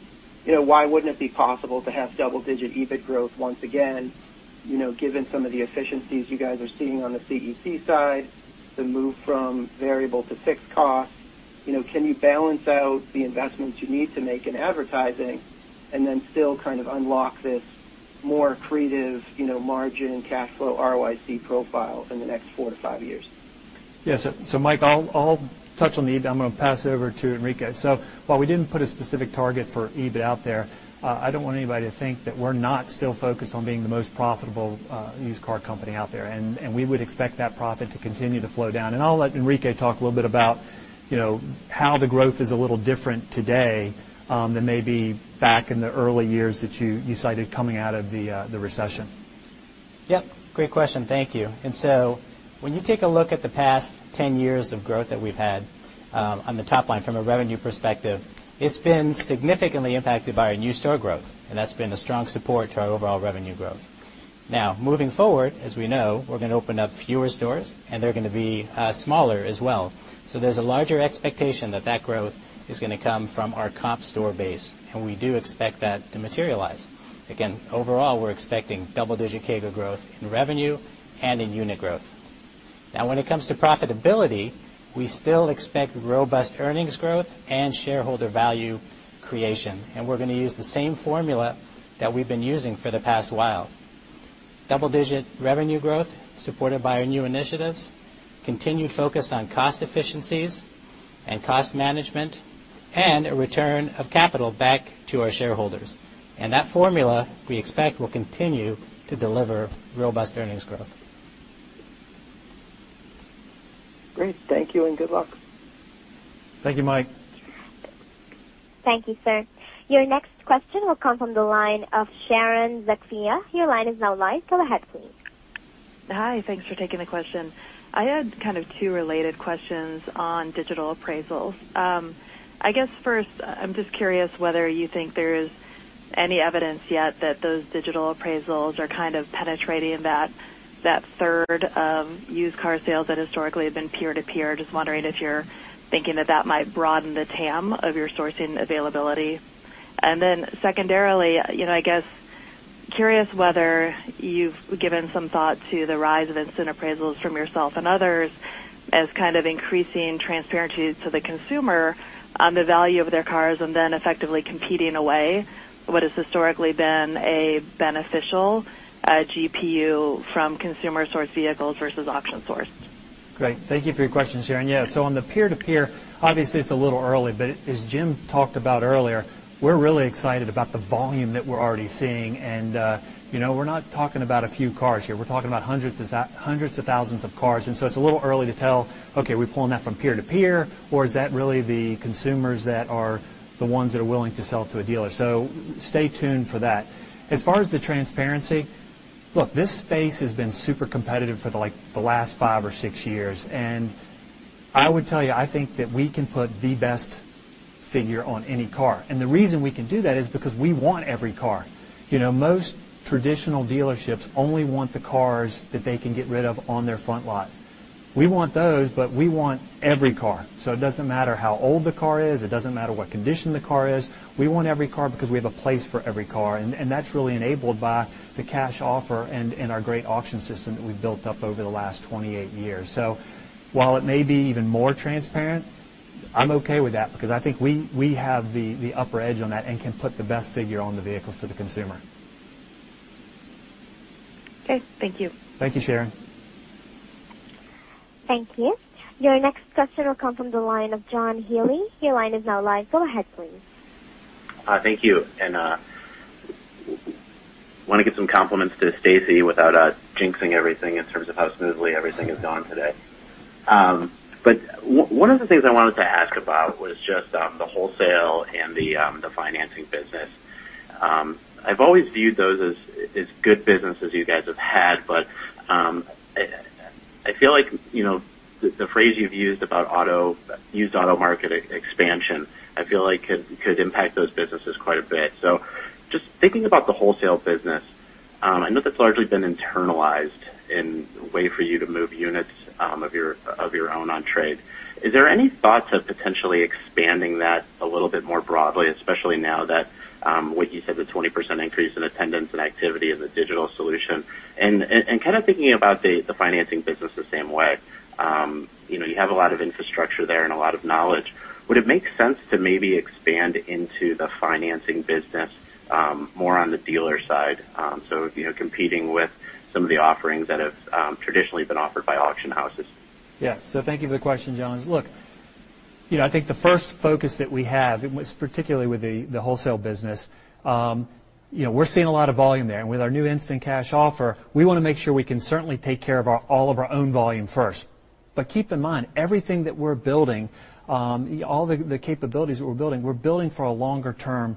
Speaker 12: why wouldn't it be possible to have double-digit EBIT growth once again, given some of the efficiencies you guys are seeing on the CEC side, the move from variable to fixed costs? Can you balance out the investments you need to make in advertising and then still kind of unlock this more accretive margin cash flow ROIC profile in the next four to five years?
Speaker 2: Yes. Mike, I'll touch on the EBIT. I'm going to pass it over to Enrique. While we didn't put a specific target for EBIT out there, I don't want anybody to think that we're not still focused on being the most profitable used car company out there. We would expect that profit to continue to flow down. I'll let Enrique talk a little bit about how the growth is a little different today than maybe back in the early years that you cited coming out of the recession.
Speaker 9: Yep. Great question. Thank you. When you take a look at the past 10 years of growth that we've had on the top line from a revenue perspective, it's been significantly impacted by our new store growth, and that's been a strong support to our overall revenue growth. Moving forward, as we know, we're going to open up fewer stores and they're going to be smaller as well. There's a larger expectation that that growth is going to come from our comp store base, and we do expect that to materialize. Again, overall, we're expecting double-digit CAGR growth in revenue and in unit growth. When it comes to profitability, we still expect robust earnings growth and shareholder value creation, and we're going to use the same formula that we've been using for the past while. Double-digit revenue growth supported by our new initiatives, continued focus on cost efficiencies and cost management, and a return of capital back to our shareholders. That formula, we expect, will continue to deliver robust earnings growth.
Speaker 12: Great. Thank you, and good luck.
Speaker 2: Thank you, Michael.
Speaker 10: Thank you, sir. Your next question will come from the line of Sharon Zackfia. Your line is now live. Go ahead, please.
Speaker 13: Hi. Thanks for taking the question. I had kind of two related questions on digital appraisals. I guess first, I'm just curious whether you think there is any evidence yet that those digital appraisals are kind of penetrating that third of used car sales that historically have been peer-to-peer. Just wondering if you're thinking that that might broaden the TAM of your sourcing availability. Secondarily, I guess curious whether you've given some thought to the rise of instant appraisals from yourself and others as kind of increasing transparency to the consumer on the value of their cars and then effectively competing away what has historically been a beneficial GPU from consumer-sourced vehicles versus auction-sourced.
Speaker 2: Thank you for your question, Sharon. On the peer-to-peer, obviously it's a little early, but as Jim talked about earlier, we're really excited about the volume that we're already seeing, and we're not talking about a few cars here. We're talking about hundreds of thousands of cars. It's a little early to tell, okay, are we pulling that from peer to peer, or is that really the consumers that are the ones that are willing to sell to a dealer? Stay tuned for that. As far as the transparency, look, this space has been super competitive for the last five or six years, I would tell you, I think that we can put the best figure on any car. The reason we can do that is because we want every car. Most traditional dealerships only want the cars that they can get rid of on their front lot. We want those, but we want every car. It doesn't matter how old the car is. It doesn't matter what condition the car is. We want every car because we have a place for every car, and that's really enabled by the cash offer and our great auction system that we've built up over the last 28 years. While it may be even more transparent, I'm okay with that because I think we have the upper edge on that and can put the best figure on the vehicles for the consumer.
Speaker 13: Okay. Thank you.
Speaker 2: Thank you, Sharon.
Speaker 10: Thank you. Your next question will come from the line of John Healy. Your line is now live. Go ahead, please.
Speaker 14: Thank you. I want to give some compliments to Stacy without jinxing everything in terms of how smoothly everything has gone today. One of the things I wanted to ask about was just the wholesale and the financing business. I've always viewed those as good businesses you guys have had, but I feel like the phrase you've used about used auto market expansion, I feel like could impact those businesses quite a bit. Just thinking about the wholesale business, I know that's largely been internalized in a way for you to move units of your own on trade. Is there any thought to potentially expanding that a little bit more broadly, especially now that what you said, the 20% increase in attendance and activity in the digital solution? Kind of thinking about the financing business the same way. You have a lot of infrastructure there and a lot of knowledge. Would it make sense to maybe expand into the financing business more on the dealer side? Competing with some of the offerings that have traditionally been offered by auction houses.
Speaker 2: Yeah. Thank you for the question, John. Look, I think the first focus that we have, and particularly with the wholesale business, we're seeing a lot of volume there, and with our new instant cash offer, we want to make sure we can certainly take care of all of our own volume first. Keep in mind, everything that we're building, all the capabilities that we're building, we're building for a longer-term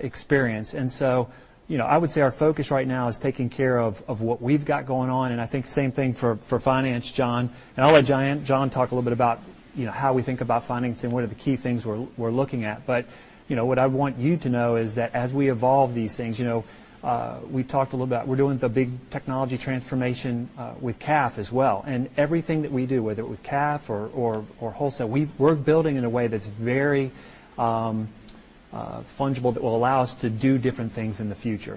Speaker 2: experience. I would say our focus right now is taking care of what we've got going on, and I think same thing for finance, Jon. I'll let Jon talk a little bit about how we think about financing, what are the key things we're looking at. What I want you to know is that as we evolve these things, we talked a little about we're doing the big technology transformation with CAF as well. Everything that we do, whether with CAF or wholesale, we're building in a way that's very fungible that will allow us to do different things in the future.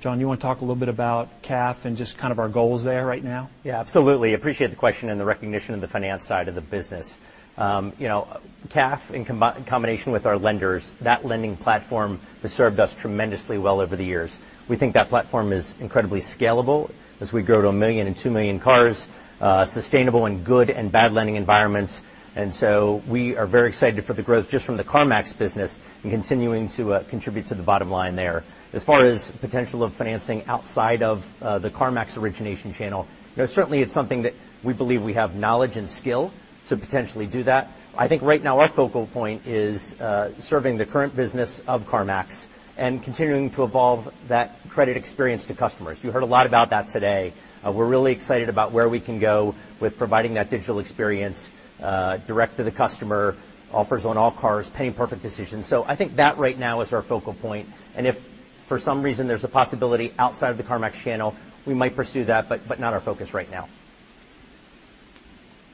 Speaker 2: Jon, you want to talk a little bit about CAF and just our goals there right now?
Speaker 15: Absolutely. Appreciate the question and the recognition of the finance side of the business. CAF, in combination with our lenders, that lending platform has served us tremendously well over the years. We think that platform is incredibly scalable as we grow to 1 million and 2 million cars, sustainable in good and bad lending environments. We are very excited for the growth just from the CarMax business and continuing to contribute to the bottom line there. As far as potential of financing outside of the CarMax origination channel, certainly it's something that we believe we have knowledge and skill to potentially do that. I think right now our focal point is serving the current business of CarMax and continuing to evolve that credit experience to customers. You heard a lot about that today. We're really excited about where we can go with providing that digital experience direct to the customer, offers on all cars, penny-perfect decisions. I think that right now is our focal point. If for some reason there's a possibility outside of the CarMax channel, we might pursue that, but not our focus right now.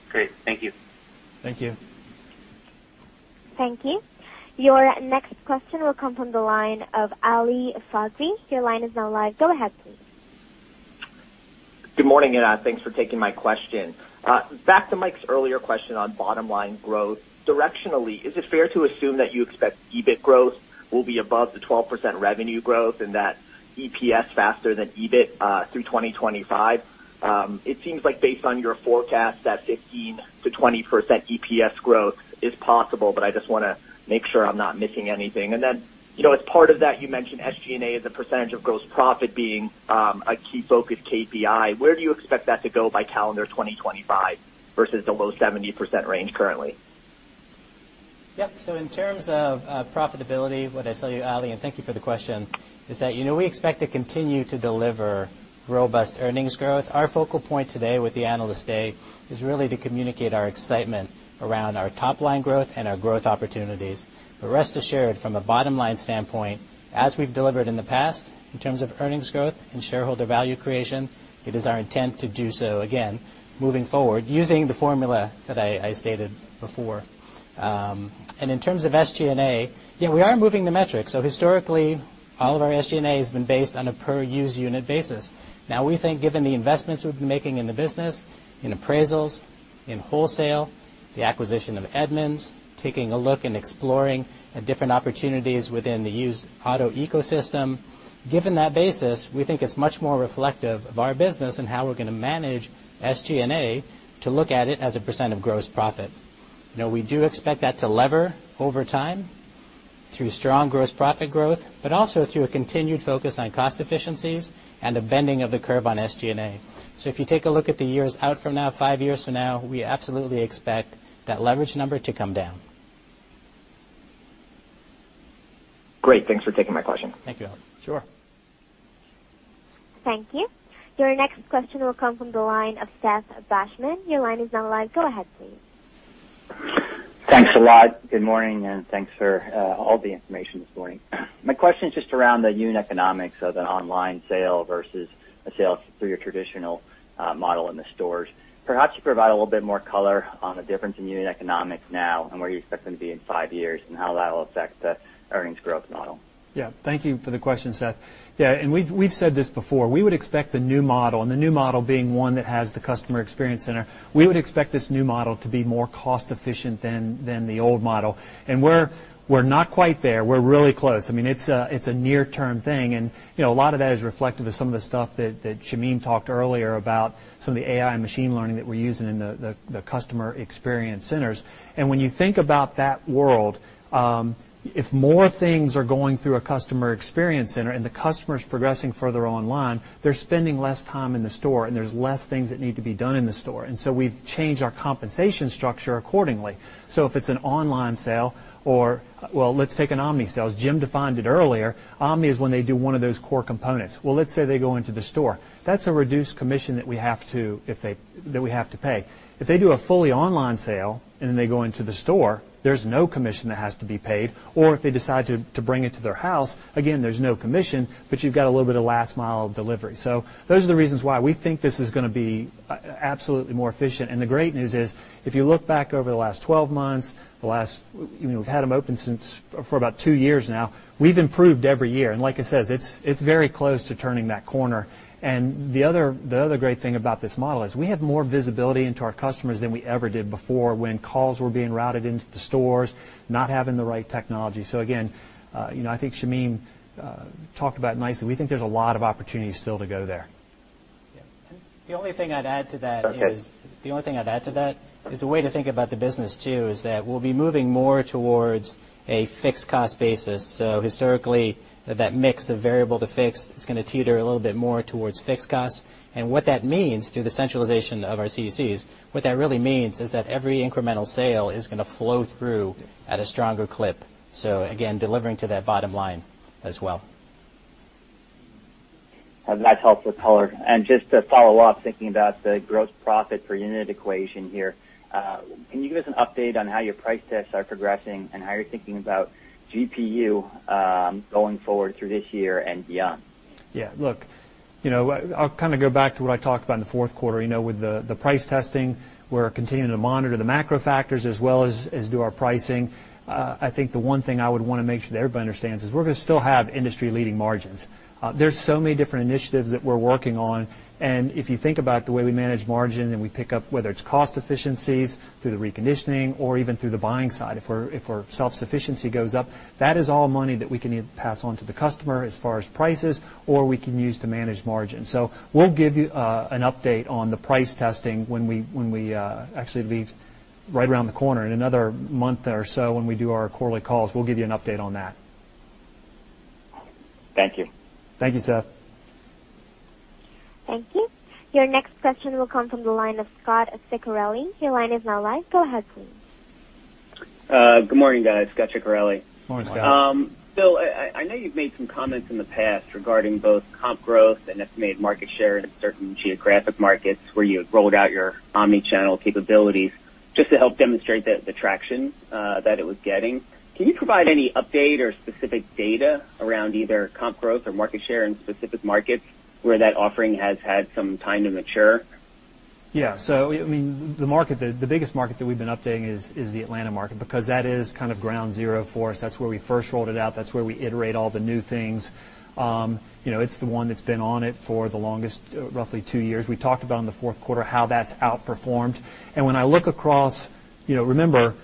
Speaker 14: Great. Thank you.
Speaker 2: Thank you.
Speaker 10: Thank you. Your next question will come from the line of Ali Faghri. Your line is now live. Go ahead please.
Speaker 16: Good morning, and thanks for taking my question. Back to Mike's earlier question on bottom line growth. Directionally, is it fair to assume that you expect EBIT growth will be above the 12% revenue growth and that EPS faster than EBIT through 2025? It seems like based on your forecast, that 15%-20% EPS growth is possible, but I just want to make sure I'm not missing anything. As part of that, you mentioned SG&A as a percentage of gross profit being a key focus KPI. Where do you expect that to go by calendar 2025 versus the low 70% range currently?
Speaker 9: Yep. In terms of profitability, what I tell you, Ali, and thank you for the question, is that we expect to continue to deliver robust earnings growth. Our focal point today with the Analyst Day is really to communicate our excitement around our top line growth and our growth opportunities. Rest assured, from a bottom-line standpoint, as we've delivered in the past in terms of earnings growth and shareholder value creation, it is our intent to do so again moving forward using the formula that I stated before. In terms of SG&A, we are moving the metrics. Historically, all of our SG&A has been based on a per used unit basis. Now we think given the investments we've been making in the business, in appraisals, in wholesale, the acquisition of Edmunds, taking a look and exploring at different opportunities within the used auto ecosystem. Given that basis, we think it's much more reflective of our business and how we're going to manage SG&A to look at it as a percent of gross profit. We do expect that to lever over time through strong gross profit growth, but also through a continued focus on cost efficiencies and a bending of the curve on SG&A. If you take a look at the years out from now, five years from now, we absolutely expect that leverage number to come down.
Speaker 16: Great. Thanks for taking my question.
Speaker 9: Thank you. Sure.
Speaker 10: Thank you. Your next question will come from the line of Seth Basham. Your line is now live. Go ahead please.
Speaker 17: Thanks a lot. Good morning. Thanks for all the information this morning. My question is just around the unit economics of an online sale versus a sale through your traditional model in the stores. Perhaps you provide a little bit more color on the difference in unit economics now and where you expect them to be in five years and how that'll affect the earnings growth model.
Speaker 2: Yeah. Thank you for the question, Seth. Yeah, we've said this before. We would expect the new model, the new model being one that has the customer experience center, we would expect this new model to be more cost efficient than the old model. We're not quite there. We're really close. It's a near-term thing, and a lot of that is reflective of some of the stuff that Shamim talked earlier about some of the AI and machine learning that we're using in the customer experience centers. When you think about that world, if more things are going through a customer experience center and the customer's progressing further online, they're spending less time in the store, and there's less things that need to be done in the store. We've changed our compensation structure accordingly. If it's an online sale, let's take an omni sale. As Jim defined it earlier, omni is when they do one of those core components. Let's say they go into the store. That's a reduced commission that we have to pay. If they do a fully online sale and then they go into the store, there's no commission that has to be paid. If they decide to bring it to their house, again, there's no commission, but you've got a little bit of last mile of delivery. Those are the reasons why we think this is going to be absolutely more efficient. The great news is, if you look back over the last 12 months, we've had them open for about two years now, we've improved every year. Like I said, it's very close to turning that corner. The other great thing about this model is we have more visibility into our customers than we ever did before when calls were being routed into the stores, not having the right technology. Again, I think Shamim talked about it nicely. We think there's a lot of opportunity still to go there.
Speaker 9: Yeah. The only thing I'd add to that.
Speaker 2: Okay
Speaker 9: is a way to think about the business too, is that we'll be moving more towards a fixed cost basis. Historically, that mix of variable to fixed is going to teeter a little bit more towards fixed costs. What that means through the centralization of our CECs, what that really means is that every incremental sale is going to flow through at a stronger clip. Again, delivering to that bottom line as well.
Speaker 17: That's helpful color. Just to follow up, thinking about the gross profit per unit equation here, can you give us an update on how your price tests are progressing and how you're thinking about GPU going forward through this year and beyond?
Speaker 2: Look, I'll go back to what I talked about in the fourth quarter. With the price testing, we're continuing to monitor the macro factors as well as do our pricing. I think the one thing I would want to make sure that everybody understands is we're going to still have industry-leading margins. There's so many different initiatives that we're working on, and if you think about the way we manage margin, and we pick up, whether it's cost efficiencies through the reconditioning or even through the buying side, if our self-sufficiency goes up, that is all money that we can either pass on to the customer as far as prices, or we can use to manage margin. We'll give you an update on the price testing when we actually leave right around the corner in another month or so when we do our quarterly calls. We'll give you an update on that.
Speaker 17: Thank you.
Speaker 2: Thank you, Seth.
Speaker 10: Thank you. Your next question will come from the line of Scot Ciccarelli. Your line is now live. Go ahead, please.
Speaker 18: Good morning, guys. Scot Ciccarelli.
Speaker 2: Morning, Scott.
Speaker 18: I know you've made some comments in the past regarding both comp growth and estimated market share in certain geographic markets where you had rolled out your omni-channel capabilities just to help demonstrate the traction that it was getting. Can you provide any update or specific data around either comp growth or market share in specific markets where that offering has had some time to mature?
Speaker 2: The biggest market that we've been updating is the Atlanta market, because that is kind of ground zero for us. That's where we first rolled it out. That's where we iterate all the new things. It's the one that's been on it for the longest, roughly two years. We talked about in the fourth quarter how that's outperformed. When I look across, remember,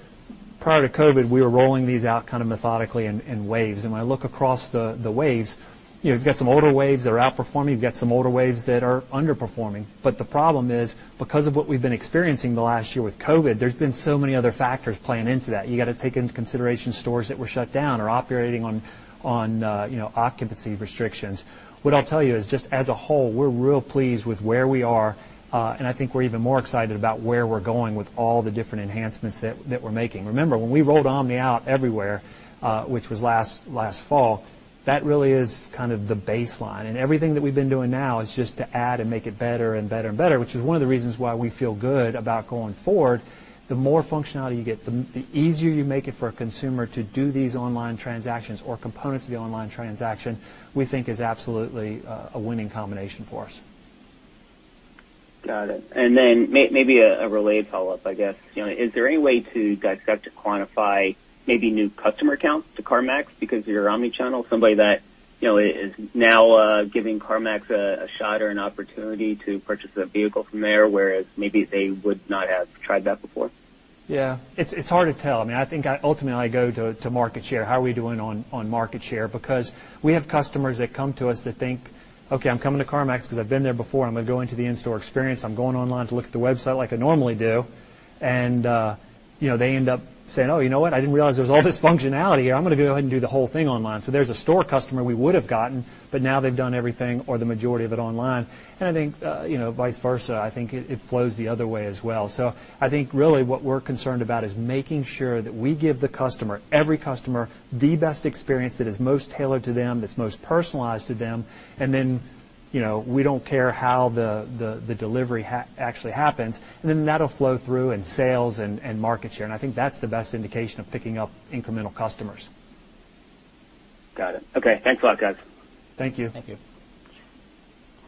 Speaker 2: prior to COVID, we were rolling these out kind of methodically in waves. When I look across the waves, you've got some older waves that are outperforming, you've got some older waves that are underperforming. The problem is, because of what we've been experiencing the last year with COVID, there's been so many other factors playing into that. You got to take into consideration stores that were shut down or operating on occupancy restrictions. What I'll tell you is just as a whole, we're real pleased with where we are. I think we're even more excited about where we're going with all the different enhancements that we're making. Remember, when we rolled Omni out everywhere, which was last fall, that really is kind of the baseline. Everything that we've been doing now is just to add and make it better and better and better, which is one of the reasons why we feel good about going forward. The more functionality you get, the easier you make it for a consumer to do these online transactions or components of the online transaction, we think is absolutely a winning combination for us.
Speaker 18: Got it. Then maybe a related follow-up, I guess. Is there any way to, guys, start to quantify maybe new customer counts to CarMax because of your omni-channel? Somebody that is now giving CarMax a shot or an opportunity to purchase a vehicle from there, whereas maybe they would not have tried that before.
Speaker 2: Yeah. It's hard to tell. I think ultimately, I go to market share. How are we doing on market share? Because we have customers that come to us that think, "Okay, I'm coming to CarMax because I've been there before. I'm going to go into the in-store experience. I'm going online to look at the website like I normally do." They end up saying, "Oh, you know what? I didn't realize there was all this functionality here. I'm going to go ahead and do the whole thing online." There's a store customer we would have gotten, but now they've done everything or the majority of it online. I think vice versa, I think it flows the other way as well. I think really what we're concerned about is making sure that we give the customer, every customer, the best experience that is most tailored to them, that's most personalized to them, and then, we don't care how the delivery actually happens. That'll flow through in sales and market share, and I think that's the best indication of picking up incremental customers.
Speaker 18: Got it. Okay. Thanks a lot, guys.
Speaker 2: Thank you.
Speaker 9: Thank you.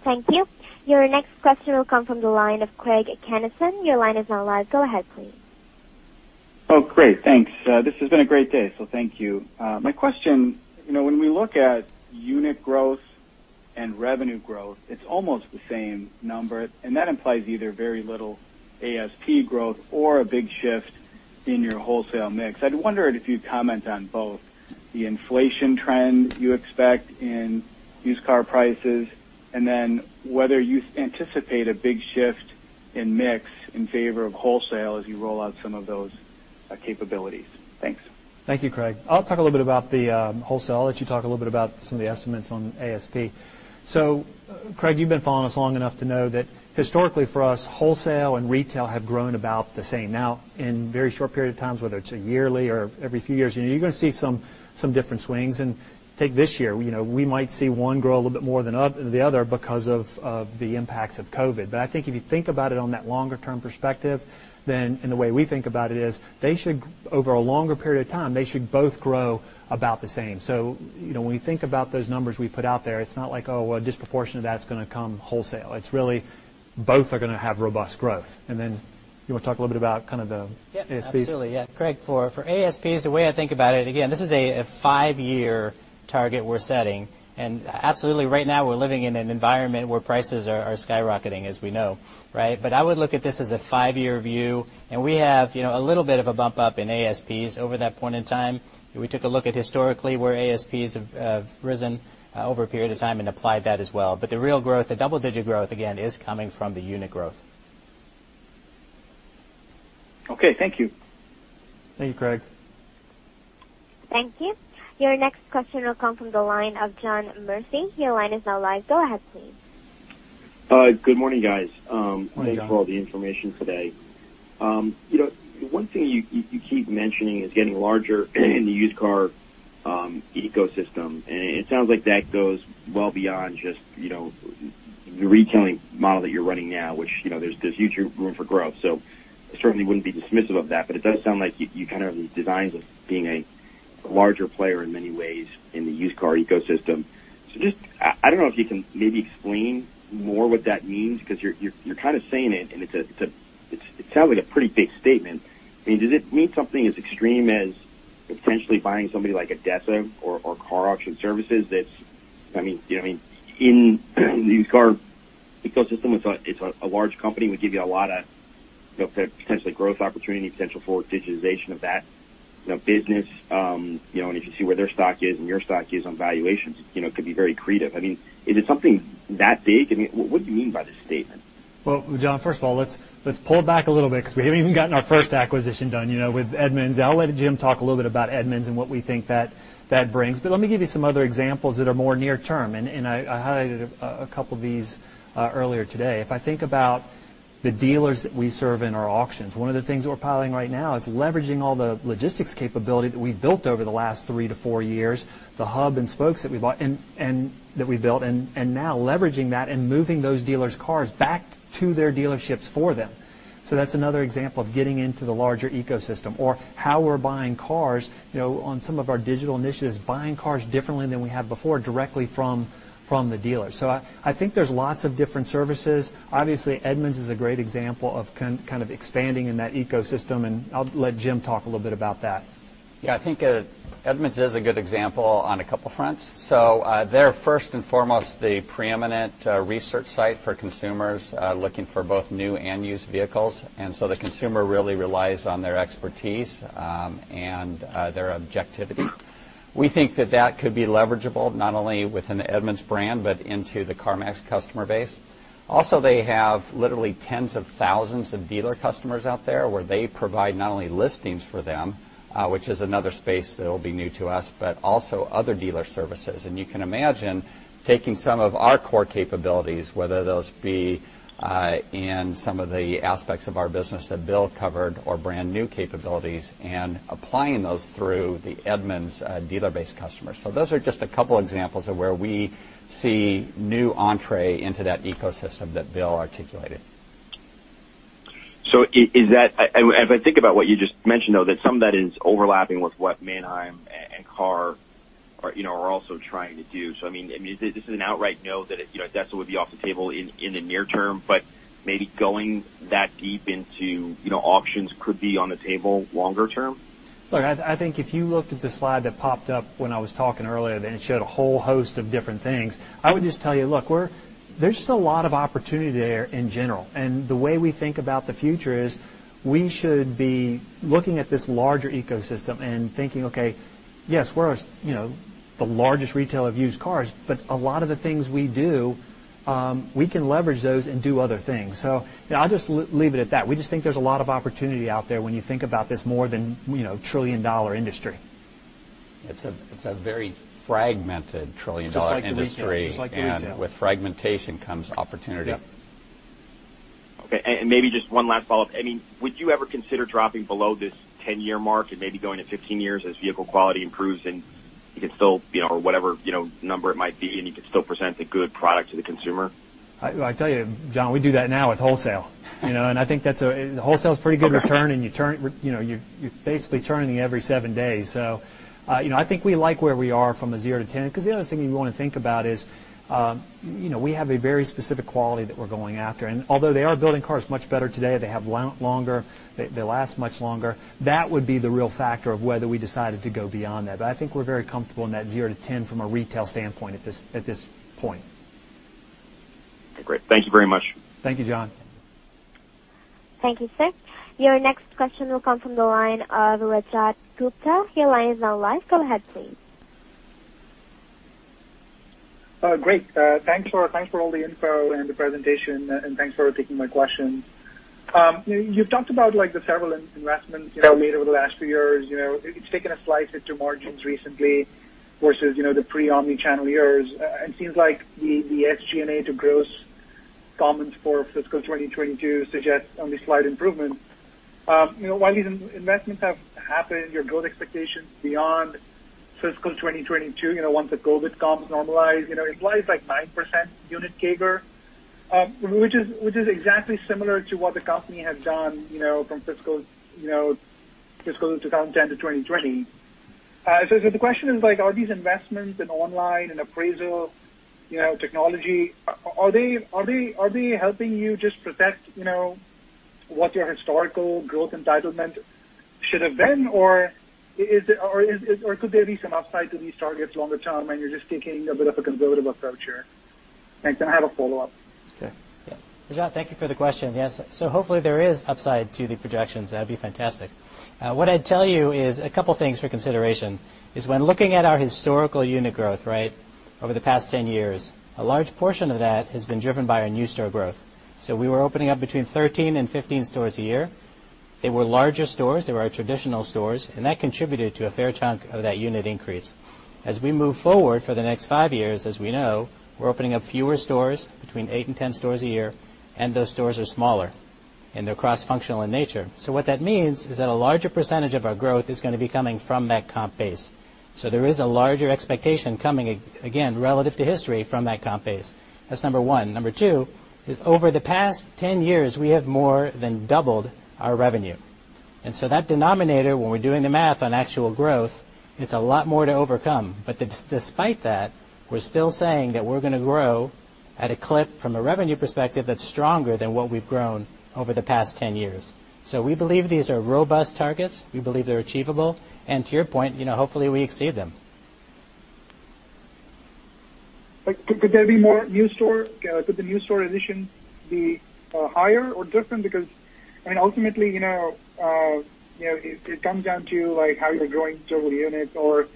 Speaker 10: Thank you. Your next question will come from the line of Craig Kennison. Your line is now live. Go ahead, please.
Speaker 19: Oh, great. Thanks. This has been a great day, so thank you. My question, when we look at unit growth and revenue growth, it's almost the same number, and that implies either very little ASP growth or a big shift in your wholesale mix. I'd wondered if you'd comment on both the inflation trend you expect in used car prices, and then whether you anticipate a big shift in mix in favor of wholesale as you roll out some of those capabilities. Thanks.
Speaker 2: Thank you, Craig. I'll talk a little bit about the wholesale. I'll let you talk a little bit about some of the estimates on ASP. Craig, you've been following us long enough to know that historically for us, wholesale and retail have grown about the same. Now, in very short period of times, whether it's a yearly or every few years, you're going to see some different swings. Take this year, we might see one grow a little bit more than the other because of the impacts of COVID. I think if you think about it on that longer-term perspective, then in the way we think about it is, over a longer period of time, they should both grow about the same. When you think about those numbers we put out there, it's not like, oh, a disproportionate of that's going to come wholesale. It's really both are going to have robust growth. You want to talk a little bit about kind of the ASPs?
Speaker 9: Absolutely. Craig, for ASPs, the way I think about it, again, this is a five-year target we're setting. Absolutely, right now we're living in an environment where prices are skyrocketing, as we know, right. I would look at this as a five-year view, and we have a little bit of a bump up in ASPs over that point in time. We took a look at historically where ASPs have risen over a period of time and applied that as well. The real growth, the double-digit growth, again, is coming from the unit growth.
Speaker 19: Okay. Thank you.
Speaker 2: Thank you, Craig.
Speaker 10: Thank you. Your next question will come from the line of John Murphy. Your line is now live. Go ahead, please.
Speaker 20: Good morning, guys.
Speaker 2: Morning, John.
Speaker 20: Thanks for all the information today. One thing you keep mentioning is getting larger in the used car ecosystem, and it sounds like that goes well beyond just the retailing model that you're running now, which there's huge room for growth. I certainly wouldn't be dismissive of that, it does sound like you kind of have these designs of being a larger player in many ways in the used car ecosystem. Just, I don't know if you can maybe explain more what that means, because you're kind of saying it, and it sounds like a pretty big statement. I mean, does it mean something as extreme as potentially buying somebody like a Desktop or KAR Auction Services? That's, I mean, in the used car ecosystem, it's a large company, would give you a lot of potentially growth opportunity, potential for digitization of that business. If you see where their stock is and your stock is on valuations, it could be very creative. I mean, is it something that big? I mean, what do you mean by this statement?
Speaker 2: Well, John, first of all, let's pull it back a little bit because we haven't even gotten our first acquisition done with Edmunds. I'll let Jim talk a little bit about Edmunds and what we think that brings. Let me give you some other examples that are more near term, and I highlighted a couple of these earlier today. If I think about the dealers that we serve in our auctions, one of the things that we're piloting right now is leveraging all the logistics capability that we've built over the last three to four years, the hub and spokes that we bought and that we built, and now leveraging that and moving those dealers' cars back to their dealerships for them. That's another example of getting into the larger ecosystem. How we're buying cars on some of our digital initiatives, buying cars differently than we have before directly from the dealer. I think there's lots of different services. Obviously, Edmunds is a great example of kind of expanding in that ecosystem, and I'll let Jim talk a little bit about that.
Speaker 4: Yeah, I think Edmunds is a good example on a couple fronts. They're first and foremost the preeminent research site for consumers looking for both new and used vehicles, and so the consumer really relies on their expertise and their objectivity. We think that that could be leverageable not only within the Edmunds brand but into the CarMax customer base. Also, they have literally tens of thousands of dealer customers out there where they provide not only listings for them, which is another space that'll be new to us, but also other dealer services. You can imagine taking some of our core capabilities, whether those be in some of the aspects of our business that Bill covered or brand-new capabilities, and applying those through the Edmunds dealer-based customers. Those are just a couple examples of where we see new entree into that ecosystem that Bill articulated.
Speaker 20: Is that, as I think about what you just mentioned, though, that some of that is overlapping with what Manheim and KAR are also trying to do. I mean, is it an outright no that Desktop would be off the table in the near term, but maybe going that deep into auctions could be on the table longer term?
Speaker 2: Look, I think if you looked at the slide that popped up when I was talking earlier, that it showed a whole host of different things. I would just tell you, look, there's just a lot of opportunity there in general. The way we think about the future is we should be looking at this larger ecosystem and thinking, "Okay, yes, we're the largest retailer of used cars, but a lot of the things we do, we can leverage those and do other things." I'll just leave it at that. We just think there's a lot of opportunity out there when you think about this more than a trillion-dollar industry.
Speaker 4: It's a very fragmented trillion-dollar industry.
Speaker 2: Just like retail.
Speaker 4: With fragmentation comes opportunity.
Speaker 21: Okay, maybe just one last follow-up. I mean, would you ever consider dropping below this 10-year mark and maybe going to 15 years as vehicle quality improves, and you can still, or whatever number it might be, and you can still present a good product to the consumer?
Speaker 2: I tell you, John, we do that now with wholesale. I think that's a, wholesale is a pretty good return, and you're basically turning every seven days. I think we like where we are from a zero to 10 because the other thing you want to think about is, we have a very specific quality that we're going after. Although they are building cars much better today, they have longer, they last much longer. That would be the real factor of whether we decided to go beyond that. I think we're very comfortable in that zero to 10 from a retail standpoint at this point.
Speaker 21: Okay, great. Thank you very much.
Speaker 2: Thank you, John.
Speaker 10: Thank you, sir. Your next question will come from the line of Rajat Gupta. Your line is now live. Go ahead, please.
Speaker 22: Great. Thanks for all the info and the presentation, and thanks for taking my questions. You've talked about the several investments made over the last few years. It's taken a slice into margins recently versus the pre-omnichannel years. It seems like the SG&A to gross comments for fiscal 2022 suggest only slight improvements. While these investments have happened, your growth expectations beyond fiscal 2022, once the COVID comps normalize, it flies like 9% unit CAGR, which is exactly similar to what the company has done from fiscal 2010 to 2020. The question is, are these investments in online and appraisal technology, are they helping you just protect what your historical growth entitlement should have been, or could there be some upside to these targets longer term and you're just taking a bit of a conservative approach here? Thanks. I have a follow-up.
Speaker 9: Okay. Yeah. Raj, thank you for the question. Yes. Hopefully there is upside to the projections. That'd be fantastic. What I'd tell you is a couple things for consideration is when looking at our historical unit growth, right, over the past 10 years, a large portion of that has been driven by our new store growth. We were opening up between 13 and 15 stores a year. They were larger stores, they were our traditional stores, and that contributed to a fair chunk of that unit increase. As we move forward for the next five years, as we know, we're opening up fewer stores, between eight and 10 stores a year, and those stores are smaller, and they're cross-functional in nature. What that means is that a larger percentage of our growth is going to be coming from that comp base. There is a larger expectation coming, again, relative to history from that comp base. That's number one. Number two is over the past 10 years, we have more than doubled our revenue That denominator, when we're doing the math on actual growth, it's a lot more to overcome. Despite that, we're still saying that we're going to grow at a clip from a revenue perspective that's stronger than what we've grown over the past 10 years. We believe these are robust targets. We believe they're achievable. To your point, hopefully we exceed them.
Speaker 22: Could there be more new store? Could the new store addition be higher or different? Ultimately, it comes down to how you're growing total units or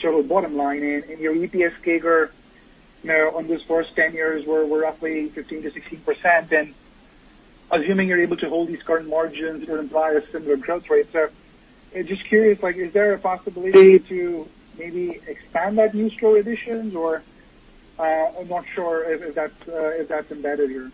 Speaker 22: total bottom line. Your EPS CAGR on those first 10 years were roughly 15%-16%. Assuming you're able to hold these current margins, it would imply a similar growth rate. Just curious, is there a possibility to maybe expand that new store additions? I'm not sure if that's embedded here.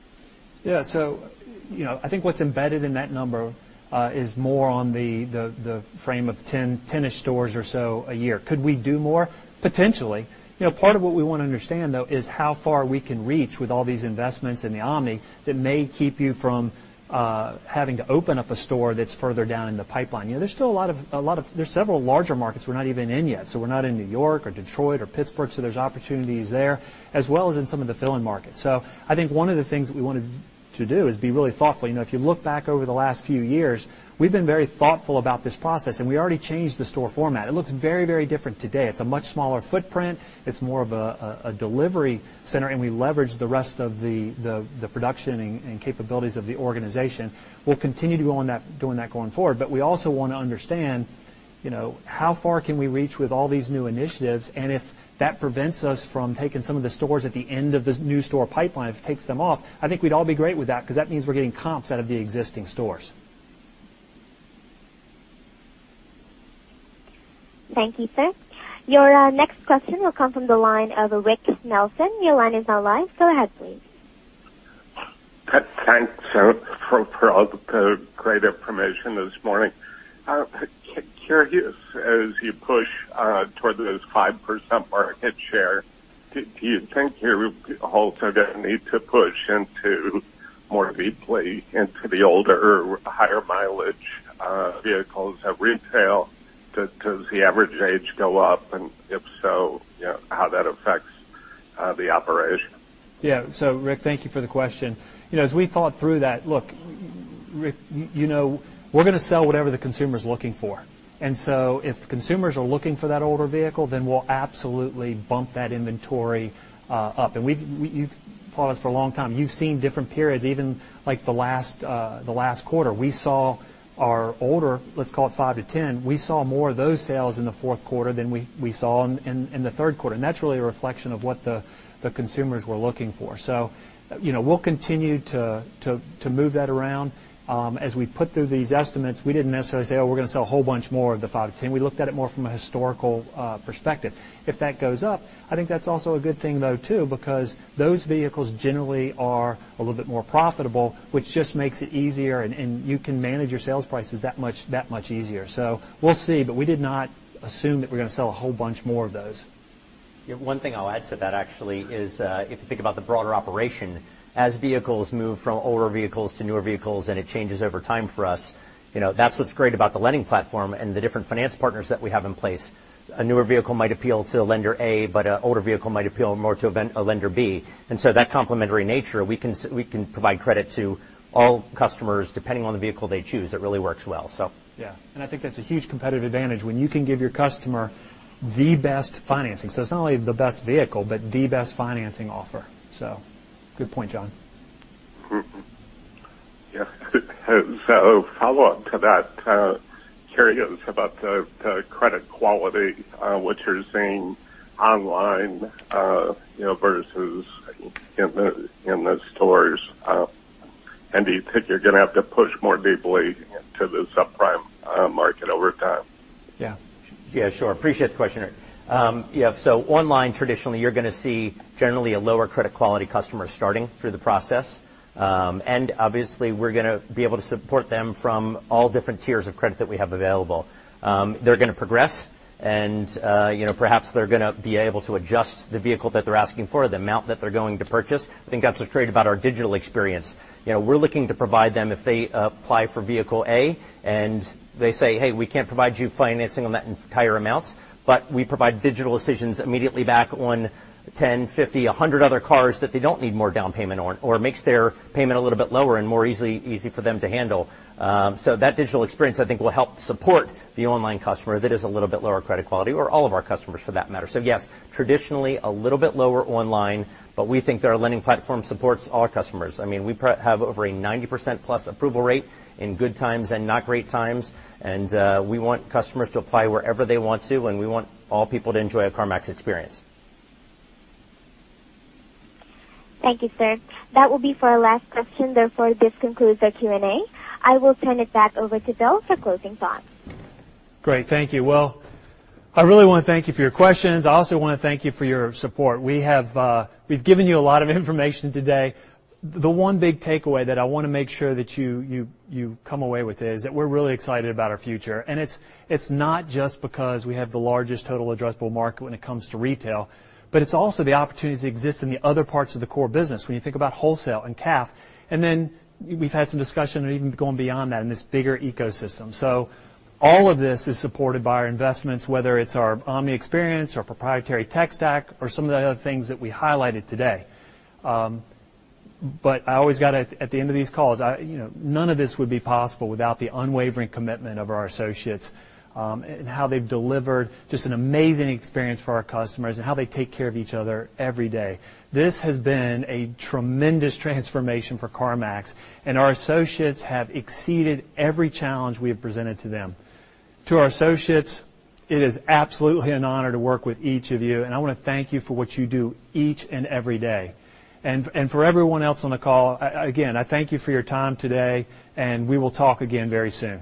Speaker 2: I think what's embedded in that number is more on the frame of 10-ish stores or so a year. Could we do more? Potentially. Part of what we want to understand, though, is how far we can reach with all these investments in the omni that may keep you from having to open up a store that's further down in the pipeline. There's several larger markets we're not even in yet, so we're not in New York or Detroit or Pittsburgh. There's opportunities there, as well as in some of the fill-in markets. I think one of the things that we wanted to do is be really thoughtful. If you look back over the last few years, we've been very thoughtful about this process, and we already changed the store format. It looks very different today. It's a much smaller footprint. It's more of a delivery center, and we leverage the rest of the production and capabilities of the organization. We'll continue doing that going forward. We also want to understand how far can we reach with all these new initiatives, and if that prevents us from taking some of the stores at the end of this new store pipeline, if it takes them off, I think we'd all be great with that because that means we're getting comps out of the existing stores.
Speaker 10: Thank you, sir. Your next question will come from the line of Rick Nelson. Your line is now live. Go ahead, please.
Speaker 23: Thanks for all the great information this morning. Curious, as you push toward those 5% market share, do you think you're also going to need to push more deeply into the older, higher-mileage vehicles at retail? Does the average age go up? If so, how that affects the operation?
Speaker 2: Rick, thank you for the question. As we thought through that, look, Rick, we're going to sell whatever the consumer's looking for. If consumers are looking for that older vehicle, then we'll absolutely bump that inventory up. You've followed us for a long time. You've seen different periods, even like the last quarter. We saw our older, let's call it five to 10, we saw more of those sales in the fourth quarter than we saw in the third quarter. That's really a reflection of what the consumers were looking for. We'll continue to move that around. As we put through these estimates, we didn't necessarily say, "Oh, we're going to sell a whole bunch more of the five to 10." We looked at it more from a historical perspective. If that goes up, I think that's also a good thing, though, too, because those vehicles generally are a little bit more profitable, which just makes it easier, and you can manage your sales prices that much easier. We'll see, but we did not assume that we're going to sell a whole bunch more of those.
Speaker 15: One thing I'll add to that, actually, is if you think about the broader operation, as vehicles move from older vehicles to newer vehicles, and it changes over time for us, that's what's great about the lending platform and the different finance partners that we have in place. A newer vehicle might appeal to Lender A, but an older vehicle might appeal more to Lender B. That complementary nature, we can provide credit to all customers, depending on the vehicle they choose. It really works well.
Speaker 2: Yeah. I think that's a huge competitive advantage when you can give your customer the best financing. It's not only the best vehicle, but the best financing offer. Good point, Jon.
Speaker 23: Yeah. Follow-up to that. Curious about the credit quality, what you're seeing online versus in the stores. Do you think you're going to have to push more deeply into the subprime market over time?
Speaker 2: Yeah.
Speaker 15: Yeah, sure. Appreciate the question, Rick. Yeah, online, traditionally, you're going to see generally a lower credit quality customer starting through the process. Obviously, we're going to be able to support them from all different tiers of credit that we have available. They're going to progress and perhaps they're going to be able to adjust the vehicle that they're asking for, the amount that they're going to purchase. I think that's what's great about our digital experience. We're looking to provide them if they apply for Vehicle A, and they say, "Hey, we can't provide you financing on that entire amount," but we provide digital decisions immediately back on 10, 50, 100 other cars that they don't need more down payment on, or it makes their payment a little bit lower and more easy for them to handle. That digital experience, I think, will help support the online customer that is a little bit lower credit quality or all of our customers for that matter. Yes, traditionally a little bit lower online, but we think that our lending platform supports all customers. We have over a 90%-plus approval rate in good times and not great times, and we want customers to apply wherever they want to, and we want all people to enjoy a CarMax experience.
Speaker 10: Thank you, sir. That will be our last question. This concludes our Q&A. I will turn it back over to Bill for closing thoughts.
Speaker 2: Great. Thank you. Well, I really want to thank you for your questions. I also want to thank you for your support. We've given you a lot of information today. The one big takeaway that I want to make sure that you come away with is that we're really excited about our future. It's not just because we have the largest total addressable market when it comes to retail, but it's also the opportunities that exist in the other parts of the core business when you think about wholesale and CAF. We've had some discussion even going beyond that in this bigger ecosystem. All of this is supported by our investments, whether it's our omni experience, our proprietary tech stack, or some of the other things that we highlighted today. I always got at the end of these calls, none of this would be possible without the unwavering commitment of our associates, and how they've delivered just an amazing experience for our customers, and how they take care of each other every day. This has been a tremendous transformation for CarMax, and our associates have exceeded every challenge we have presented to them. To our associates, it is absolutely an honor to work with each of you, and I want to thank you for what you do each and every day. For everyone else on the call, again, I thank you for your time today, and we will talk again very soon.